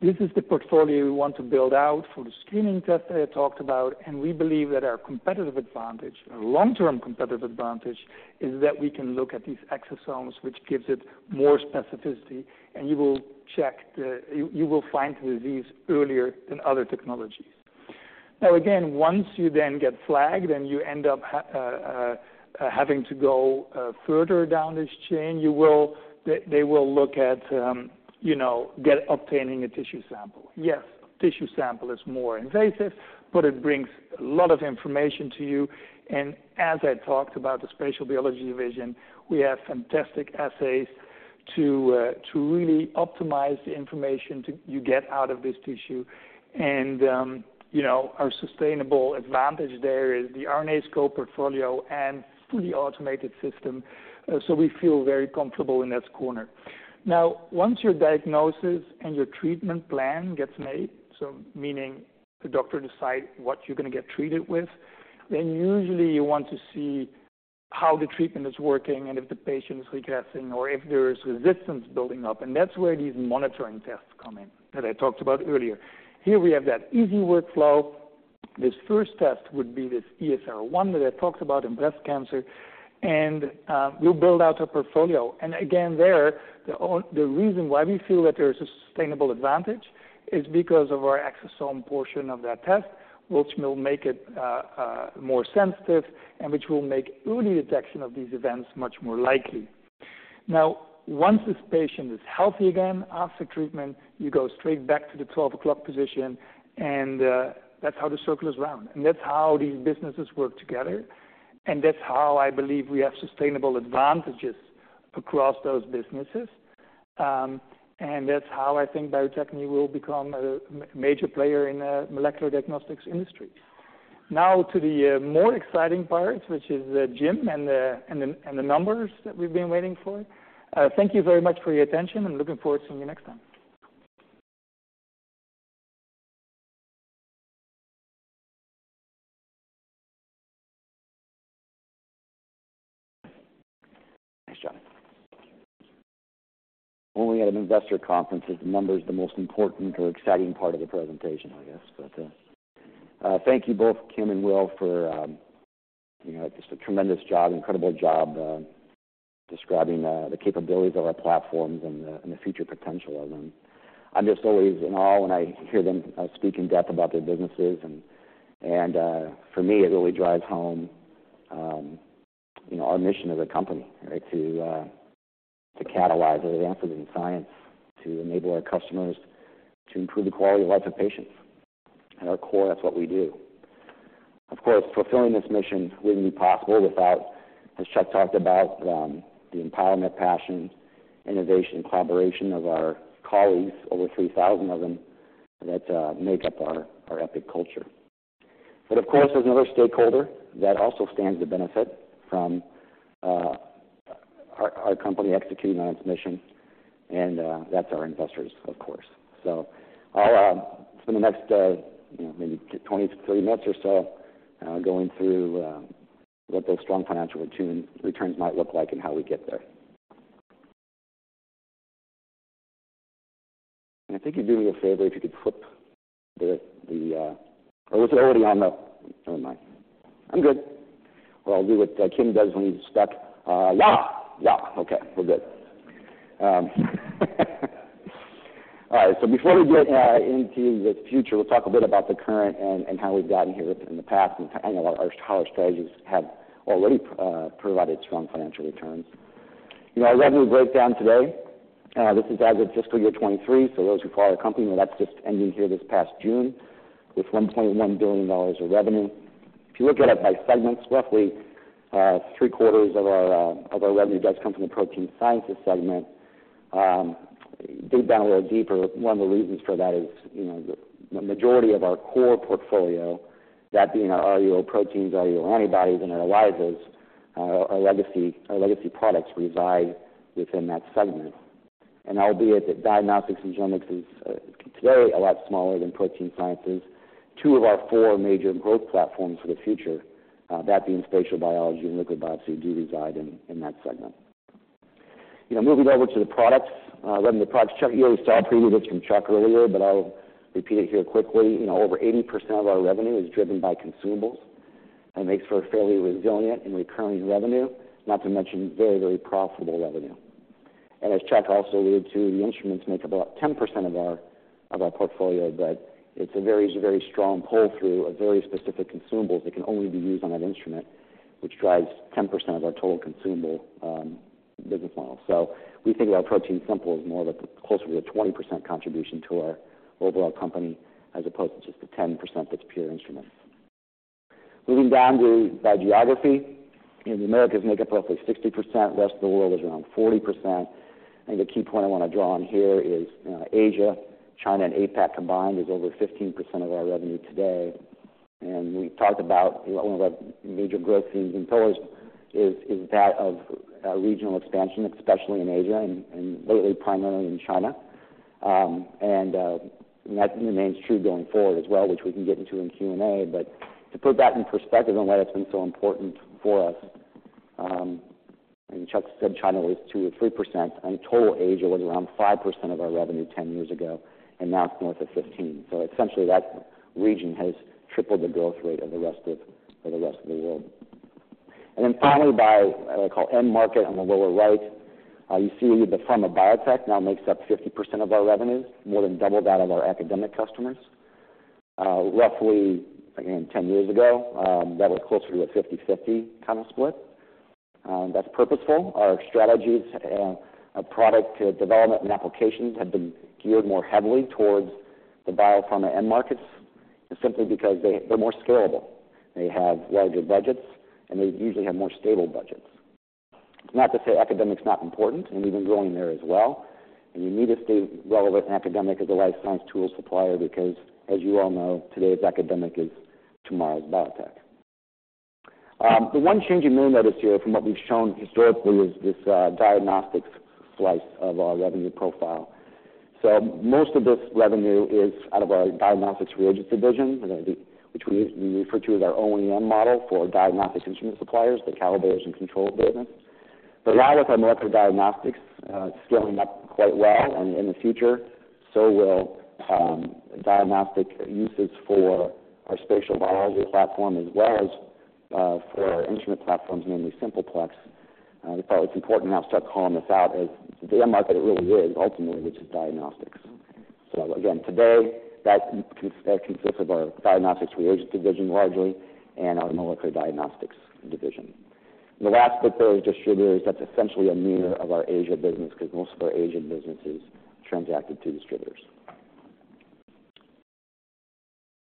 This is the portfolio we want to build out for the screening test I talked about, and we believe that our competitive advantage, our long-term competitive advantage, is that we can look at these exosomes, which gives it more specificity, and you will check the... You, you will find the disease earlier than other technologies. Now, again, once you then get flagged, and you end up having to go, further down this chain, you will - they, they will look at, you know, get obtaining a tissue sample. Yes, tissue sample is more invasive, but it brings a lot of information to you. And as I talked about the spatial biology division, we have fantastic assays to, to really optimize the information to, you get out of this tissue. You know, our sustainable advantage there is the RNAscope portfolio and fully automated system, so we feel very comfortable in that corner. Now, once your diagnosis and your treatment plan gets made, so meaning the doctor decide what you're going to get treated with, then usually you want to see how the treatment is working and if the patient is recovering or if there is resistance building up. And that's where these monitoring tests come in, that I talked about earlier. Here we have that easy workflow. This first test would be this ESR1 that I talked about in breast cancer, and we'll build out a portfolio. Again, the reason why we feel that there's a sustainable advantage is because of our exosome portion of that test, which will make it more sensitive and which will make early detection of these events much more likely. Now, once this patient is healthy again, after treatment, you go straight back to the twelve o'clock position, and that's how the circle is round, and that's how these businesses work together. And that's how I believe we have sustainable advantages across those businesses. And that's how I think Bio-Techne will become a major player in the molecular diagnostics industry. Now to the more exciting part, which is Jim and the numbers that we've been waiting for. Thank you very much for your attention, and looking forward to seeing you next time. Thanks, John. Only at an investor conference is the numbers the most important or exciting part of the presentation, I guess. But, thank you both, Kim and Will, for, you know, just a tremendous job, incredible job, describing the capabilities of our platforms and the, and the future potential of them. I'm just always in awe when I hear them speak in depth about their businesses, and, and, for me, it really drives home, you know, our mission as a company, right? To, to catalyze advances in science, to enable our customers to improve the quality of lives of patients. At our core, that's what we do. Of course, fulfilling this mission wouldn't be possible without, as Chuck talked about, the empowerment, passion, innovation, and collaboration of our colleagues, over 3,000 of them, that make up our Epic culture. But of course, there's another stakeholder that also stands to benefit from our company executing on its mission, and that's our investors, of course. So I'll spend the next, you know, maybe 20-30 minutes or so, going through what those strong financial returns might look like and how we get there. And I think you'd do me a favor if you could flip the, the, or was it already on the? Never mind. I'm good. Well, I'll do what Kim does when he's stuck. Yeah! Yeah, okay, we're good. All right, so before we get into the future, we'll talk a bit about the current and how we've gotten here in the past, and a lot of how our strategies have already provided strong financial returns. You know, our revenue breakdown today, this is as of fiscal year 2023, so those who follow our company, well, that's just ending here this past June, with $1.1 billion of revenue. If you look at it by segments, roughly, three-quarters of our revenue does come from the Protein Sciences segment. Dig down a little deeper, one of the reasons for that is, you know, the majority of our core portfolio, that being our RUO proteins, RUO antibodies, and our ELISAs, our legacy products reside within that segment. And albeit that diagnostics and genomics is today a lot smaller than protein sciences, two of our four major growth platforms for the future, that being spatial biology and liquid biopsy, do reside in that segment. You know, moving over to the products, looking at the products, Chuck, you already saw a preview this from Chuck earlier, but I'll repeat it here quickly. You know, over 80% of our revenue is driven by consumables and makes for a fairly resilient and recurring revenue, not to mention very, very profitable revenue. And as Chuck also alluded to, the instruments make about 10% of our portfolio, but it's a very, very strong pull-through of very specific consumables that can only be used on that instrument, which drives 10% of our total consumable business model. So we think of our ProteinSimple as more of a closer to a 20% contribution to our overall company, as opposed to just the 10% that's pure instrument. Moving down to by geography, in the Americas make up roughly 60%. The rest of the world is around 40%. And the key point I wanna draw on here is, Asia, China and APAC combined, is over 15% of our revenue today. And we've talked about one of our major growth themes and pillars is that of, regional expansion, especially in Asia and lately primarily in China. And that remains true going forward as well, which we can get into in Q&A. But to put that in perspective on why that's been so important for us, and Chuck said China was 2 or 3%, and total Asia was around 5% of our revenue ten years ago, and now it's north of 15%. So essentially, that region has tripled the growth rate of the rest of the world. And then finally, by what I call end market on the lower right, you see the pharma biotech now makes up 50% of our revenue, more than double that of our academic customers. Roughly, again, ten years ago, that was closer to a 50/50 kind of split. That's purposeful. Our strategies and our product development and applications have been geared more heavily towards the biopharma end markets, simply because they're more scalable. They have larger budgets, and they usually have more stable budgets. It's not to say academic's not important, and we've been growing there as well. And you need to stay relevant in academic as a life science tool supplier, because as you all know, today's academic is tomorrow's biotech. The one changing note I notice here from what we've shown historically is this, diagnostics slice of our revenue profile. So most of this revenue is out of our diagnostics reagents division, and I think which we, we refer to as our OEM model for diagnostic instrument suppliers, the calibrators and control business. But a lot of our molecular diagnostics, scaling up quite well in, in the future, so will, diagnostic uses for our spatial biology platform, as well as, for our instrument platforms, namely Simple Plex. We thought it's important now to start calling this out, as the end market, it really is ultimately, which is diagnostics. So again, today, that consists of our diagnostics reagents division largely and our molecular diagnostics division. The last bit there is distributors. That's essentially a mirror of our Asia business, because most of our Asian business is transacted through distributors.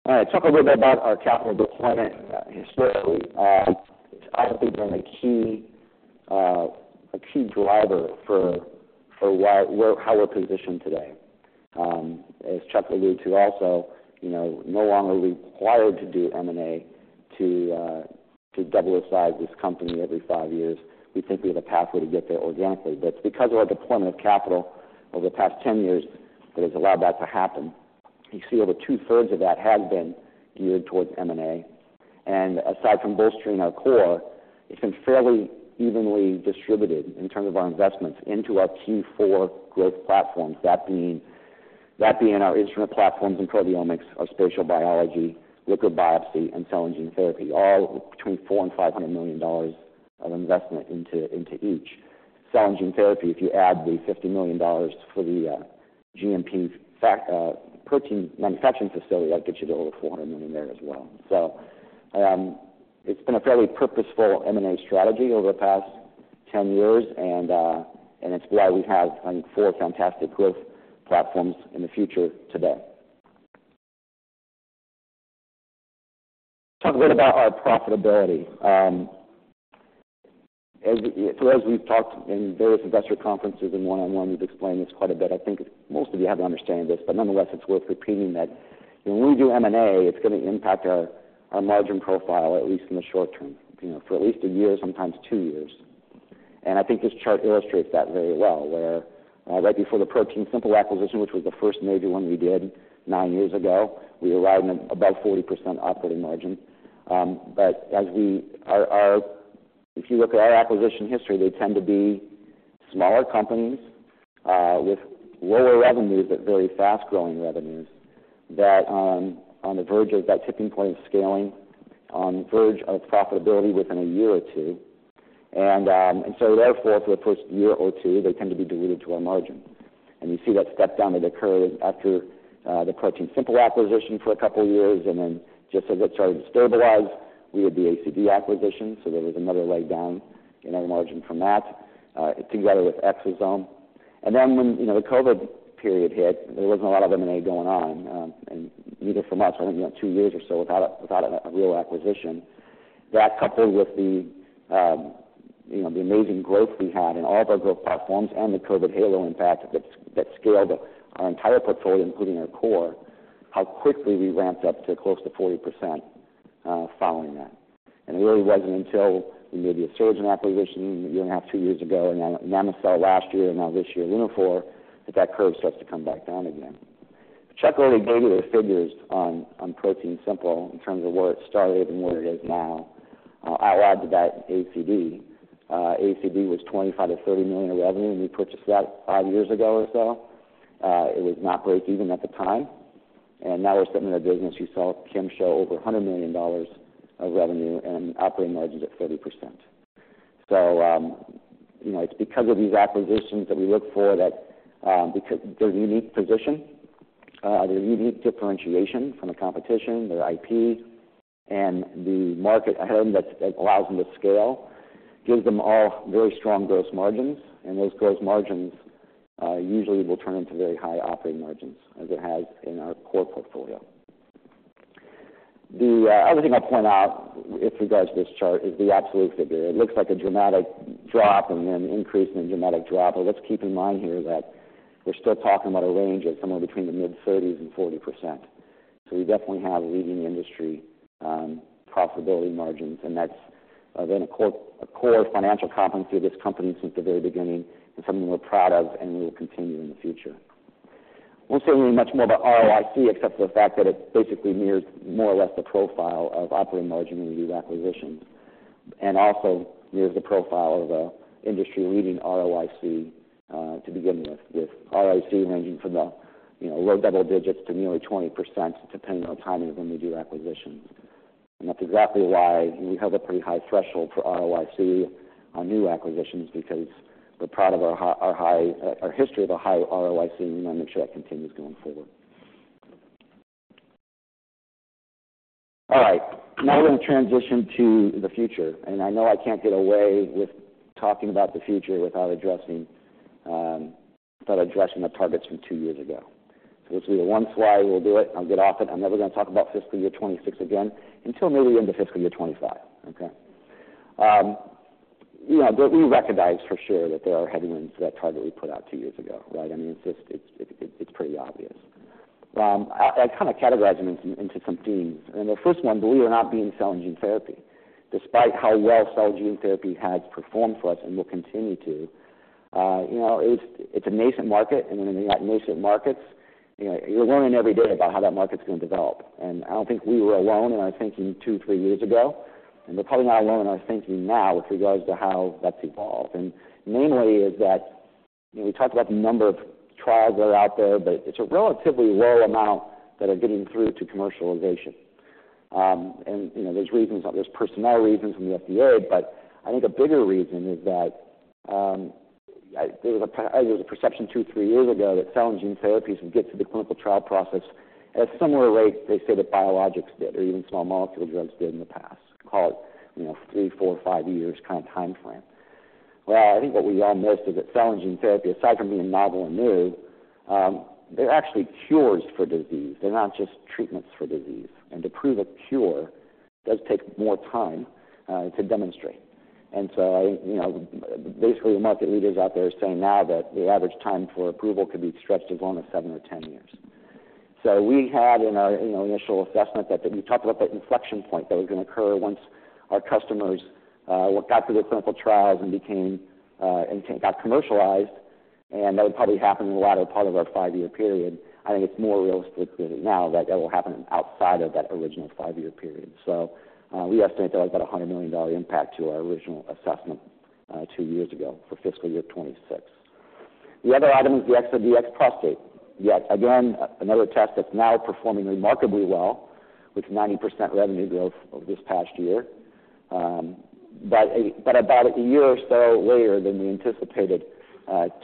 All right, talk a little bit about our capital deployment historically. It's obviously been a key driver for how we're positioned today. As Chuck alluded to, also, you know, no longer required to do M&A to double the size of this company every 5 years. We think we have a pathway to get there organically, but it's because of our deployment of capital over the past 10 years that has allowed that to happen. You see over two-thirds of that has been geared towards M&A, and aside from bolstering our core, it's been fairly evenly distributed in terms of our investments into our key four growth platforms. That being our instrument platforms in proteomics, our spatial biology, liquid biopsy, and cell and gene therapy, all between $400 million and $500 million of investment into each. Cell and gene therapy, if you add the $50 million for the GMP protein manufacturing facility, that gets you to over $400 million there as well. It's been a fairly purposeful M&A strategy over the past 10 years, and it's why we have four fantastic growth platforms in the future today. Talk a bit about our profitability. As we've talked in various investor conferences and one-on-one, we've explained this quite a bit. I think most of you have to understand this, but nonetheless, it's worth repeating that when we do M&A, it's gonna impact our margin profile, at least in the short term, you know, for at least a year, sometimes two years. And I think this chart illustrates that very well, where right before the ProteinSimple acquisition, which was the first major one we did nine years ago, we arrived at about 40% operating margin. If you look at our acquisition history, they tend to be smaller companies with lower revenues, but very fast-growing revenues that on the verge of that tipping point of scaling, on the verge of profitability within a year or two. And so therefore, for the first year or two, they tend to be diluted to our margin. You see that step down that occurred after the ProteinSimple acquisition for a couple of years, and then just as it started to stabilize, we had the ACD acquisition. There was another leg down in our margin from that, together with Exosome. Then when, you know, the COVID period hit, there wasn't a lot of M&A going on, and neither from us. I think we went two years or so without a real acquisition. That, coupled with the, you know, the amazing growth we had in all of our growth platforms and the COVID halo impact that scaled our entire portfolio, including our core, how quickly we ramped up to close to 40%, following that. It really wasn't until we made the Asuragen acquisition a year and a half, two years ago, and then NanoCell last year, and now this year, Lunaphore, that that curve starts to come back down again. Chuck already gave you the figures on ProteinSimple in terms of where it started and where it is now. I'll add to that ACD. ACD was $25 million-$30 million in revenue, and we purchased that five years ago or so. It was not breakeven at the time, and now we're sitting in a business, you saw Kim show over $100 million of revenue and operating margins at 30%. So, you know, it's because of these acquisitions that we look for that, because their unique position, their unique differentiation from the competition, their IP and the market ahead that, that allows them to scale, gives them all very strong gross margins. And those gross margins, usually will turn into very high operating margins, as it has in our core portfolio. The other thing I'll point out with regards to this chart is the absolute figure. It looks like a dramatic drop and then increase, and then a dramatic drop. But let's keep in mind here that we're still talking about a range of somewhere between the mid-30s and 40%. So we definitely have a leading industry profitability margins, and that's been a core financial competency of this company since the very beginning, and something we're proud of and will continue in the future. I won't say really much more about ROIC, except for the fact that it basically mirrors more or less the profile of operating margin in these acquisitions, and also mirrors the profile of a industry-leading ROIC to begin with. With ROIC ranging from the, you know, low double digits to nearly 20%, depending on the timing of when we do acquisitions. And that's exactly why we have a pretty high threshold for ROIC on new acquisitions, because we're proud of our high history of a high ROIC, and we want to make sure that continues going forward. All right, now we're going to transition to the future, and I know I can't get away with talking about the future without addressing, without addressing the targets from two years ago. So this will be the one slide we'll do it. I'll get off it. I'm never going to talk about fiscal year 2026 again until maybe into fiscal year 2025, okay? You know, but we recognize for sure that there are headwinds to that target we put out two years ago, right? I mean, it's just, it's, it, it's pretty obvious. I kind of categorized them into, into some themes. And the first one, believe it or not, being cell and gene therapy. Despite how well cell and gene therapy has performed for us and will continue to, you know, it's, it's a nascent market, and when you've got nascent markets, you know, you're learning every day about how that market's going to develop. I don't think we were alone in our thinking two, three years ago, and we're probably not alone in our thinking now with regards to how that's evolved. Mainly is that, you know, we talked about the number of trials that are out there, but it's a relatively low amount that are getting through to commercialization. And, you know, there's reasons, there's personnel reasons from the FDA, but I think a bigger reason is that there was a perception 2-3 years ago that cell and gene therapies would get through the clinical trial process at a similar rate they say that biologics did, or even small molecule drugs did in the past, call it, you know, 3, 4, 5 years kind of time frame. Well, I think what we all missed is that cell and gene therapy, aside from being novel and new, they're actually cures for disease. They're not just treatments for disease. To prove a cure does take more time to demonstrate. So I, you know, basically, the market leaders out there are saying now that the average time for approval could be stretched as long as 7-10 years. So we had in our, in our initial assessment that, we talked about that inflection point that was going to occur once our customers, got through the clinical trials and became, and got commercialized, and that would probably happen in the latter part of our five-year period. I think it's more realistic now that that will happen outside of that original five-year period. So, we estimate that about a $100 million impact to our original assessment, two years ago for fiscal year 2026. The other item is the ExoDx prostate. Yet again, another test that's now performing remarkably well, with 90% revenue growth over this past year. But about a year or so later than we anticipated,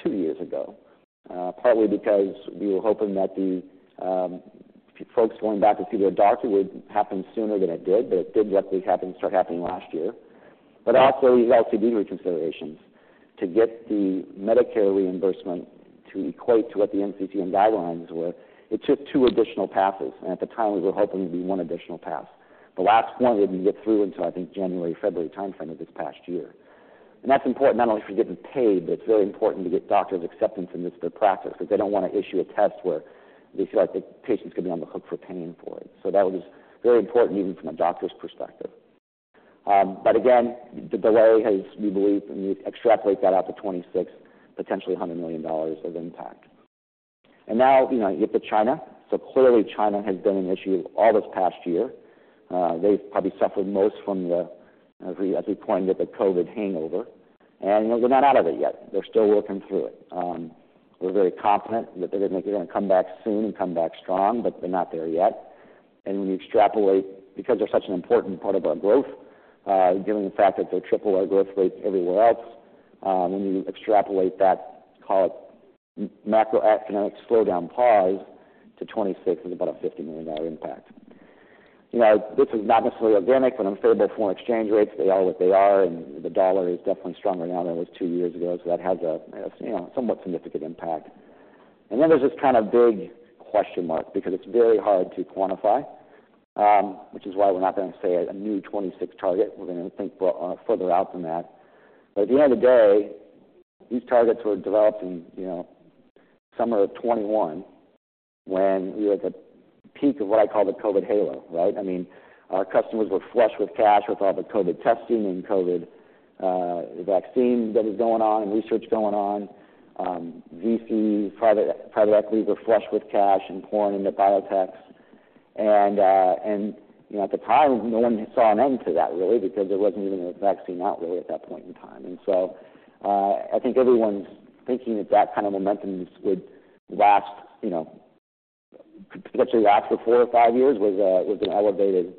two years ago. Partly because we were hoping that the folks going back to see their doctor would happen sooner than it did, but it did luckily happen, start happening last year. But also these LCD reconsiderations to get the Medicare reimbursement to equate to what the NCCN guidelines were, it took two additional passes, and at the time, we were hoping it would be one additional pass. The last one didn't get through until, I think, January, February timeframe of this past year. And that's important not only for getting paid, but it's very important to get doctors' acceptance into their practice, because they don't want to issue a test where they feel like the patients could be on the hook for paying for it. So that was very important, even from a doctor's perspective. But again, the delay has, we believe, and we extrapolate that out to 2026, potentially $100 million of impact. And now, you know, you get to China. So clearly, China has been an issue all this past year. They've probably suffered most from the, as we, as we pointed, the COVID hangover, and, you know, they're not out of it yet. They're still working through it. We're very confident that they're gonna, they're gonna come back soon and come back strong, but they're not there yet. And when you extrapolate, because they're such an important part of our growth, given the fact that they triple our growth rate everywhere else, when you extrapolate that, call it macroeconomics slowdown pause to 2026 is about a $50 million impact. You know, this is not necessarily organic, but unfavorable foreign exchange rates, they are what they are, and the US dollar is definitely stronger now than it was two years ago. So that has a, you know, somewhat significant impact. And then there's this kind of big question mark, because it's very hard to quantify, which is why we're not gonna say a new 26 target. We're gonna think further out than that. But at the end of the day, these targets were developed in, you know, summer of 2021, when we were at the peak of what I call the COVID halo, right? I mean, our customers were flush with cash with all the COVID testing and COVID vaccine that was going on and research going on. VC, private equity were flush with cash and pouring into biotechs. You know, at the time, no one saw an end to that really, because there wasn't even a vaccine out really at that point in time. I think everyone's thinking that that kind of momentum would last, you know, potentially last for 4 or 5 years was an elevated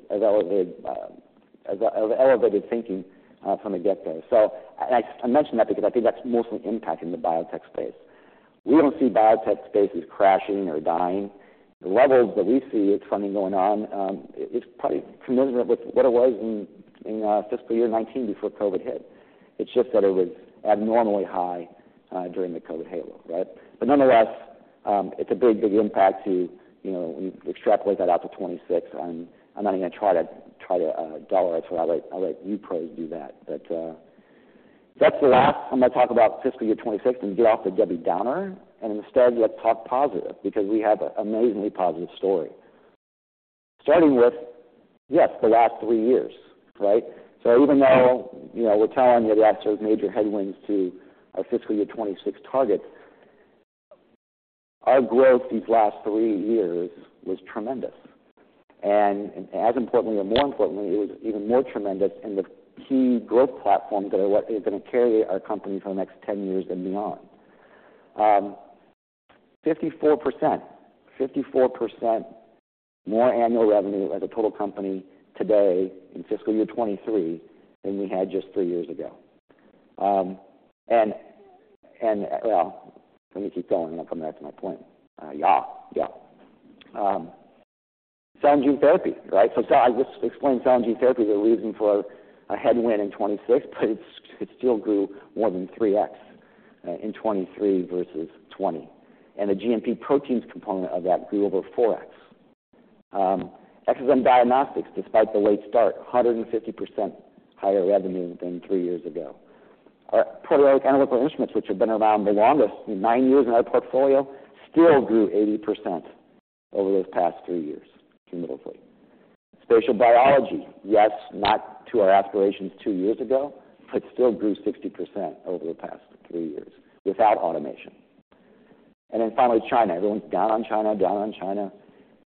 thinking from the get-go. So I mentioned that because I think that's mostly impacting the biotech space. We don't see biotech space as crashing or dying. The levels that we see, it's funding going on, it's probably familiar with what it was in fiscal year 2019 before COVID hit. It's just that it was abnormally high during the COVID halo, right? But nonetheless, it's a big, big impact to, you know, we extrapolate that out to 2026, and I'm not even gonna try to, try to, dollarize it. I'll let, I'll let you probably do that. But, that's the last I'm gonna talk about fiscal year 2026 and get off the Debbie Downer, and instead, let's talk positive, because we have an amazingly positive story. Starting with, yes, the last three years, right? So even though, you know, we're telling you that there's major headwinds to our fiscal year 2026 target, our growth these last three years was tremendous. And as importantly, or more importantly, it was even more tremendous in the key growth platforms that are what is gonna carry our company for the next 10 years and beyond. 54%. 54% more annual revenue as a total company today in fiscal year 2023 than we had just 3 years ago. And well, let me keep going, and I'll come back to my point. Cell and gene therapy, right? So I just explained cell and gene therapy, the reason for a headwind in 2026, but it still grew more than 3x in 2023 versus 2020, and the GMP proteins component of that grew over 4x. Exosome Diagnostics, despite the late start, 150% higher revenue than 3 years ago. Our bioprocess analytical instruments, which have been around the longest, 9 years in our portfolio, still grew 80% over those past 3 years, cumulatively. Spatial biology, yes, not to our aspirations two years ago, but still grew 60% over the past three years without automation. And then finally, China. Everyone's down on China, down on China.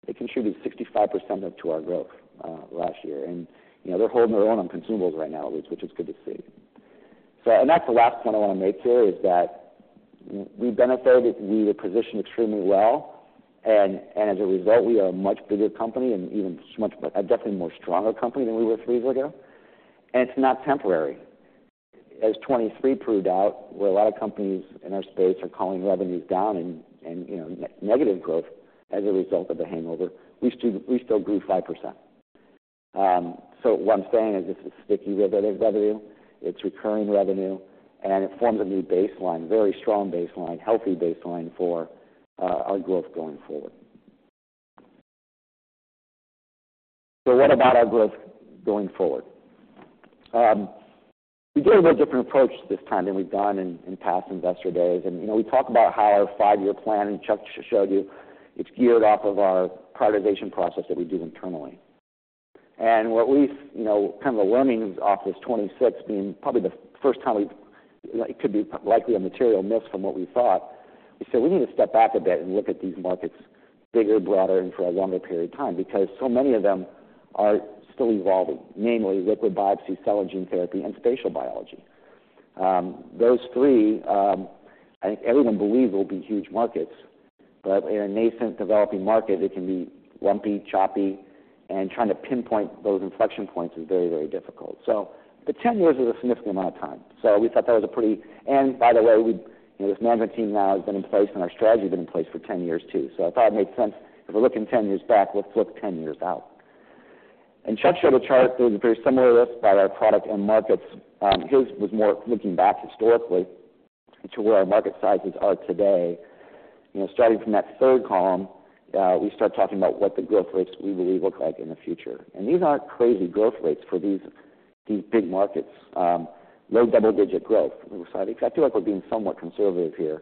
It contributed 65% of to our growth last year. And, you know, they're holding their own on consumables right now, at least, which is good to see. So and that's the last point I wanna make here, is that we benefited. We were positioned extremely well, and, and as a result, we are a much bigger company and even much, definitely more stronger company than we were three years ago. And it's not temporary. As 2023 proved out, where a lot of companies in our space are calling revenues down and, and, you know, negative growth as a result of the hangover, we still, we still grew 5%. So what I'm saying is this is sticky revenue. It's recurring revenue, and it forms a new baseline, very strong baseline, healthy baseline for our growth going forward. So what about our growth going forward? We did a little different approach this time than we've done in past investor days. You know, we talked about how our five-year plan, and Chuck showed you, it's geared off of our prioritization process that we do internally. What we've, you know, kind of the learnings off this 2026 being probably the first time we've—it could be likely a material miss from what we thought. We said: We need to step back a bit and look at these markets bigger, broader, and for a longer period of time, because so many of them are still evolving, namely liquid biopsy, cell and gene therapy, and spatial biology. Those three, I think everyone believes will be huge markets, but in a nascent developing market, it can be lumpy, choppy, and trying to pinpoint those inflection points is very, very difficult. So the 10 years is a significant amount of time. So we thought that was a pretty... And by the way, we, you know, this management team now has been in place and our strategy has been in place for 10 years, too. So I thought it made sense, if we're looking 10 years back, let's look 10 years out. Chuck showed a chart that was very similar to this by our product and markets. His was more looking back historically to where our market sizes are today. You know, starting from that third column, we start talking about what the growth rates we believe look like in the future. And these aren't crazy growth rates for these, these big markets. Low double-digit growth. I feel like we're being somewhat conservative here.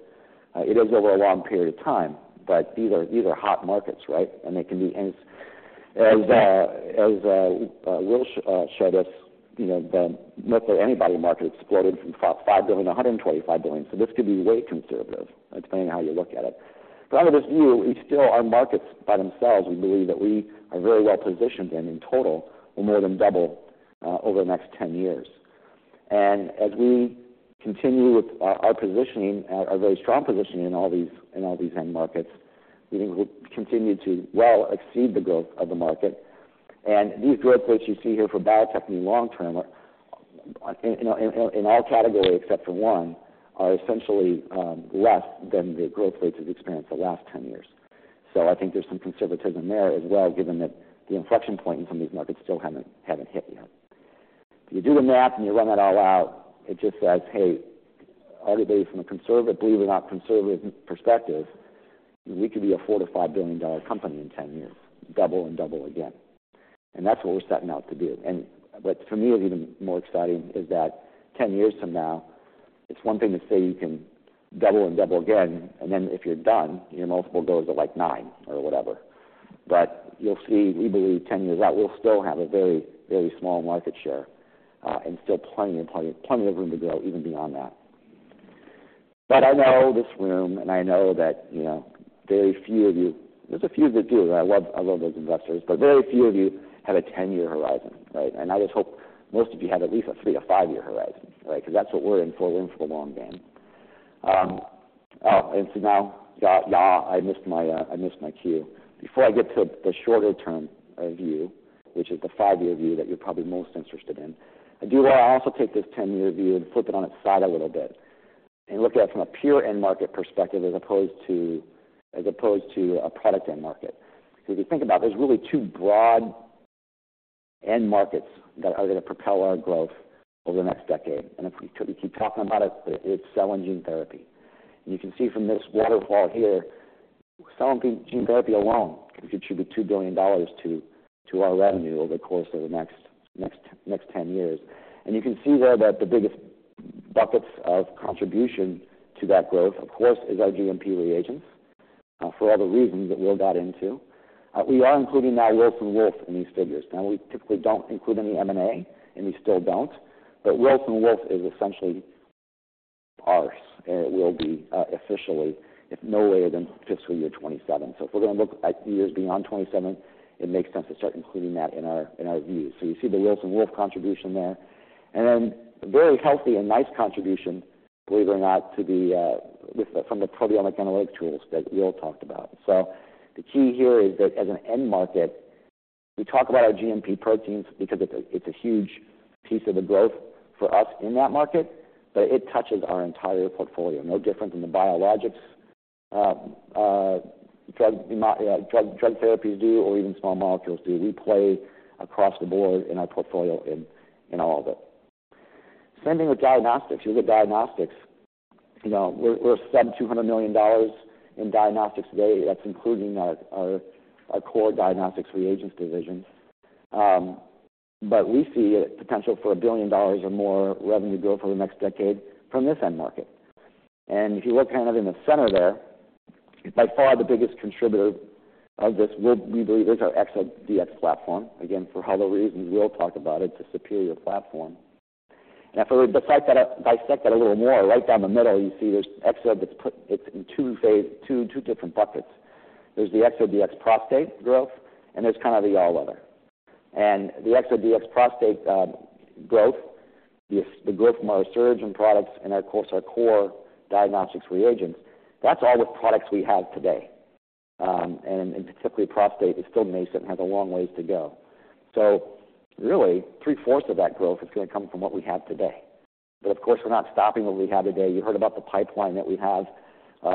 It is over a long period of time, but these are, these are hot markets, right? And they can be. As Will showed us, you know, the monoclonal antibody market exploded from $5 billion to $125 billion. So this could be way conservative, depending on how you look at it. But under this view, we still, our markets by themselves, we believe that we are very well positioned, and in total, we'll more than double over the next 10 years. And as we continue with our positioning, our very strong positioning in all these end markets, we will continue to well exceed the growth of the market. And these growth rates you see here for biotech in the long term are, you know, in all categories except for one, are essentially less than the growth rates we've experienced the last 10 years. So I think there's some conservatism there as well, given that the inflection point in some of these markets still haven't hit yet. If you do the math and you run that all out, it just says, "Hey, all the way from a conservative, believe it or not, conservative perspective, we could be a $4-$5 billion company in 10 years, double and double again." And that's what we're setting out to do. And what for me is even more exciting is that 10 years from now, it's one thing to say you can double and double again, and then if you're done, your multiple goes to, like, 9 or whatever. But you'll see, we believe 10 years out, we'll still have a very, very small market share, and still plenty, plenty, plenty of room to grow even beyond that. But I know this room, and I know that, you know, very few of you. There's a few that do, and I love, I love those investors, but very few of you have a 10-year horizon, right? And I just hope most of you have at least a 3- to 5-year horizon, right? Because that's what we're in for, we're in for the long game. I missed my cue. Before I get to the shorter term view, which is the 5-year view that you're probably most interested in, I do want to also take this 10-year view and flip it on its side a little bit and look at it from a pure end market perspective, as opposed to a product end market. So if you think about it, there's really two broad end markets that are going to propel our growth over the next decade. If we keep talking about it, it's cell and gene therapy. You can see from this waterfall here, cell and gene therapy alone can contribute $2 billion to our revenue over the course of the next ten years. You can see there that the biggest buckets of contribution to that growth, of course, is our GMP reagents for all the reasons that Will got into. We are including now Wilson Wolf in these figures. Now, we typically don't include any M&A, and we still don't. But Wilson Wolf is essentially ours, and it will be officially, if no later than fiscal year 2027. So if we're going to look at years beyond 27, it makes sense to start including that in our views. So you see the Wilson Wolf contribution there. And then a very healthy and nice contribution, believe it or not, from the proteomic analytic tools that Will talked about. So the key here is that as an end market, we talk about our GMP proteins because it's a huge piece of the growth for us in that market, but it touches our entire portfolio. No different than the biologics drug therapies do or even small molecules do. We play across the board in our portfolio in all of it. Same thing with diagnostics. You look at diagnostics, you know, we're sub $200 million in diagnostics today. That's including our core diagnostics reagents division. But we see a potential for $1 billion or more revenue growth over the next decade from this end market. And if you look kind of in the center there, by far, the biggest contributor of this would, we believe, is our ExoDx platform. Again, for all the reasons Will talked about, it's a superior platform. And if we dissect that a little more, right down the middle, you see there's ExoDx that's in two different buckets. There's the ExoDx prostate growth, and there's kind of the all other. And the ExoDx prostate growth, the growth from our Asuragen products and our core diagnostics reagents, that's all the products we have today. And particularly prostate is still nascent, has a long ways to go. So really, three-fourths of that growth is going to come from what we have today. But of course, we're not stopping what we have today. You heard about the pipeline that we have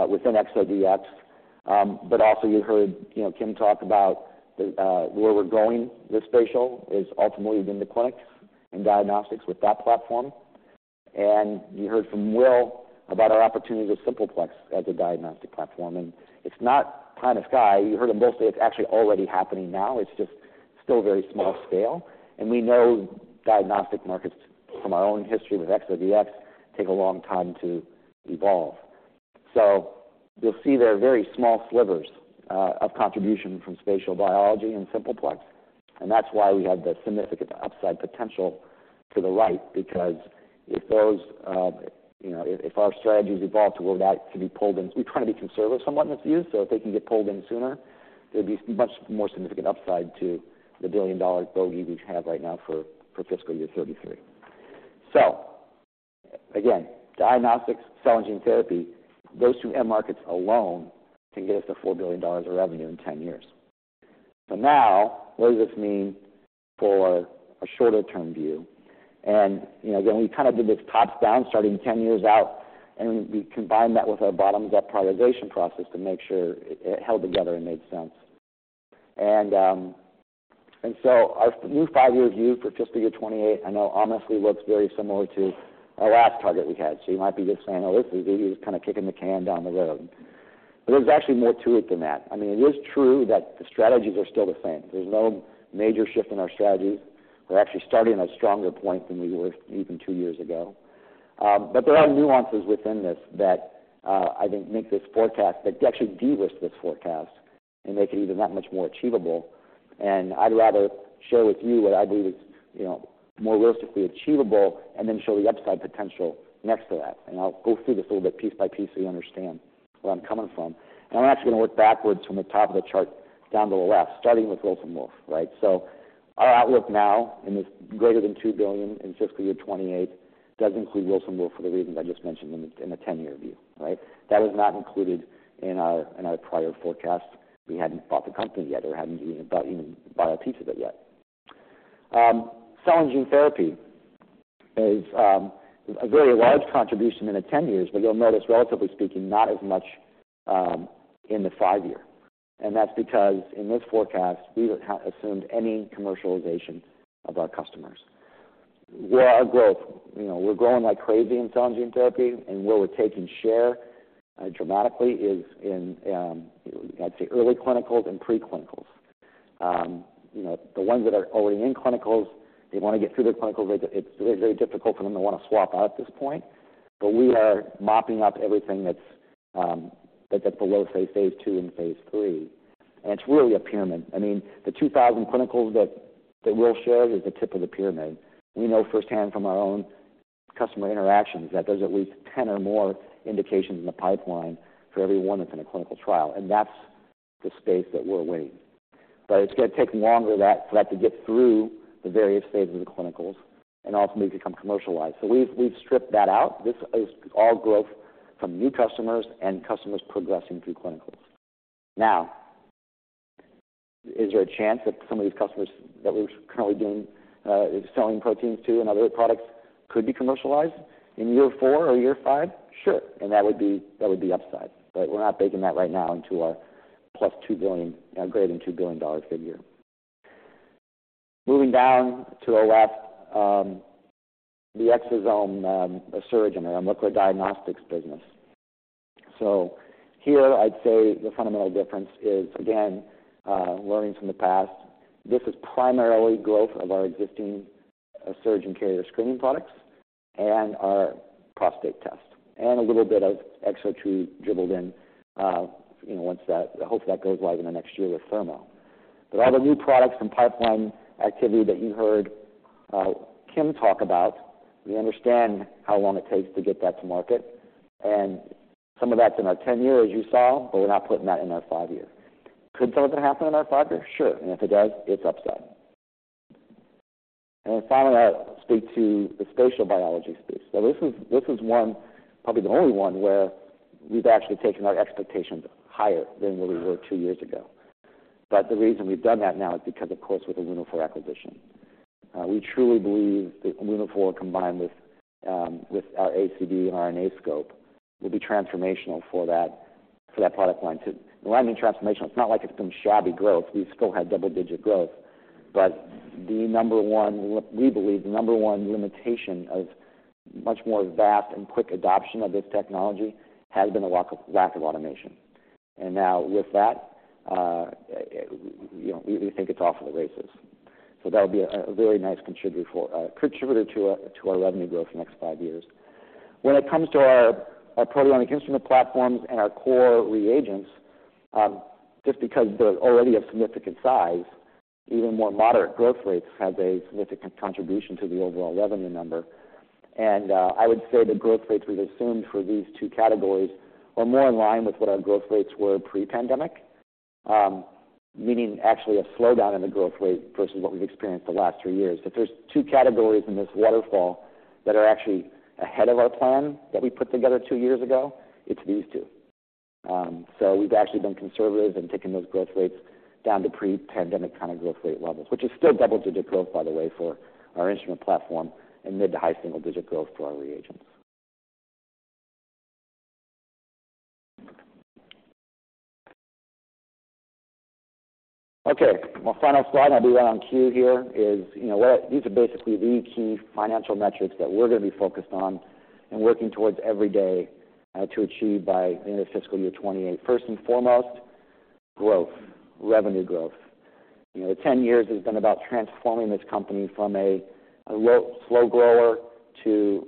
within ExoDX. But also you heard, you know, Kim talk about where we're going. This spatial is ultimately in the clinics and diagnostics with that platform. And you heard from Will about our opportunity with Simple Plex as a diagnostic platform, and it's not pie in the sky. You heard him mostly, it's actually already happening now. It's just still very small scale. And we know diagnostic markets from our own history with ExoDX take a long time to evolve. So you'll see there are very small slivers of contribution from spatial biology and Simple Plex, and that's why we have the significant upside potential to the right, because if those, you know, if our strategies evolve to where that can be pulled in. We're trying to be conservative somewhat in this view, so if they can get pulled in sooner, there'd be much more significant upside to the billion-dollar bogey we have right now for fiscal year 2033. So again, diagnostics, cell and gene therapy, those two end markets alone can get us to $4 billion of revenue in 10 years. So now, what does this mean for a shorter term view? You know, again, we kind of did this top down, starting 10 years out, and we combined that with our bottom-up prioritization process to make sure it held together and made sense. Our new five-year view for fiscal year 2028, I know honestly, looks very similar to our last target we had. So you might be just saying, "Oh, look, we're kind of kicking the can down the road." There's actually more to it than that. I mean, it is true that the strategies are still the same. There's no major shift in our strategy. We're actually starting a stronger point than we were even 2 years ago... But there are nuances within this that I think make this forecast that actually de-risk this forecast and make it even that much more achievable. I'd rather share with you what I believe is, you know, more realistically achievable and then show the upside potential next to that. I'll go through this a little bit piece by piece so you understand where I'm coming from. I'm actually gonna work backwards from the top of the chart down to the left, starting with Wilson Wolf, right? So our outlook now in this greater than $2 billion in fiscal year 2028, does include Wilson Wolf for the reasons I just mentioned in the, in the 10-year view, right? That was not included in our, in our prior forecast. We hadn't bought the company yet, or hadn't even bought a piece of it yet. Cell and gene therapy is a very large contribution in the 10 years, but you'll notice, relatively speaking, not as much in the 5-year. That's because in this forecast, we haven't assumed any commercialization of our customers. Where our growth, you know, we're growing like crazy in cell and gene therapy, and where we're taking share dramatically is in, I'd say, early clinicals and pre-clinicals. You know, the ones that are already in clinicals, they wanna get through their clinicals. It's very, very difficult for them to wanna swap out at this point. But we are mopping up everything that's below, say, phase 2 and phase 3. And it's really a pyramid. I mean, the 2,000 clinicals that we all share is the tip of the pyramid. We know firsthand from our own customer interactions that there's at least 10 or more indications in the pipeline for every one that's in a clinical trial, and that's the space that we're waiting. But it's gonna take longer for that to get through the various phases of the clinicals and ultimately become commercialized. So we've, we've stripped that out. This is all growth from new customers and customers progressing through clinicals. Now, is there a chance that some of these customers that we're currently doing is selling proteins to and other products could be commercialized in year 4 or year 5? Sure. And that would be, that would be upside, but we're not baking that right now into our plus $2 billion, greater than $2 billion dollar figure. Moving down to the left, the Exosome Asuragen, our liquid diagnostics business. So here I'd say the fundamental difference is, again, learnings from the past. This is primarily growth of our existing Asuragen carrier screening products and our prostate test, and a little bit of ExoTrue dribbled in, you know, once that... I hope that goes live in the next year with Thermo. But all the new products and pipeline activity that you heard, Kim talk about, we understand how long it takes to get that to market. And some of that's in our 10-year, as you saw, but we're not putting that in our 5-year. Could some of that happen in our 5-year? Sure. And if it does, it's upside. And then finally, I'll speak to the spatial biology space. So this is, this is one, probably the only one, where we've actually taken our expectations higher than where we were two years ago. But the reason we've done that now is because, of course, with the Lunaphore acquisition. We truly believe that Lunaphore, combined with our ACD and our RNAscope, will be transformational for that product line, too. And when I mean transformational, it's not like it's been shabby growth. We've still had double-digit growth, but the number one, we believe, the number one limitation of much more vast and quick adoption of this technology has been a lack of automation. And now with that, you know, we think it's off to the races. So that would be a very nice contributor to our revenue growth the next five years. When it comes to our proteomic instrument platforms and our core reagents, just because they're already of significant size, even more moderate growth rates have a significant contribution to the overall revenue number. I would say the growth rates we've assumed for these two categories are more in line with what our growth rates were pre-pandemic, meaning actually a slowdown in the growth rate versus what we've experienced the last three years. If there's two categories in this waterfall that are actually ahead of our plan that we put together two years ago, it's these two. So we've actually been conservative in taking those growth rates down to pre-pandemic kind of growth rate levels, which is still double-digit growth, by the way, for our instrument platform and mid to high single-digit growth for our reagents. Okay, my final slide, I'll do that on cue here, is, you know what? These are basically the key financial metrics that we're gonna be focused on and working towards every day, to achieve by the end of fiscal year 2028. First and foremost, growth, revenue growth. You know, 10 years has been about transforming this company from a low, slow grower to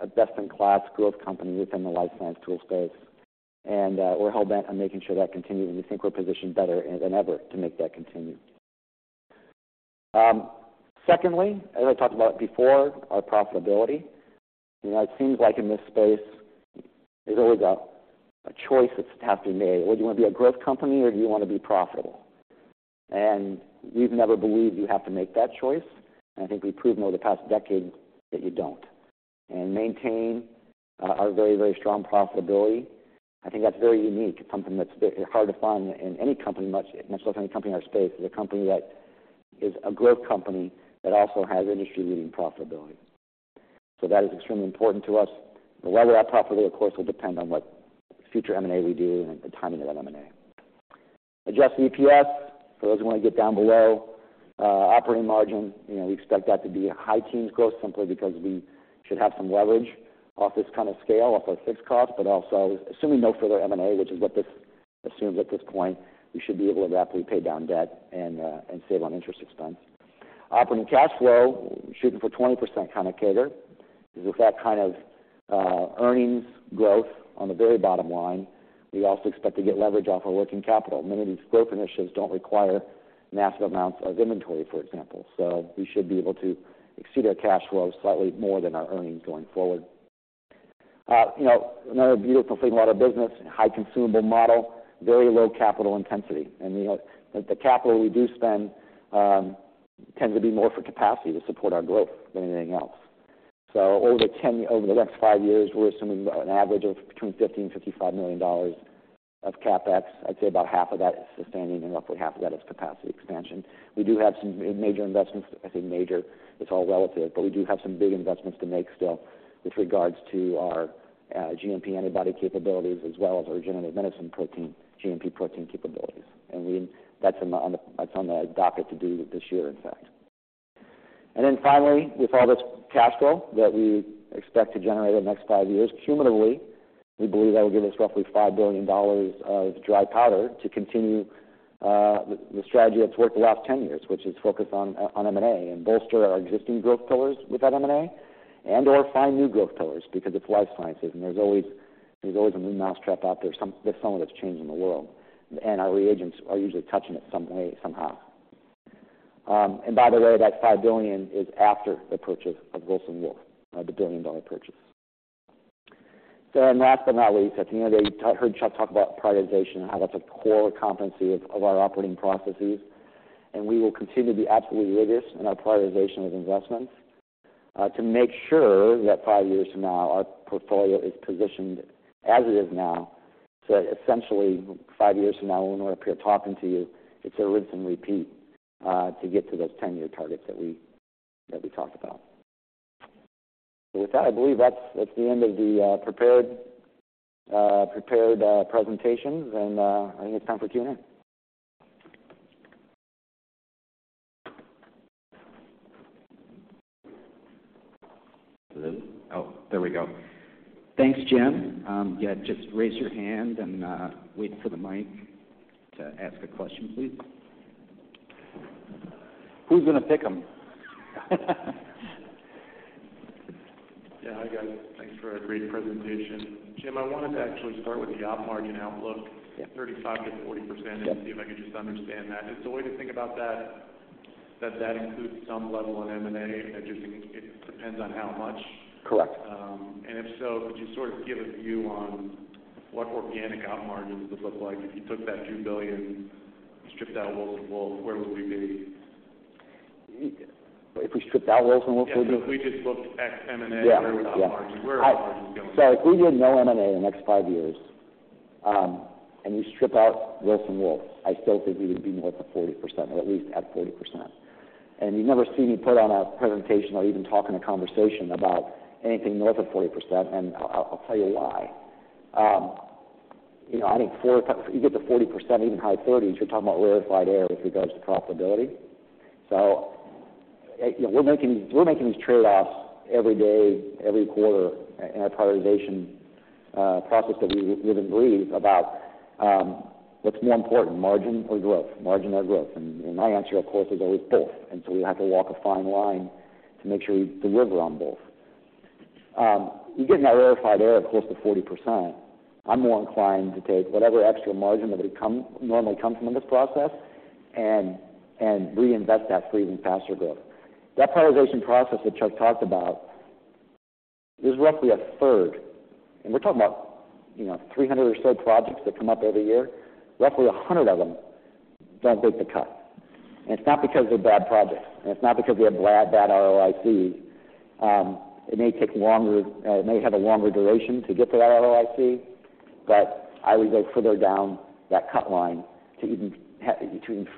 a best-in-class growth company within the life science tool space. And we're hell-bent on making sure that continues, and we think we're positioned better than ever to make that continue. Secondly, as I talked about before, our profitability. You know, it seems like in this space, there's always a choice that has to be made. Would you wanna be a growth company, or do you wanna be profitable? And we've never believed you have to make that choice. And I think we've proven over the past decade that you don't. And maintain our very, very strong profitability. I think that's very unique to a company that's hard to find in any company, much, much less any company in our space, is a company that is a growth company that also has industry-leading profitability. So that is extremely important to us. The level of profitability, of course, will depend on what future M&A we do and the timing of that M&A. Adjusted EPS, for those who want to get down below, operating margin, you know, we expect that to be a high teens growth simply because we should have some leverage off this kind of scale, off our fixed cost, but also assuming no further M&A, which is what this assumes at this point, we should be able to rapidly pay down debt and, and save on interest expense. Operating cash flow, shooting for 20% kind of target, is with that kind of earnings growth on the very bottom line. We also expect to get leverage off our working capital. Many of these growth initiatives don't require massive amounts of inventory, for example. So we should be able to exceed our cash flow slightly more than our earnings going forward. You know, another beautiful thing about our business, high consumable model, very low capital intensity. And, you know, the capital we do spend tends to be more for capacity to support our growth than anything else. So over the next five years, we're assuming about an average of between $50-$55 million of CapEx. I'd say about half of that is sustaining, and roughly half of that is capacity expansion. We do have some major investments. I say major, it's all relative, but we do have some big investments to make still with regards to our GMP antibody capabilities as well as our regenerative medicine protein, GMP protein capabilities. And that's on the, it's on the docket to do this year, in fact. And then finally, with all this cash flow that we expect to generate over the next 5 years, cumulatively, we believe that will give us roughly $5 billion of dry powder to continue the strategy that's worked the last 10 years, which is focused on M&A and bolster our existing growth pillars with that M&A, and/or find new growth pillars because it's life sciences, and there's always, there's always a new mousetrap out there, some- there's someone that's changing the world, and our reagents are usually touching it some way, somehow. And by the way, that $5 billion is after the purchase of Wilson Wolf, the billion-dollar purchase. And last but not least, at the end of the day, you heard Chuck talk about prioritization, and how that's a core competency of our operating processes. We will continue to be absolutely rigorous in our prioritization of investments to make sure that 5 years from now, our portfolio is positioned as it is now. Essentially, 5 years from now, when we're up here talking to you, it's a rinse and repeat to get to those 10-year targets that we talked about. With that, I believe that's the end of the prepared presentations. I think it's time for Q&A. Hello? Oh, there we go. Thanks, Jim. Yeah, just raise your hand and wait for the mic to ask a question, please. Who's gonna pick them? Yeah. Hi, guys. Thanks for a great presentation. Jim, I wanted to actually start with the op margin outlook- Yeah. 35%-40% Yeah. and see if I could just understand that. Is the way to think about that, that includes some level on M&A, and I just think it depends on how much? Correct. If so, could you sort of give a view on what organic op margins would look like if you took that $2 billion, stripped out Wilson Wolf, where would we be? If we stripped out Wilson Wolf, where- Yeah. So if we just looked at M&A- Yeah. Where would op margin, where are margins going? So if we did no M&A in the next five years, and you strip out Wilson Wolf, I still think we would be north of 40% or at least at 40%. And you never see me put on a presentation or even talk in a conversation about anything north of 40%, and I'll tell you why. You know, I think you get to 40%, even high 30s, you're talking about rarefied air with regards to profitability. So, you know, we're making, we're making these trade-offs every day, every quarter in our prioritization process that we believe about what's more important, margin or growth? Margin or growth? And my answer, of course, is always both. And so we have to walk a fine line to make sure we deliver on both. You get in that rarefied air of close to 40%, I'm more inclined to take whatever extra margin that would come, normally come from in this process and reinvest that for even faster growth. That prioritization process, which I've talked about, is roughly a third. And we're talking about, you know, 300 or so projects that come up every year. Roughly 100 of them don't make the cut. And it's not because they're bad projects, and it's not because they have bad ROIC. It may take longer, it may have a longer duration to get to that ROIC, but I would go further down that cut line to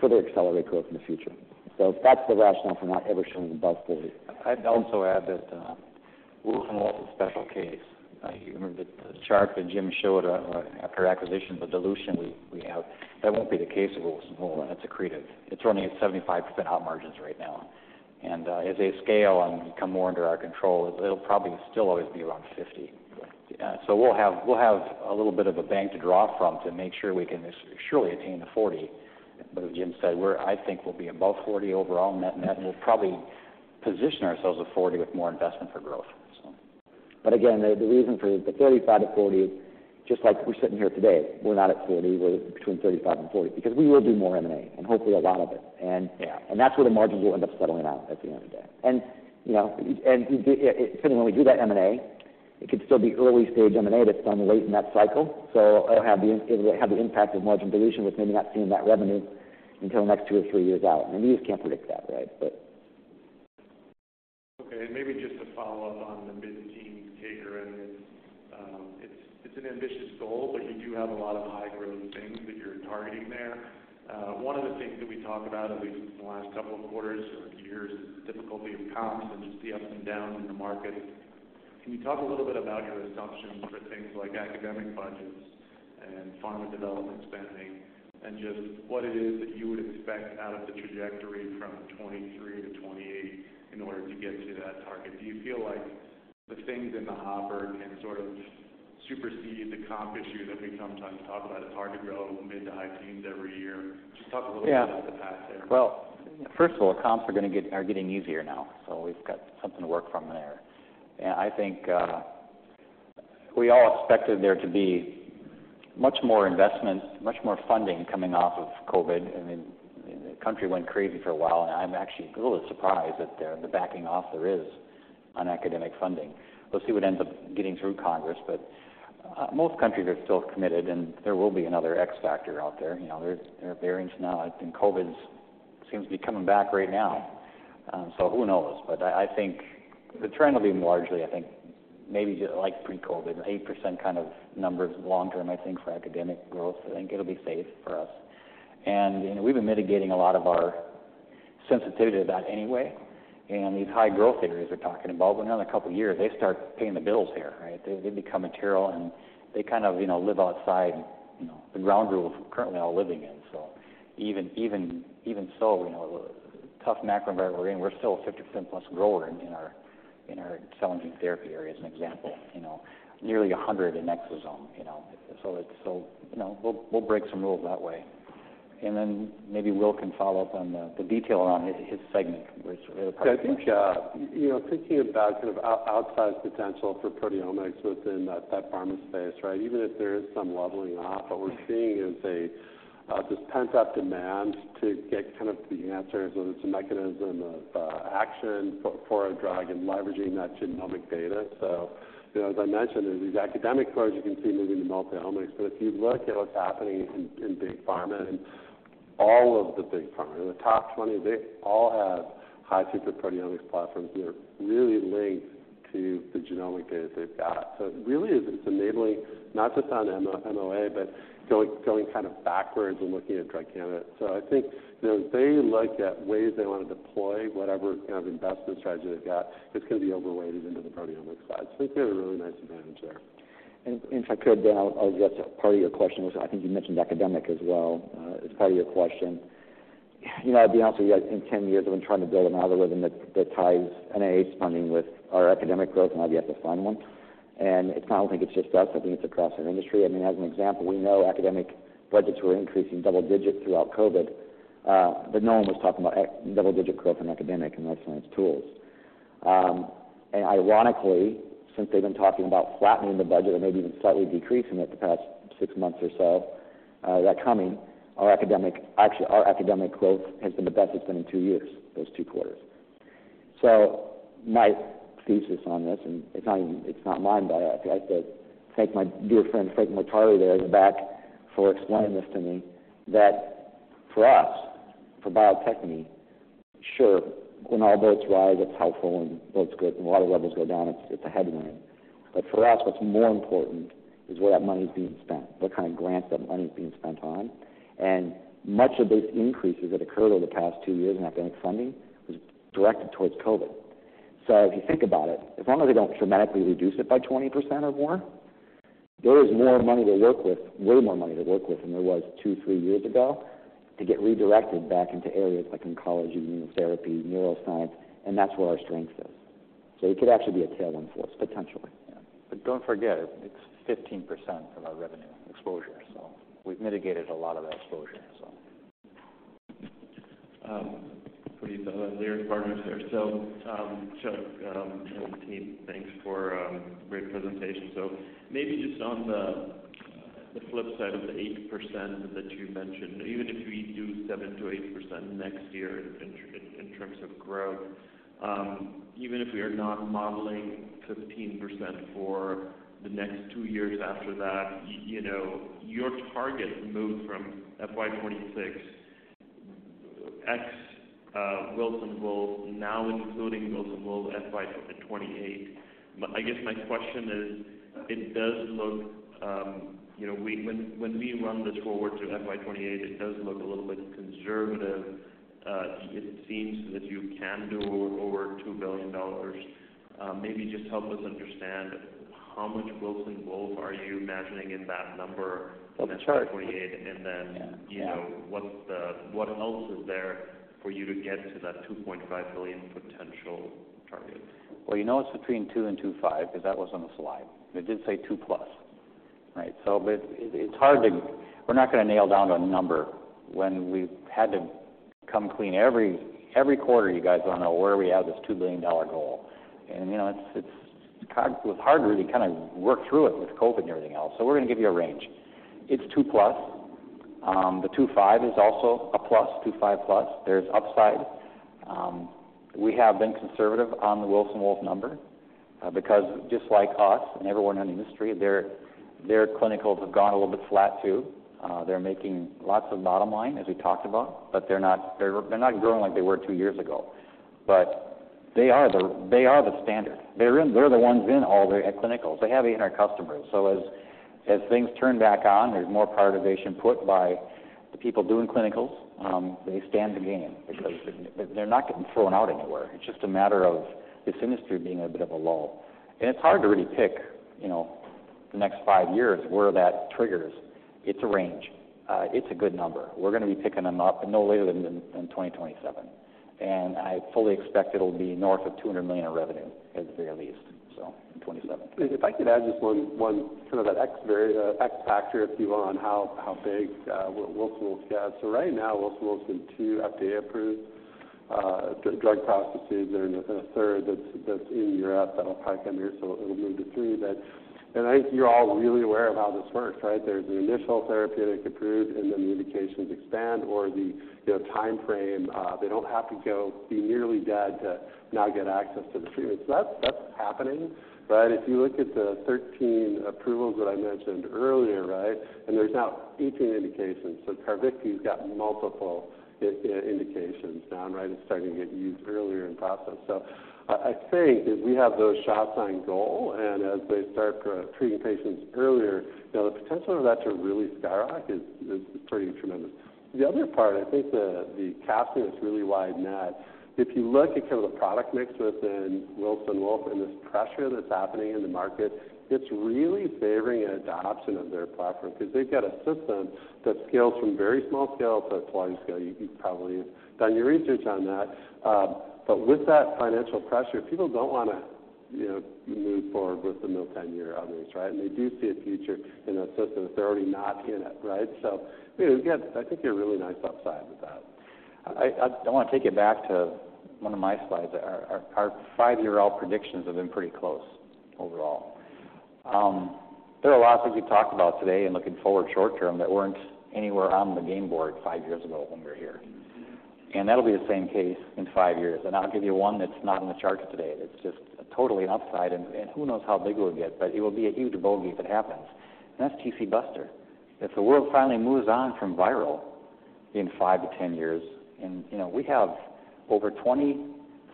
further accelerate growth in the future. So that's the rationale for not ever showing above 40%. I'd also add that, Wilson Wolf is a special case. You remember the, the chart that Jim showed, after acquisition, the dilution we, we have, that won't be the case of Wilson Wolf. That's accretive. It's running at 75% op margins right now. And, as they scale and come more under our control, it'll probably still always be around 50. So we'll have, we'll have a little bit of a bank to draw from to make sure we can surely attain the 40. But as Jim said, we're. I think we'll be above 40 overall, and that, and that will probably position ourselves at 40 with more investment for growth, so. But again, the reason for the 35-40, just like we're sitting here today, we're not at 40, we're between 35 and 40, because we will do more M&A, and hopefully a lot of it. Yeah. That's where the margins will end up settling out at the end of the day. And, you know, depending when we do that M&A, it could still be early stage M&A that's done late in that cycle. So it'll have the, it'll have the impact of margin dilution, with maybe not seeing that revenue until the next two or three years out, and you just can't predict that, right, but... Okay, and maybe just to follow up on the mid-teens target, and it's an ambitious goal, but you do have a lot of high-growth things that you're targeting there. One of the things that we talked about, at least in the last couple of quarters or years, is the difficulty of comps and just the ups and downs in the market. Can you talk a little bit about your assumptions for things like academic budgets and pharma development spending, and just what it is that you would expect out of the trajectory from 2023 to 2024-... in order to get to that target. Do you feel like the things in the hopper can sort of supersede the comp issue that we sometimes talk about? It's hard to grow mid- to high-teens every year. Just talk a little bit- Yeah. about the path there. Well, first of all, comps are gonna get-- are getting easier now, so we've got something to work from there. And I think we all expected there to be much more investment, much more funding coming off of COVID. I mean, the country went crazy for a while, and I'm actually a little surprised at the backing off there is on academic funding. We'll see what ends up getting through Congress, but most countries are still committed, and there will be another X factor out there. You know, there's, there are variants now. I think COVID's seems to be coming back right now. So who knows? But I think the trend will be largely, I think, maybe just like pre-COVID, 8% kind of numbers long term, I think, for academic growth. I think it'll be safe for us. You know, we've been mitigating a lot of our sensitivity to that anyway. These high growth areas we're talking about, within another couple of years, they start paying the bills here, right? They become material, and they kind of, you know, live outside, you know, the ground rules we're currently all living in. So even so, you know, tough macro environment we're in, we're still a 50%+ grower in our, in our cell and gene therapy area, as an example, you know. Nearly 100 in exosome, you know. So it's, so, you know, we'll break some rules that way. Then maybe Will can follow up on the detail around his segment, which- Yeah, I think, you know, thinking about sort of outside potential for proteomics within that pharma space, right? Even if there is some leveling off, what we're seeing is this pent-up demand to get kind of the answers, whether it's a mechanism of action for a drug and leveraging that genomic data. So, you know, as I mentioned, in these academic parts, you can see moving to multi-omics. But if you look at what's happening in big pharma, and all of the big pharma, the top 20, they all have high-throughput proteomics platforms that are really linked to the genomic data they've got. So it really is enabling, not just on MOA, but going kind of backwards and looking at drug candidates. So I think, you know, they look at ways they want to deploy whatever kind of investment strategy they've got, it's going to be overweighted into the proteomics side. So I think there's a really nice advantage there. If I could, Dan, I'll get to part of your question, which I think you mentioned academic as well, as part of your question. You know, I'll be honest with you, I think 10 years I've been trying to build an algorithm that ties NIH funding with our academic growth, and I've yet to find one. And I don't think it's just us, I think it's across our industry. I mean, as an example, we know academic budgets were increasing double digits throughout COVID, but no one was talking about double-digit growth in academic and life science tools. And ironically, since they've been talking about flattening the budget or maybe even slightly decreasing it the past six months or so, that coming, our academic... Actually, our academic growth has been the best it's been in two years, those two quarters. So my thesis on this, and it's not even—it's not mine, but I'd like to thank my dear friend, Frank Mortari, there in the back, for explaining this to me. That for us, for biotechnology, sure, when all boats rise, it's helpful and looks good, and water levels go down, it's, it's a headwind. But for us, what's more important is where that money is being spent, what kind of grants that money is being spent on. And much of those increases that occurred over the past two years in academic funding was directed towards COVID. If you think about it, as long as they don't dramatically reduce it by 20% or more, there is more money to work with, way more money to work with than there was 2, 3 years ago, to get redirected back into areas like oncology, immunotherapy, neuroscience, and that's where our strength is. It could actually be a tailwind for us, potentially. But don't forget, it's 15% of our revenue exposure, so we've mitigated a lot of that exposure, so. Pretty solid partners there. So, Chuck, and the team, thanks for great presentation. So maybe just on the flip side of the 8% that you mentioned, even if we do 7%-8% next year in terms of growth, even if we are not modeling 15% for the next two years after that, you know, your target moved from FY 2026, ex Wilson Wolf, now including Wilson Wolf, FY 2028. But I guess my question is, it does look, you know, when we run this forward to FY 2028, it does look a little bit conservative. It seems that you can do over $2 billion. Maybe just help us understand how much Wilson Wolf are you imagining in that number? Well, the chart- -for FY 2028, and then- Yeah. You know, what else is there for you to get to that $2.5 billion potential target? Well, you know, it's between $2 billion and $2.5 billion, because that was on the slide. It did say 2+, right? But it, it's hard to... We're not going to nail down a number when we've had to come clean every quarter, you guys want to know where we are with this $2 billion goal. And, you know, it's kind of it was hard to really kind of work through it with COVID and everything else. So we're going to give you a range. It's 2+. The 2.5 is also a plus, 2.5+. There's upside. We have been conservative on the Wilson Wolf number, because just like us and everyone in the industry, their clinicals have gone a little bit flat, too. They're making lots of bottom line, as we talked about, but they're not growing like they were two years ago. But they are the standard. They're the ones in all the clinicals. They have eight of our customers. So as things turn back on, there's more prioritization put by the people doing clinicals, they stand to gain because they're not getting thrown out anywhere. It's just a matter of this industry being in a bit of a lull. And it's hard to really pick, you know, the next five years, where that triggers, it's a range. It's a good number. We're gonna be picking them up no later than 2027. And I fully expect it'll be north of $200 million in revenue at the very least, so in 2027. If I could add just one sort of an X factor, if you will, on how big Wilson Wolf has. So right now, Wilson Wolf has 2 FDA-approved drug processes and a third that's in Europe that'll probably come here. So it'll move to 3 then. And I think you're all really aware of how this works, right? There's an initial therapeutic approved, and then the indications expand or the timeframe. They don't have to go be nearly dead to now get access to the treatment. So that's happening, right? If you look at the 13 approvals that I mentioned earlier, right, and there's now 18 indications, so Carvykti's got multiple indications now, right? It's starting to get used earlier in the process. So I think if we have those shots on goal, and as they start treating patients earlier, you know, the potential of that to really skyrocket is pretty tremendous. The other part, I think the casting this really wide net, if you look at kind of the product mix within Wilson Wolf and this pressure that's happening in the market, it's really favoring an adoption of their platform. Because they've got a system that scales from very small scale to large scale. You've probably have done your research on that. But with that financial pressure, people don't wanna, you know, move forward with the Miltenyi others, right? And they do see a future in a system if they're already not in it, right? So, you know, again, I think you're a really nice upside with that. I wanna take it back to one of my slides. Our five-year-old predictions have been pretty close overall. There are a lot of things we've talked about today and looking forward short term, that weren't anywhere on the game board 5 years ago when we were here. And that'll be the same case in 5 years, and I'll give you one that's not in the charts today. It's just a totally upside, and who knows how big it will get, but it will be a huge bogey if it happens, and that's TC Buster. If the world finally moves on from viral in 5-10 years, and you know, we have over 20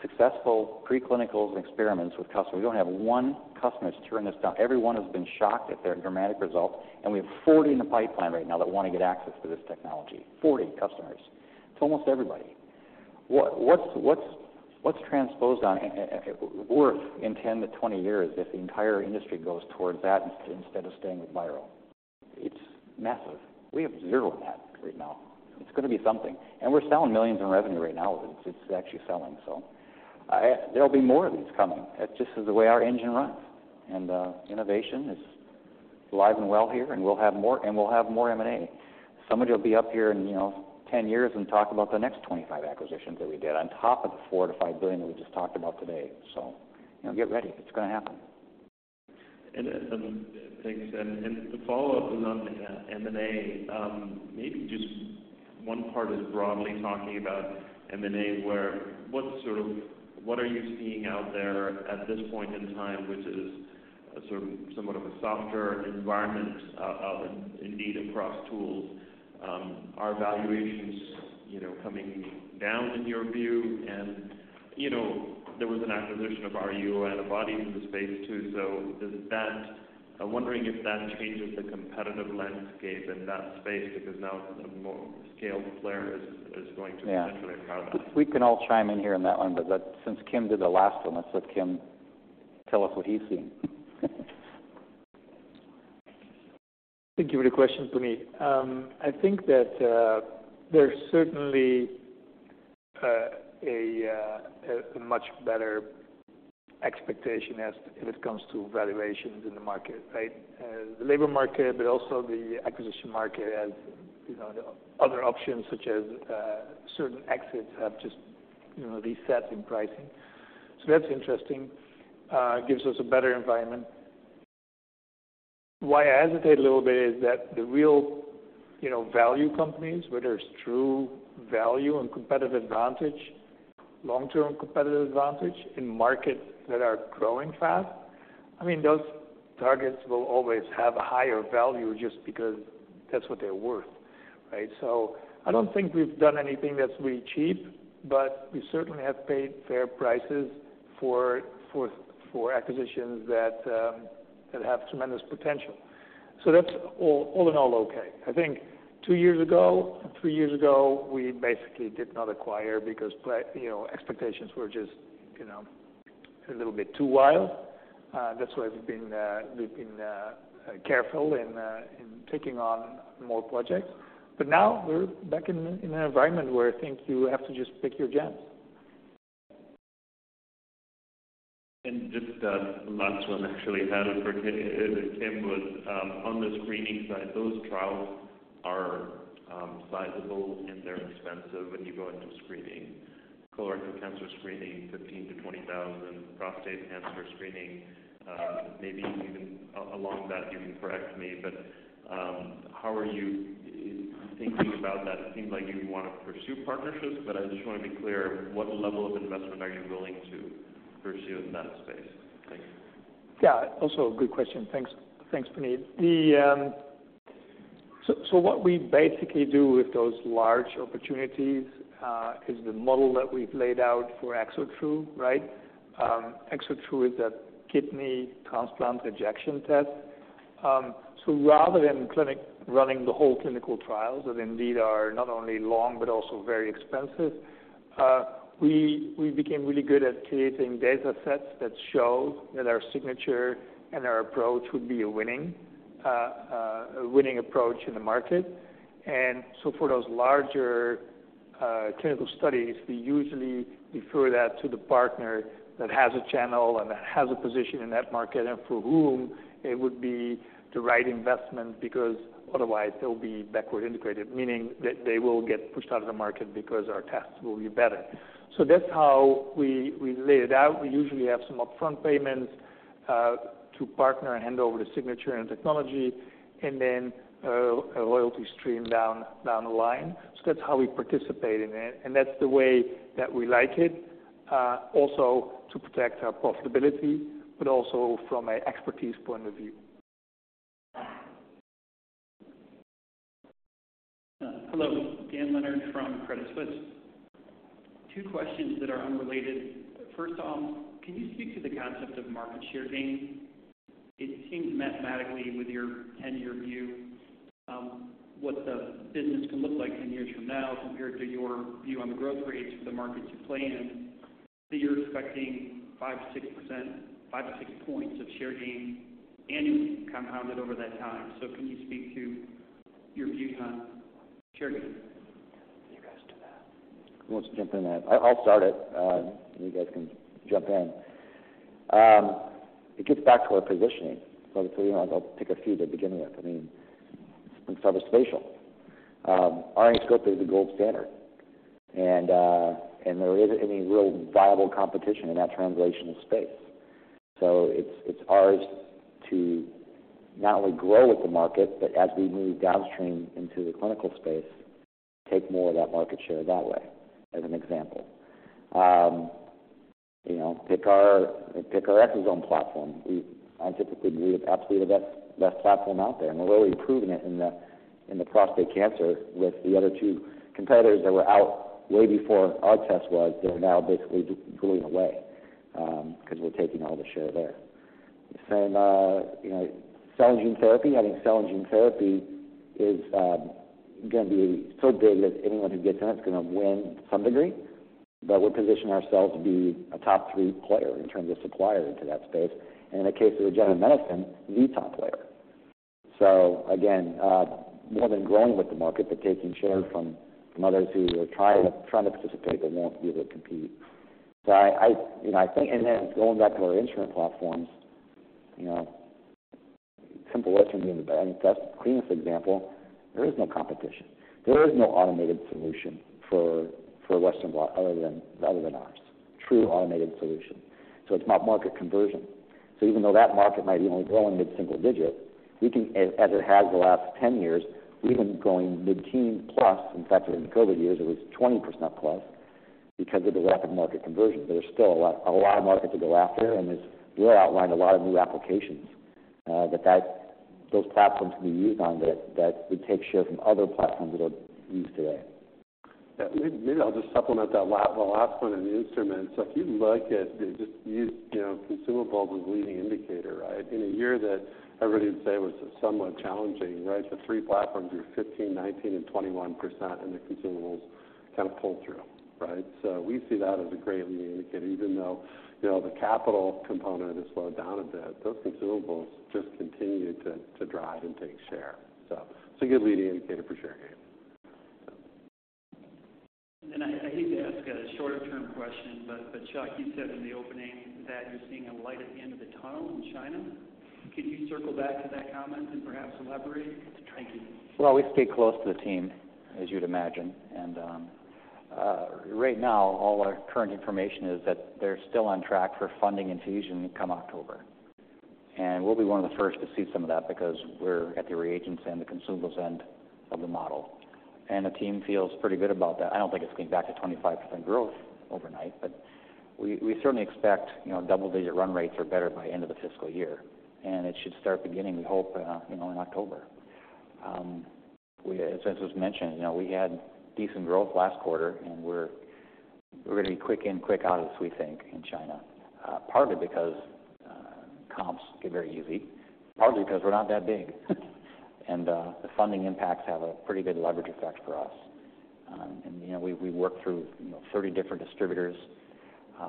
successful preclinical experiments with customers. We don't have one customer that's turning this down. Everyone has been shocked at their dramatic results, and we have 40 in the pipeline right now that want to get access to this technology. 40 customers. It's almost everybody. What's worth in 10-20 years if the entire industry goes towards that instead of staying with viral, it's massive. We have zero of that right now. It's gonna be something, and we're selling $ millions in revenue right now. It's actually selling. There'll be more of these coming. It just is the way our engine runs, and innovation is live and well here, and we'll have more, and we'll have more M&A. Somebody will be up here in, you know, 10 years and talk about the next 25 acquisitions that we did, on top of the $4-$5 billion that we just talked about today. You know, get ready. It's gonna happen. Thanks. And the follow-up is on M&A. Maybe just one part is broadly talking about M&A, where what sort of - what are you seeing out there at this point in time, which is a sort of somewhat of a softer environment indeed across tools? Are valuations, you know, coming down in your view? And, you know, there was an acquisition of RUO antibodies in the space, too. So does that... I'm wondering if that changes the competitive landscape in that space, because now it's a more scaled player is going to potentially power that. Yeah. We can all chime in here on that one, but since Kim did the last one, let's let Kim tell us what he's seeing. Thank you for the question, Puneet. I think that there's certainly a much better expectation as to when it comes to valuations in the market, right? The labor market, but also the acquisition market as you know, other options, such as certain exits have just you know, reset in pricing. So that's interesting. It gives us a better environment. Why I hesitate a little bit is that the real you know, value companies, where there's true value and competitive advantage, long-term competitive advantage in markets that are growing fast, I mean, those targets will always have a higher value just because that's what they're worth, right? So I don't think we've done anything that's really cheap, but we certainly have paid fair prices for acquisitions that have tremendous potential. So that's all in all, okay. I think two years ago, three years ago, we basically did not acquire because, you know, expectations were just, you know, a little bit too wild. That's why we've been, we've been careful in, in taking on more projects. But now we're back in an environment where I think you have to just pick your gems. Just, last one actually had it for Kim. Kim was on the screening side, those trials are sizable, and they're expensive, and you go into screening. Colorectal cancer screening, $15,000-$20,000. Prostate cancer screening, maybe even along that, you can correct me, but how are you thinking about that? It seems like you want to pursue partnerships, but I just want to be clear, what level of investment are you willing to pursue in that space? Thanks. Yeah, also a good question. Thanks. Thanks, Puneet. So, so what we basically do with those large opportunities is the model that we've laid out for ExoTrue, right? ExoTrue is a kidney transplant rejection test. So rather than clinically running the whole clinical trials that indeed are not only long but also very expensive, we became really good at creating data sets that show that our signature and our approach would be a winning approach in the market. And so for those larger clinical studies, we usually defer that to the partner that has a channel and that has a position in that market, and for whom it would be the right investment, because otherwise they'll be backward integrated, meaning that they will get pushed out of the market because our tests will be better. So that's how we lay it out. We usually have some upfront payments to partner and hand over the signature and technology, and then a loyalty stream down the line. So that's how we participate in it, and that's the way that we like it also to protect our profitability, but also from an expertise point of view. Hello. Dan Leonard from Credit Suisse. Two questions that are unrelated. First off, can you speak to the concept of market share gain? It seems mathematically with your ten-year view, what the business can look like 10 years from now, compared to your view on the growth rates of the markets you play in, that you're expecting 5%-6%, 5-6 points of share gain annually compounded over that time. So can you speak to your view on share gain? Who wants to jump in that? I'll start it, and you guys can jump in. It gets back to our positioning. So, you know, I'll pick a few to begin with. I mean, let's start with spatial. Our scope is the gold standard, and there isn't any real viable competition in that translational space. So it's ours to not only grow with the market, but as we move downstream into the clinical space, take more of that market share that way, as an example. You know, pick our exome platform. I typically believe absolutely the best platform out there, and we're really proving it in the prostate cancer with the other two competitors that were out way before our test was. They're now basically just going away because we're taking all the share there. And, you know, cell and gene therapy. I think cell and gene therapy is going to be so big that anyone who gets in it is going to win to some degree. But we're positioning ourselves to be a top three player in terms of suppliers into that space, and in the case of regenerative medicine, the top player. So again, more than growing with the market, but taking share from others who are trying to participate but won't be able to compete. So I, you know, I think—and then going back to our instrument platforms, you know, Simple Western blot, I think that's the cleanest example. There is no competition. There is no automated solution for Western blot other than ours, true automated solution. So it's about market conversion. Even though that market might only grow in mid-single-digit %, we can, as it has the last 10 years, we've been growing mid-teens+. In fact, in the COVID years, it was 20%+ because of the rapid market conversion. There's still a lot of market to go after, and as Blair outlined, a lot of new applications that those platforms can be used on that would take share from other platforms that are used today. Yeah. Maybe, maybe I'll just supplement that last, the last one on the instruments. So if you look at the just use, you know, consumables as a leading indicator, right? In a year that everybody would say was somewhat challenging, right, the three platforms are 15%, 19%, and 21%, and the consumables kind of pull through, right? So we see that as a great leading indicator, even though, you know, the capital component has slowed down a bit, those consumables just continue to, to drive and take share. So it's a good leading indicator for share gain. So. I hate to ask a shorter term question, but Chuck, you said in the opening that you're seeing a light at the end of the tunnel in China. Can you circle back to that comment and perhaps elaborate? Thank you. Well, we stay close to the team, as you'd imagine, and right now, all our current information is that they're still on track for funding infusion come October. And we'll be one of the first to see some of that, because we're at the reagents and the consumables end of the model. And the team feels pretty good about that. I don't think it's going back to 25% growth overnight, but we certainly expect, you know, double-digit run rates or better by end of the fiscal year, and it should start beginning, we hope, you know, in October. As was mentioned, you know, we had decent growth last quarter, and we're going to be quick in, quick out, as we think in China. Partly because comps get very easy, partly because we're not that big. And, the funding impacts have a pretty good leverage effect for us. And, you know, we work through, you know, 30 different distributors.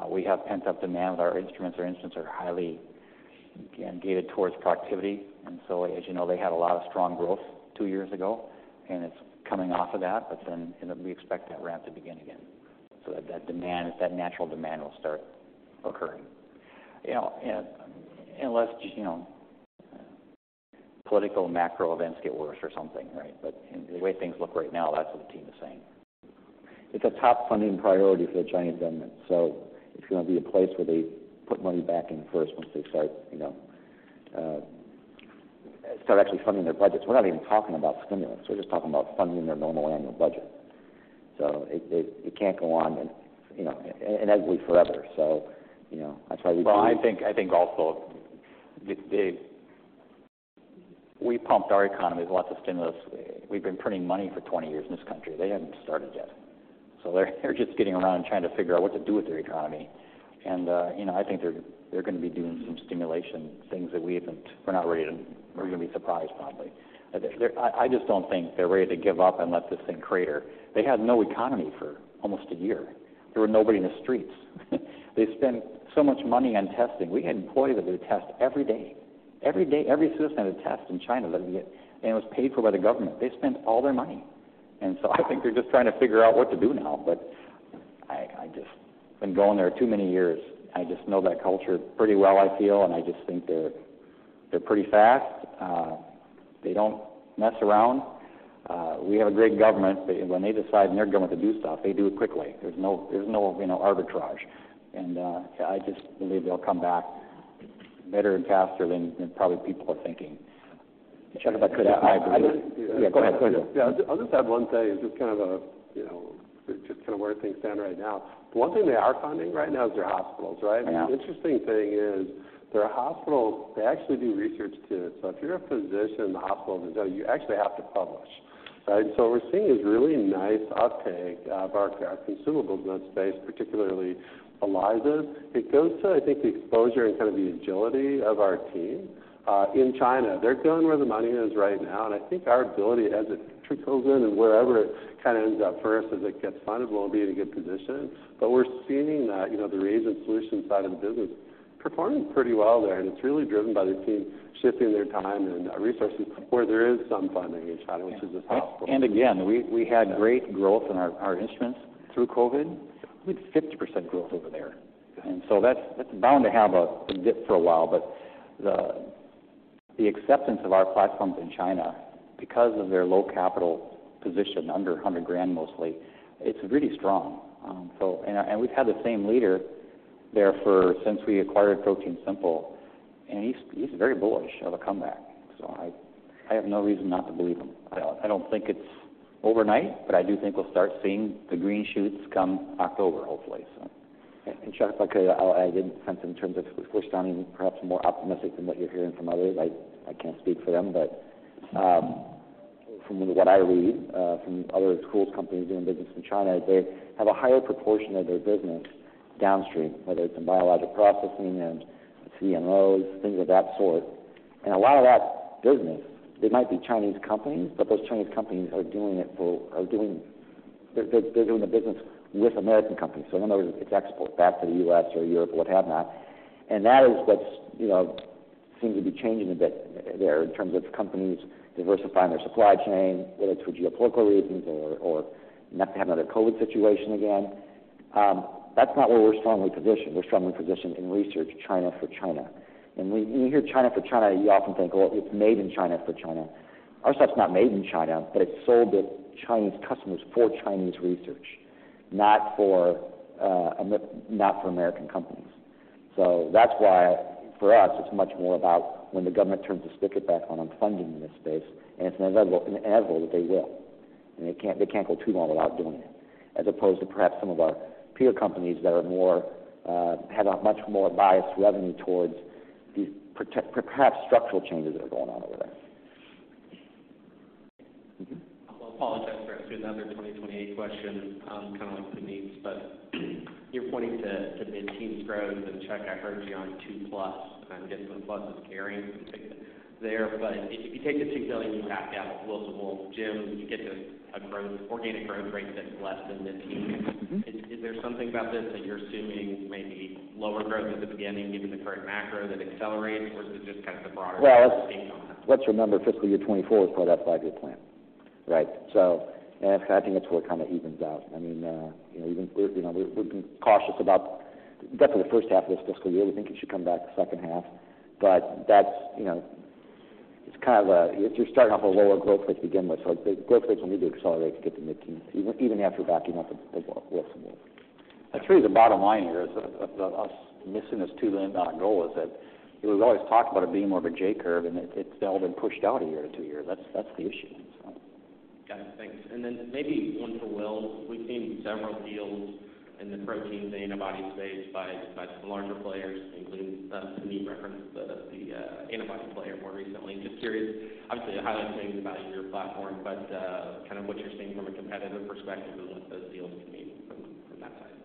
We have pent-up demand with our instruments. Our instruments are highly, again, gated towards productivity. And so, as you know, they had a lot of strong growth two years ago, and it's coming off of that, but then we expect that ramp to begin again. So that demand, that natural demand will start occurring. You know, unless, you know, political and macro events get worse or something, right? But in the way things look right now, that's what the team is saying. It's a top funding priority for the Chinese government, so it's going to be a place where they put money back in first once they start, you know, start actually funding their budgets. We're not even talking about stimulus. We're just talking about funding their normal annual budget. So it can't go on, you know, inevitably forever. So, you know, that's why we do- Well, I think also the... We pumped our economy with lots of stimulus. We've been printing money for 20 years in this country. They haven't started yet. So they're just getting around and trying to figure out what to do with their economy. And, you know, I think they're going to be doing some stimulation, things that we haven't-- we're not ready to, we're going to be surprised, probably. I just don't think they're ready to give up and let this thing crater. They had no economy for almost a year.... There were nobody in the streets. They spent so much money on testing. We had employees that would test every day. Every day, every citizen had a test in China, let me get, and it was paid for by the government. They spent all their money, and so I think they're just trying to figure out what to do now. But I, I just been going there too many years. I just know that culture pretty well, I feel, and I just think they're, they're pretty fast. They don't mess around. We have a great government, but when they decide and they're going to do stuff, they do it quickly. There's no, there's no, you know, arbitrage. And I just believe they'll come back better and faster than, than probably people are thinking. Chuck, if I could add- Yeah, go ahead, Will. Yeah, I'll just add one thing. Just kind of a, you know, just kind of where things stand right now. One thing they are funding right now is their hospitals, right? Yeah. The interesting thing is, their hospitals, they actually do research, too. So if you're a physician in the hospital, you actually have to publish, right? So what we're seeing is really nice uptake of our, our consumables in that space, particularly ELISAs. It goes to, I think, the exposure and kind of the agility of our team in China. They're going where the money is right now, and I think our ability as it trickles in and wherever it kind of ends up first, as it gets funded, we'll be in a good position. But we're seeing that, you know, the reagent solution side of the business performing pretty well there, and it's really driven by the team shifting their time and resources where there is some funding in China, which is just possible. And again, we, we had great growth in our, our instruments through COVID, with 50% growth over there. And so that's, that's bound to have a dip for a while. But the, the acceptance of our platforms in China, because of their low capital position, under $100,000 mostly, it's really strong. So, and, and we've had the same leader there for since we acquired ProteinSimple, and he's, he's very bullish of a comeback. So I, I have no reason not to believe him. I, I don't think it's overnight, but I do think we'll start seeing the green shoots come October, hopefully, so. Chuck, if I could add in terms of we're sounding perhaps more optimistic than what you're hearing from others. I can't speak for them, but from what I read from other companies doing business in China, they have a higher proportion of their business downstream, whether it's in biologic processing and CMOs, things of that sort. And a lot of that business, they might be Chinese companies, but those Chinese companies are doing the business with American companies. So in other words, it's export back to the U.S. or Europe or what have not. And that is what's, you know, seems to be changing a bit there in terms of companies diversifying their supply chain, whether it's for geopolitical reasons or not to have another COVID situation again. That's not where we're strongly positioned. We're strongly positioned in research, China for China. And when you hear China for China, you often think, well, it's made in China for China. Our stuff's not made in China, but it's sold to Chinese customers for Chinese research, not for American companies. So that's why for us, it's much more about when the government turns the spigot back on funding in this space, and it's inevitable, inevitable that they will. And they can't, they can't go too long without doing it, as opposed to perhaps some of our peer companies that are more have a much more biased revenue towards these perhaps structural changes that are going on over there. Mm-hmm. I’ll apologize for asking another 2028 question, kind of like Sundeep’s, but you’re pointing to mid-teen growth. Chuck, I heard you on 2 plus, and I’m guessing the plus is carrying you there. But if you take the $2 billion, you back out Will’s role, Jim, you get to a growth, organic growth rate that’s less than mid-teen. Mm-hmm. Is there something about this that you're assuming maybe lower growth at the beginning, given the current macro that accelerates, or is it just kind of the broader- Well, let's remember, fiscal year 2024 is part of that five-year plan, right? So and I think it's where it kind of evens out. I mean, you know, even we, you know, we've, we've been cautious about definitely the first half of this fiscal year. We think it should come back the second half. But that's, you know, it's kind of a, you're starting off a lower growth rate to begin with. So the growth rates will need to accelerate to get to mid-teen, even, even after backing up the, the Wilson Wolf. I think the bottom line here is of us missing this $2 billion goal is that we've always talked about it being more of a J curve, and it's been pushed out a year to two years. That's the issue, so. Got it, thanks. And then maybe one for Will. We've seen several deals in the protein, the antibody space by some larger players, including Sundeep referenced the antibody player more recently. Just curious, obviously, you're highlighting about your platform, but kind of what you're seeing from a competitive perspective and what those deals mean from that side?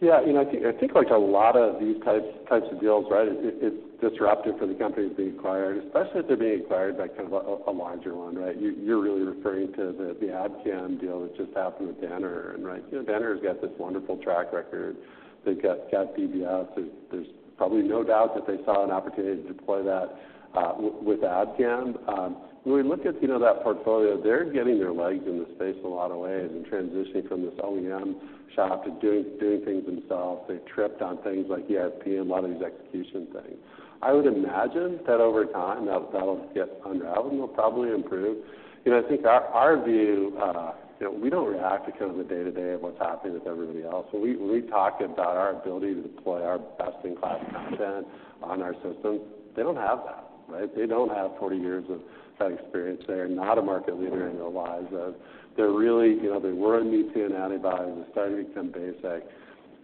Yeah, you know, I think like a lot of these types of deals, right, it's disruptive for the companies being acquired, especially if they're being acquired by kind of a larger one, right? You're really referring to the Abcam deal that just happened with Danaher, right. You know, Danaher's got this wonderful track record. They've got DBS. There's probably no doubt that they saw an opportunity to deploy that with Abcam. When we look at that portfolio, they're getting their legs in the space a lot of ways and transitioning from this OEM shop to doing things themselves. They've tripped on things like ERP and a lot of these execution things. I would imagine that over time, that'll get unraveled, and they'll probably improve. You know, I think our view, you know, we don't react to kind of the day-to-day of what's happening with everybody else. So we talk about our ability to deploy our best-in-class content on our systems. They don't have that, right? They don't have 40 years of experience there. They're not a market leader in ELISAs. They're really, you know, they were a me-too in antibodies and starting to become basic.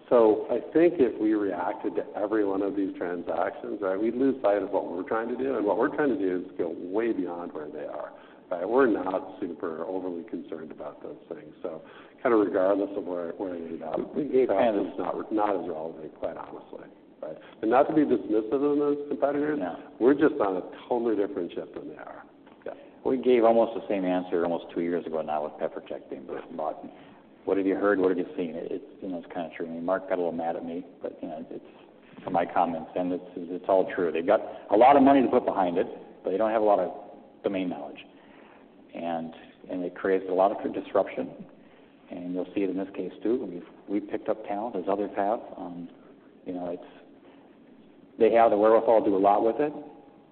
So I think if we reacted to every one of these transactions, right, we'd lose sight of what we're trying to do. And what we're trying to do is go way beyond where they are, right? We're not super overly concerned about those things. So kind of regardless of where they are, it's not as relevant, quite honestly. Right? But not to be dismissive of those competitors- No. We're just on a totally different ship than they are.... We gave almost the same answer almost two years ago now with PeproTech being bought. What have you heard? What have you seen? It, you know, it's kind of true. I mean, Mark got a little mad at me, but, you know, it's from my comments, and it's all true. They've got a lot of money to put behind it, but they don't have a lot of domain knowledge. And it creates a lot of good disruption, and you'll see it in this case, too. I mean, we've picked up talent, as others have. You know, it's -- they have the wherewithal to do a lot with it,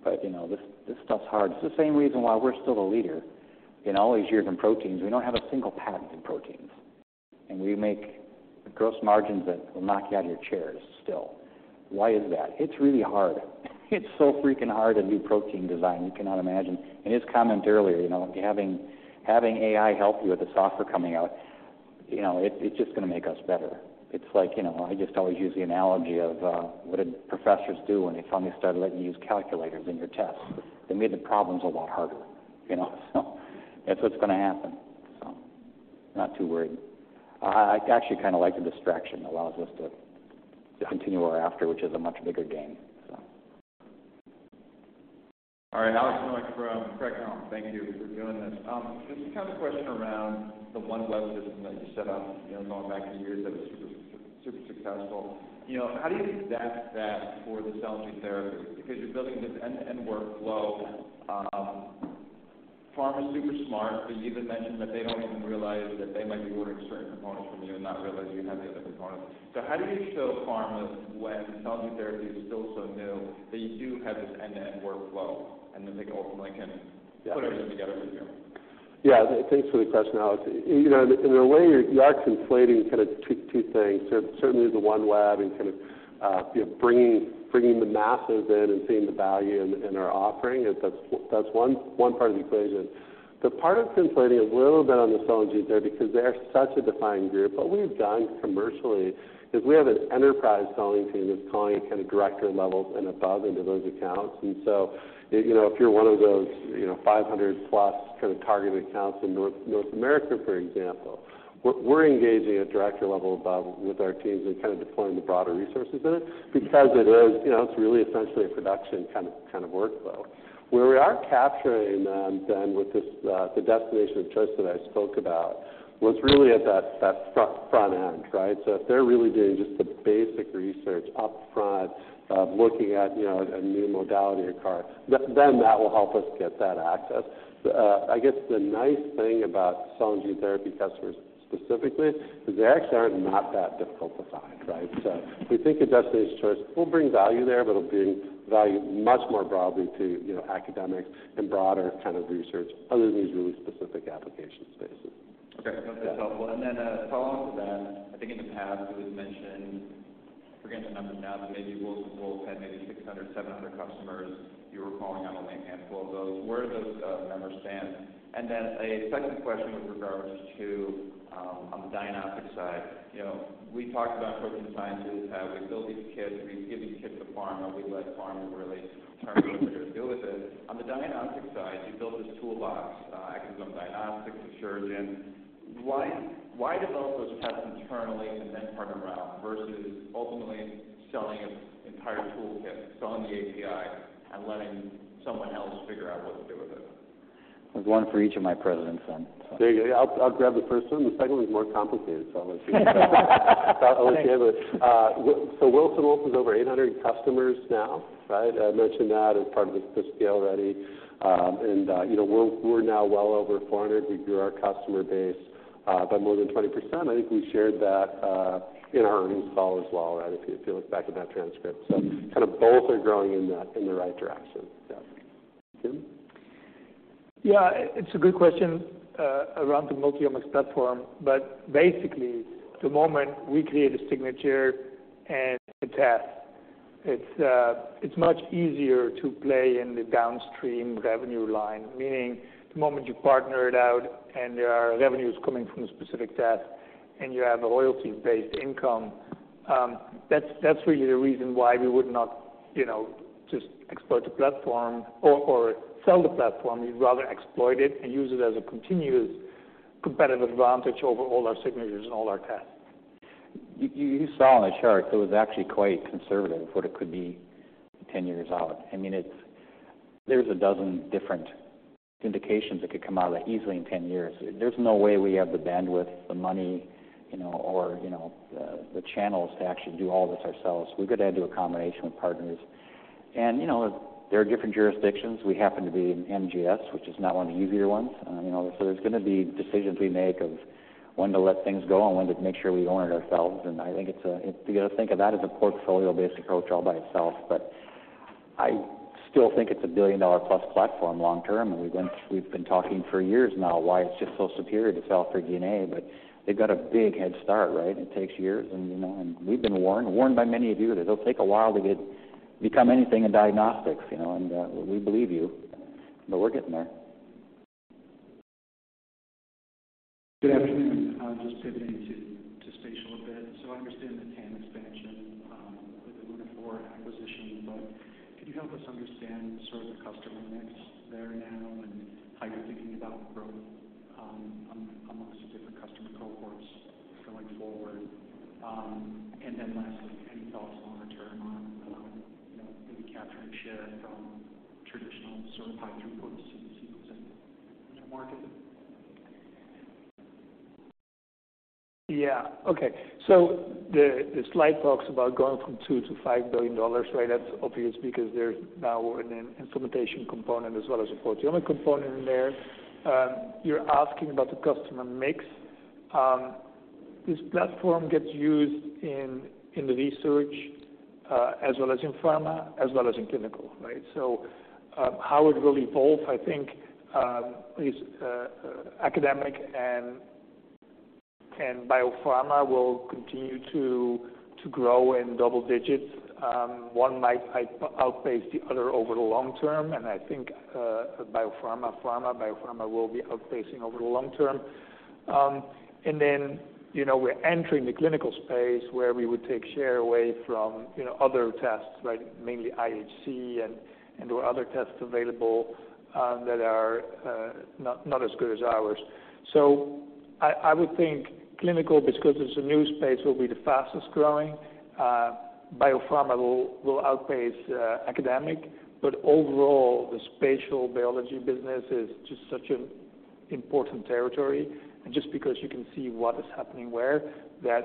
but, you know, this stuff's hard. It's the same reason why we're still the leader. In all these years in proteins, we don't have a single patent in proteins, and we make gross margins that will knock you out of your chairs still. Why is that? It's really hard. It's so freaking hard to do protein design, you cannot imagine. And his comment earlier, you know, having AI help you with the software coming out, you know, it's just gonna make us better. It's like, you know, I just always use the analogy of what did professors do when they finally started letting you use calculators in your tests? They made the problems a lot harder, you know, so that's what's gonna happen. So not too worried. I actually kind of like the distraction. Allows us to continue what we're after, which is a much bigger game, so. All right, Alex Miller from Craig-Hallum. Thank you for doing this. Just kind of a question around the OneLab system that you set up, you know, going back years that was super, super successful. You know, how do you adapt that for the cell and gene therapy? Because you're building this end-to-end workflow. Pharma's super smart, but you even mentioned that they don't even realize that they might be ordering certain components from you and not realize you have the other components. So how do you show pharma when cell and gene therapy is still so new, that you do have this end-to-end workflow, and that they ultimately can- Yeah. Put everything together with you? Yeah, thanks for the question, Alex. You know, in a way, you are conflating kind of two things. So certainly the OneLab and kind of, you know, bringing the masses in and seeing the value in our offering. That's one part of the equation. The part of conflating a little bit on the cell and gene therapy, because they are such a defined group. What we've done commercially is we have an enterprise selling team that's calling at kind of director levels and above into those accounts. And so, you know, if you're one of those 500+ kind of targeted accounts in North America, for example, we're engaging at director level above with our teams and kind of deploying the broader resources in it. Because it is, you know, it's really essentially a production kind of, kind of workflow. Where we are capturing them then, with this, the destination of choice that I spoke about, was really at that, that front, front end, right? So if they're really doing just the basic research upfront of looking at, you know, a new modality or CAR, then, then that will help us get that access. I guess the nice thing about cell and gene therapy customers specifically, is they actually are not that difficult to find, right? So we think a destination of choice will bring value there, but it'll bring value much more broadly to, you know, academics and broader kind of research other than these really specific application spaces. Okay. Yeah. That's helpful. And then, follow on to that, I think in the past it was mentioned, forgetting the numbers now, but maybe Wilson Wolf had maybe 600, 700 customers. You were calling on only a handful of those. Where do those numbers stand? And then a second question with regards to, on the diagnostic side. You know, we talked about protein sciences, how we build these kits, we give these kits to pharma. We let pharma really turn it over to do with it. On the diagnostic side, you build this toolbox, Asuragen. Why, why develop those tests internally and then turn them around, versus ultimately selling an entire toolkit, selling the API and letting someone else figure out what to do with it? There's one for each of my presidents, then, so. There you go. I'll grab the first one. The second one's more complicated, so I'll let... Thanks. I'll let you have it. So Wilson Wolf is over 800 customers now, right? I mentioned that as part of this already. And, you know, we're, we're now well over 400. We grew our customer base by more than 20%. I think we shared that in our earnings call as well, right? If you, if you look back at that transcript. So kind of both are growing in the, in the right direction. Yeah. Jim? Yeah, it's a good question around the multiomics platform, but basically, the moment we create a signature and a test, it's much easier to play in the downstream revenue line. Meaning, the moment you partner it out and there are revenues coming from a specific test and you have a royalty-based income, that's really the reason why we would not, you know, just exploit the platform or sell the platform. We'd rather exploit it and use it as a continuous competitive advantage over all our signatures and all our tests. You saw on the chart, it was actually quite conservative, what it could be 10 years out. I mean, it's, there's a dozen different indications that could come out of that easily in 10 years. There's no way we have the bandwidth, the money, you know, or, you know, the, the channels to actually do all this ourselves. We're gonna have to do a combination with partners. And, you know, there are different jurisdictions. We happen to be in NGS, which is not one of the easier ones. You know, so there's gonna be decisions we make of when to let things go and when to make sure we own it ourselves. And I think it's a, you got to think of that as a portfolio-based approach all by itself. But I still think it's a billion-dollar-plus platform long term, and we've been talking for years now, why it's just so superior to cell-free DNA. But they've got a big head start, right? It takes years, and, you know, and we've been warned by many of you, that it'll take a while to become anything in diagnostics, you know, and we believe you, but we're getting there. Good afternoon. Just pivoting to spatial a bit. So I understand the TAM expansion with the Lunaphore acquisition, but can you help us understand sort of the customer mix there now and how you're thinking about growth amongst the different customer cohorts going forward? And then lastly, any thoughts on return on, you know, maybe capturing share from traditional sort of high throughput sequencing in the market? Yeah. Okay. So the slide talks about going from $2 billion-$5 billion, right? That's obvious, because there's now an implementation component as well as a proteomic component in there. You're asking about the customer mix. This platform gets used in the research, as well as in pharma, as well as in clinical, right? So, how it will evolve, I think, is academic and biopharma will continue to grow in double digits. One might outpace the other over the long term, and I think biopharma. Pharma, biopharma will be outpacing over the long term. And then, you know, we're entering the clinical space, where we would take share away from, you know, other tests, right? Mainly IHC and there are other tests available, that are not as good as ours. So I would think clinical, because it's a new space, will be the fastest growing. Biopharma will outpace academic. But overall, the spatial biology business is just such an important territory, and just because you can see what is happening where, that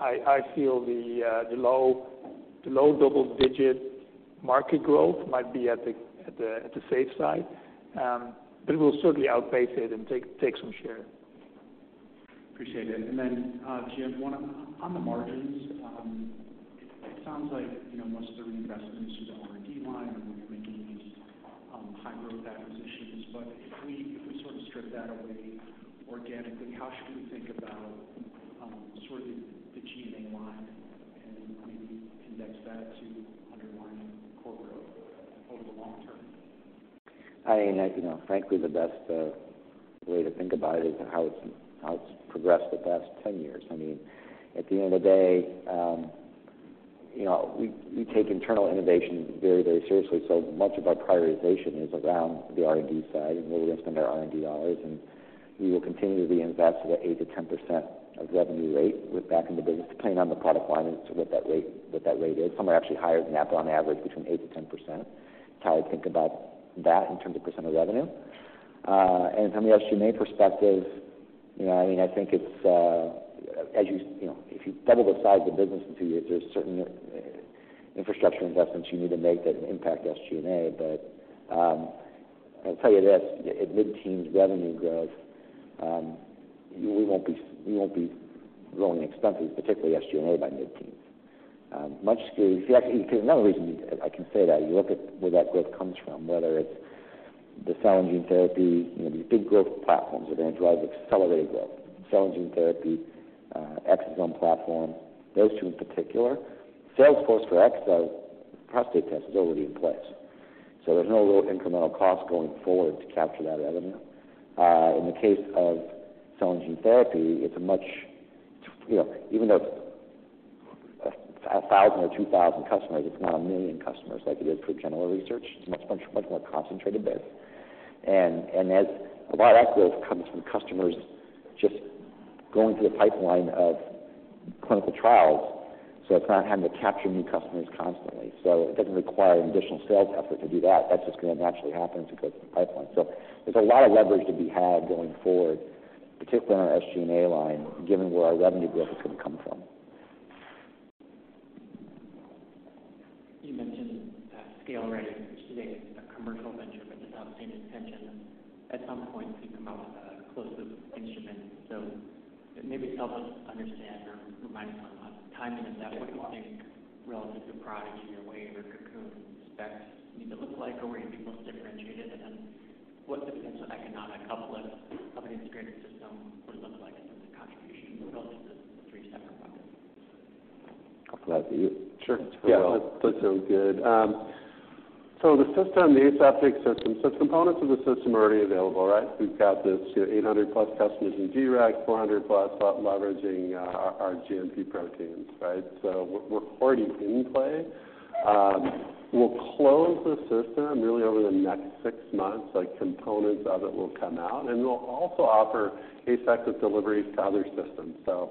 I feel the low double-digit market growth might be at the safe side. But we'll certainly outpace it and take some share. Appreciate it. And then, Jim, on the margins, it sounds like, you know, most of the reinvestments are in the R&D line, and you're making these high-growth acquisitions. But if we sort of strip that away organically, how should we think about sort of the G&A line and maybe index that to underlying core growth over the long term? I mean, you know, frankly, the best way to think about it is how it's, how it's progressed the past 10 years. I mean, at the end of the day, you know, we, we take internal innovation very, very seriously. So much of our prioritization is around the R&D side, and where we're going to spend our R&D dollars, and we will continue to reinvest 8%-10% of revenue rate back in the business, depending on the product line as to what that rate, what that rate is. Some are actually higher than that, but on average, between 8%-10%. That's how I think about that in terms of % of revenue. And from the SG&A perspective, you know, I mean, I think it's, as you... You know, if you double the size of the business in two years, there's certain infrastructure investments you need to make that impact SG&A. But, I'll tell you this, at mid-teens revenue growth, we won't be, we won't be growing expenses, particularly SG&A, by mid-teens. Actually, another reason I can say that, you look at where that growth comes from, whether it's the cell and gene therapy. You know, these big growth platforms are going to drive accelerated growth. Cell and gene therapy, exosome platform, those two in particular. Sales force for ExoDx Prostate Test is already in place, so there's no real incremental cost going forward to capture that revenue. In the case of cell and gene therapy, it's a much, you know, even though 1,000 or 2,000 customers, it's not 1 million customers like it is for general research. It's a much, much, much more concentrated base. And as a lot of that growth comes from customers just going through the pipeline of clinical trials, so it's not having to capture new customers constantly. So it doesn't require additional sales effort to do that. That's just going to naturally happen because of the pipeline. So there's a lot of leverage to be had going forward, particularly in our SG&A line, given where our revenue growth is going to come from. You mentioned, scale-ready, which is a commercial venture, but without stating intention. At some point, you come out with a closed-loop instrument. So maybe help us understand or remind us on the timing of that. What do you think, relative to Prodigy or Wave or Cocoon specs need to look like, or where you'd be most differentiated? And then what the potential economic uplift of an integrated system would look like in terms of contribution, relative to the three separate products? I'm glad you. Sure. Yeah. That sounds good. So the system, the aseptic system, so components of the system are already available, right? We've got this, you know, 800+ customers in G-Rex, 400+ leveraging our GMP proteins, right? So we're already in play. We'll close the system really over the next six months, like, components of it will come out, and we'll also offer aseptic deliveries to other systems. So,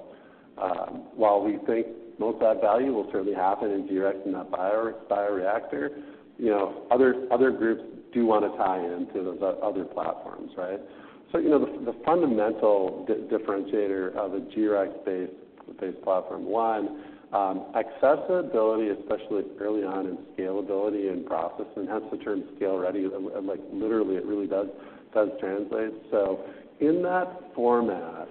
while we think most of that value will certainly happen in G-Rex in that bio, bioreactor, you know, other groups do want to tie into the other platforms, right? So, you know, the fundamental differentiator of a G-Rex-based platform. One, accessibility, especially early on in scalability and processing, hence the term scale-ready. Like, literally, it really does translate. So in that format,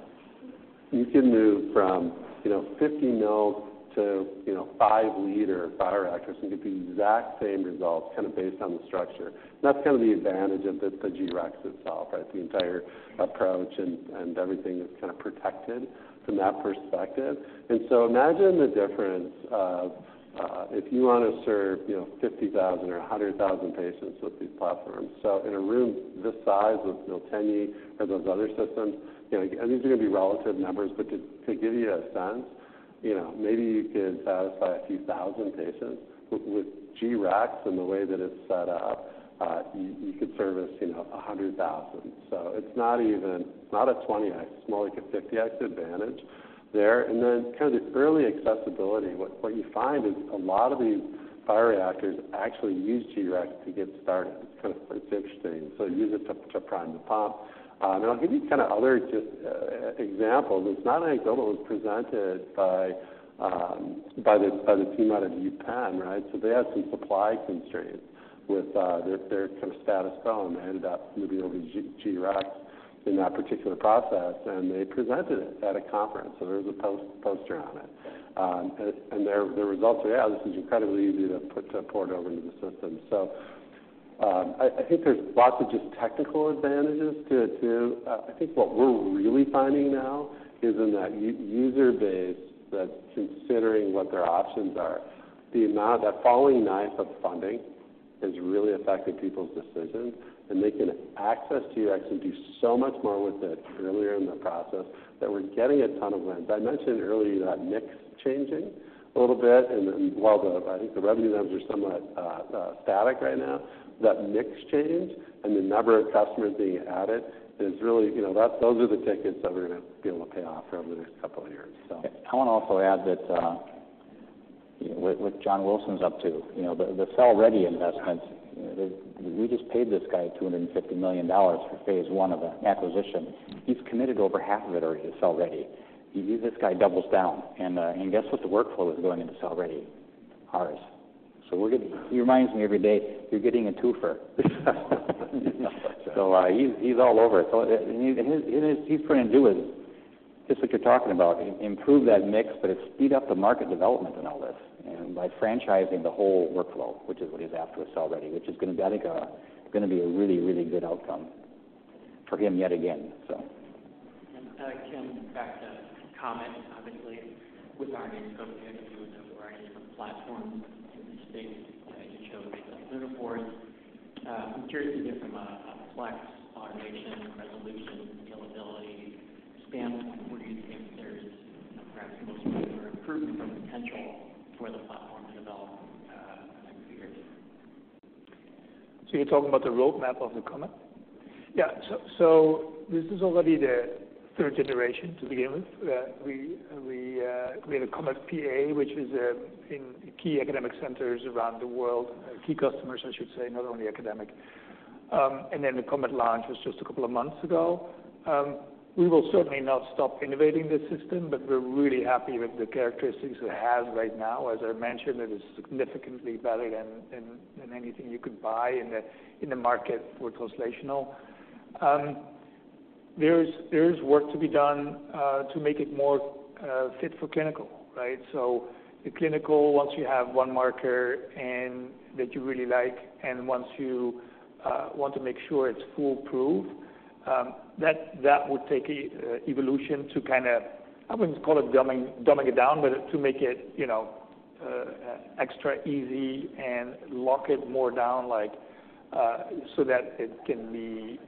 you can move from, you know, 50 ml to, you know, 5-liter bioreactors and get the exact same results, kind of based on the structure. That's kind of the advantage of the, the G-Rex itself, right? The entire approach and, and everything is kind of protected from that perspective. And so imagine the difference of, if you want to serve, you know, 50,000 or 100,000 patients with these platforms. So in a room this size of, you know, 10 of those other systems, you know, and these are going to be relative numbers. But to, to give you a sense- ... you know, maybe you could satisfy a few thousand patients. With G-Rex and the way that it's set up, you could service, you know, 100,000. So it's not even, it's not a 20x, it's more like a 50x advantage there. And then kind of the early accessibility. What you find is a lot of these bioreactors actually use G-Rex to get started. It's kind of interesting. So use it to prime the pump. And I'll give you kind of other just examples. It's not anything that was presented by the team out of UPenn, right? So they had some supply constraints with their kind of status quo, and they ended up moving over to G-Rex in that particular process, and they presented it at a conference, so there was a poster on it. And their results are, yeah, this is incredibly easy to put to port over into the system. So I think there's lots of just technical advantages to. I think what we're really finding now is in that user base that's considering what their options are, the amount, that falling knife of funding has really affected people's decisions, and they can access G-Rex and do so much more with it earlier in the process, that we're getting a ton of wins. I mentioned earlier that mix changing a little bit, and then while the, I think the revenue numbers are somewhat static right now, that mix change and the number of customers being added is really, you know, that's those are the tickets that we're going to be able to pay off over the next couple of years. So- I want to also add that, with John Wilson's, up to, you know, the ScaleReady investment, we just paid this guy $250 million for phase one of the acquisition. He's committed over half of it already to ScaleReady. He, this guy doubles down, and guess what, the workflow is going into ScaleReady? Ours. So we're getting... He reminds me every day, "You're getting a twofer." So, he's all over it. So, and his, and his... He's trying to do is just what you're talking about, improve that mix, but it's speed up the market development and all this, and by franchising the whole workflow, which is what he's after with ScaleReady, which is gonna be like a gonna be a really, really good outcome for him yet again, so. Tim, back to COMET. Obviously, with our new acquisition, we have to deal with a variety of different platforms in this space, as you showed with the Leica Bond. I'm curious to hear from a full automation, resolution, availability standpoint, where you think there's perhaps the most room for improvement or potential for the platform to develop in the next few years? So you're talking about the roadmap of the COMET? Yeah. So this is already the third generation to begin with. We had a COMET PA, which is in key academic centers around the world, key customers, I should say, not only academic. And then the COMET launch was just a couple of months ago. We will certainly not stop innovating this system, but we're really happy with the characteristics it has right now. As I mentioned, it is significantly better than anything you could buy in the market for translational. There's work to be done to make it more fit for clinical, right? So the clinical, once you have one marker and that you really like, and once you want to make sure it's foolproof, that would take evolution to kind of... I wouldn't call it dumbing it down, but to make it, you know, extra easy and lock it more down, like, so that it can be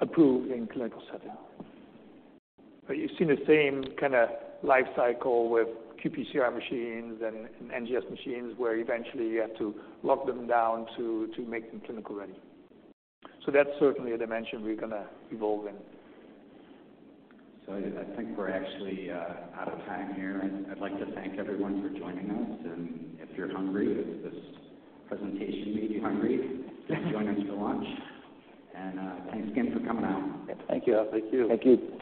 approved in clinical setting. But you've seen the same kind of life cycle with qPCR machines and NGS machines, where eventually you have to lock them down to make them clinical-ready. So that's certainly a dimension we're gonna evolve in. So I think we're actually out of time here, and I'd like to thank everyone for joining us. If you're hungry, if this presentation made you hungry, please join us for lunch. Thanks again for coming out. Thank you. Thank you. Thank you.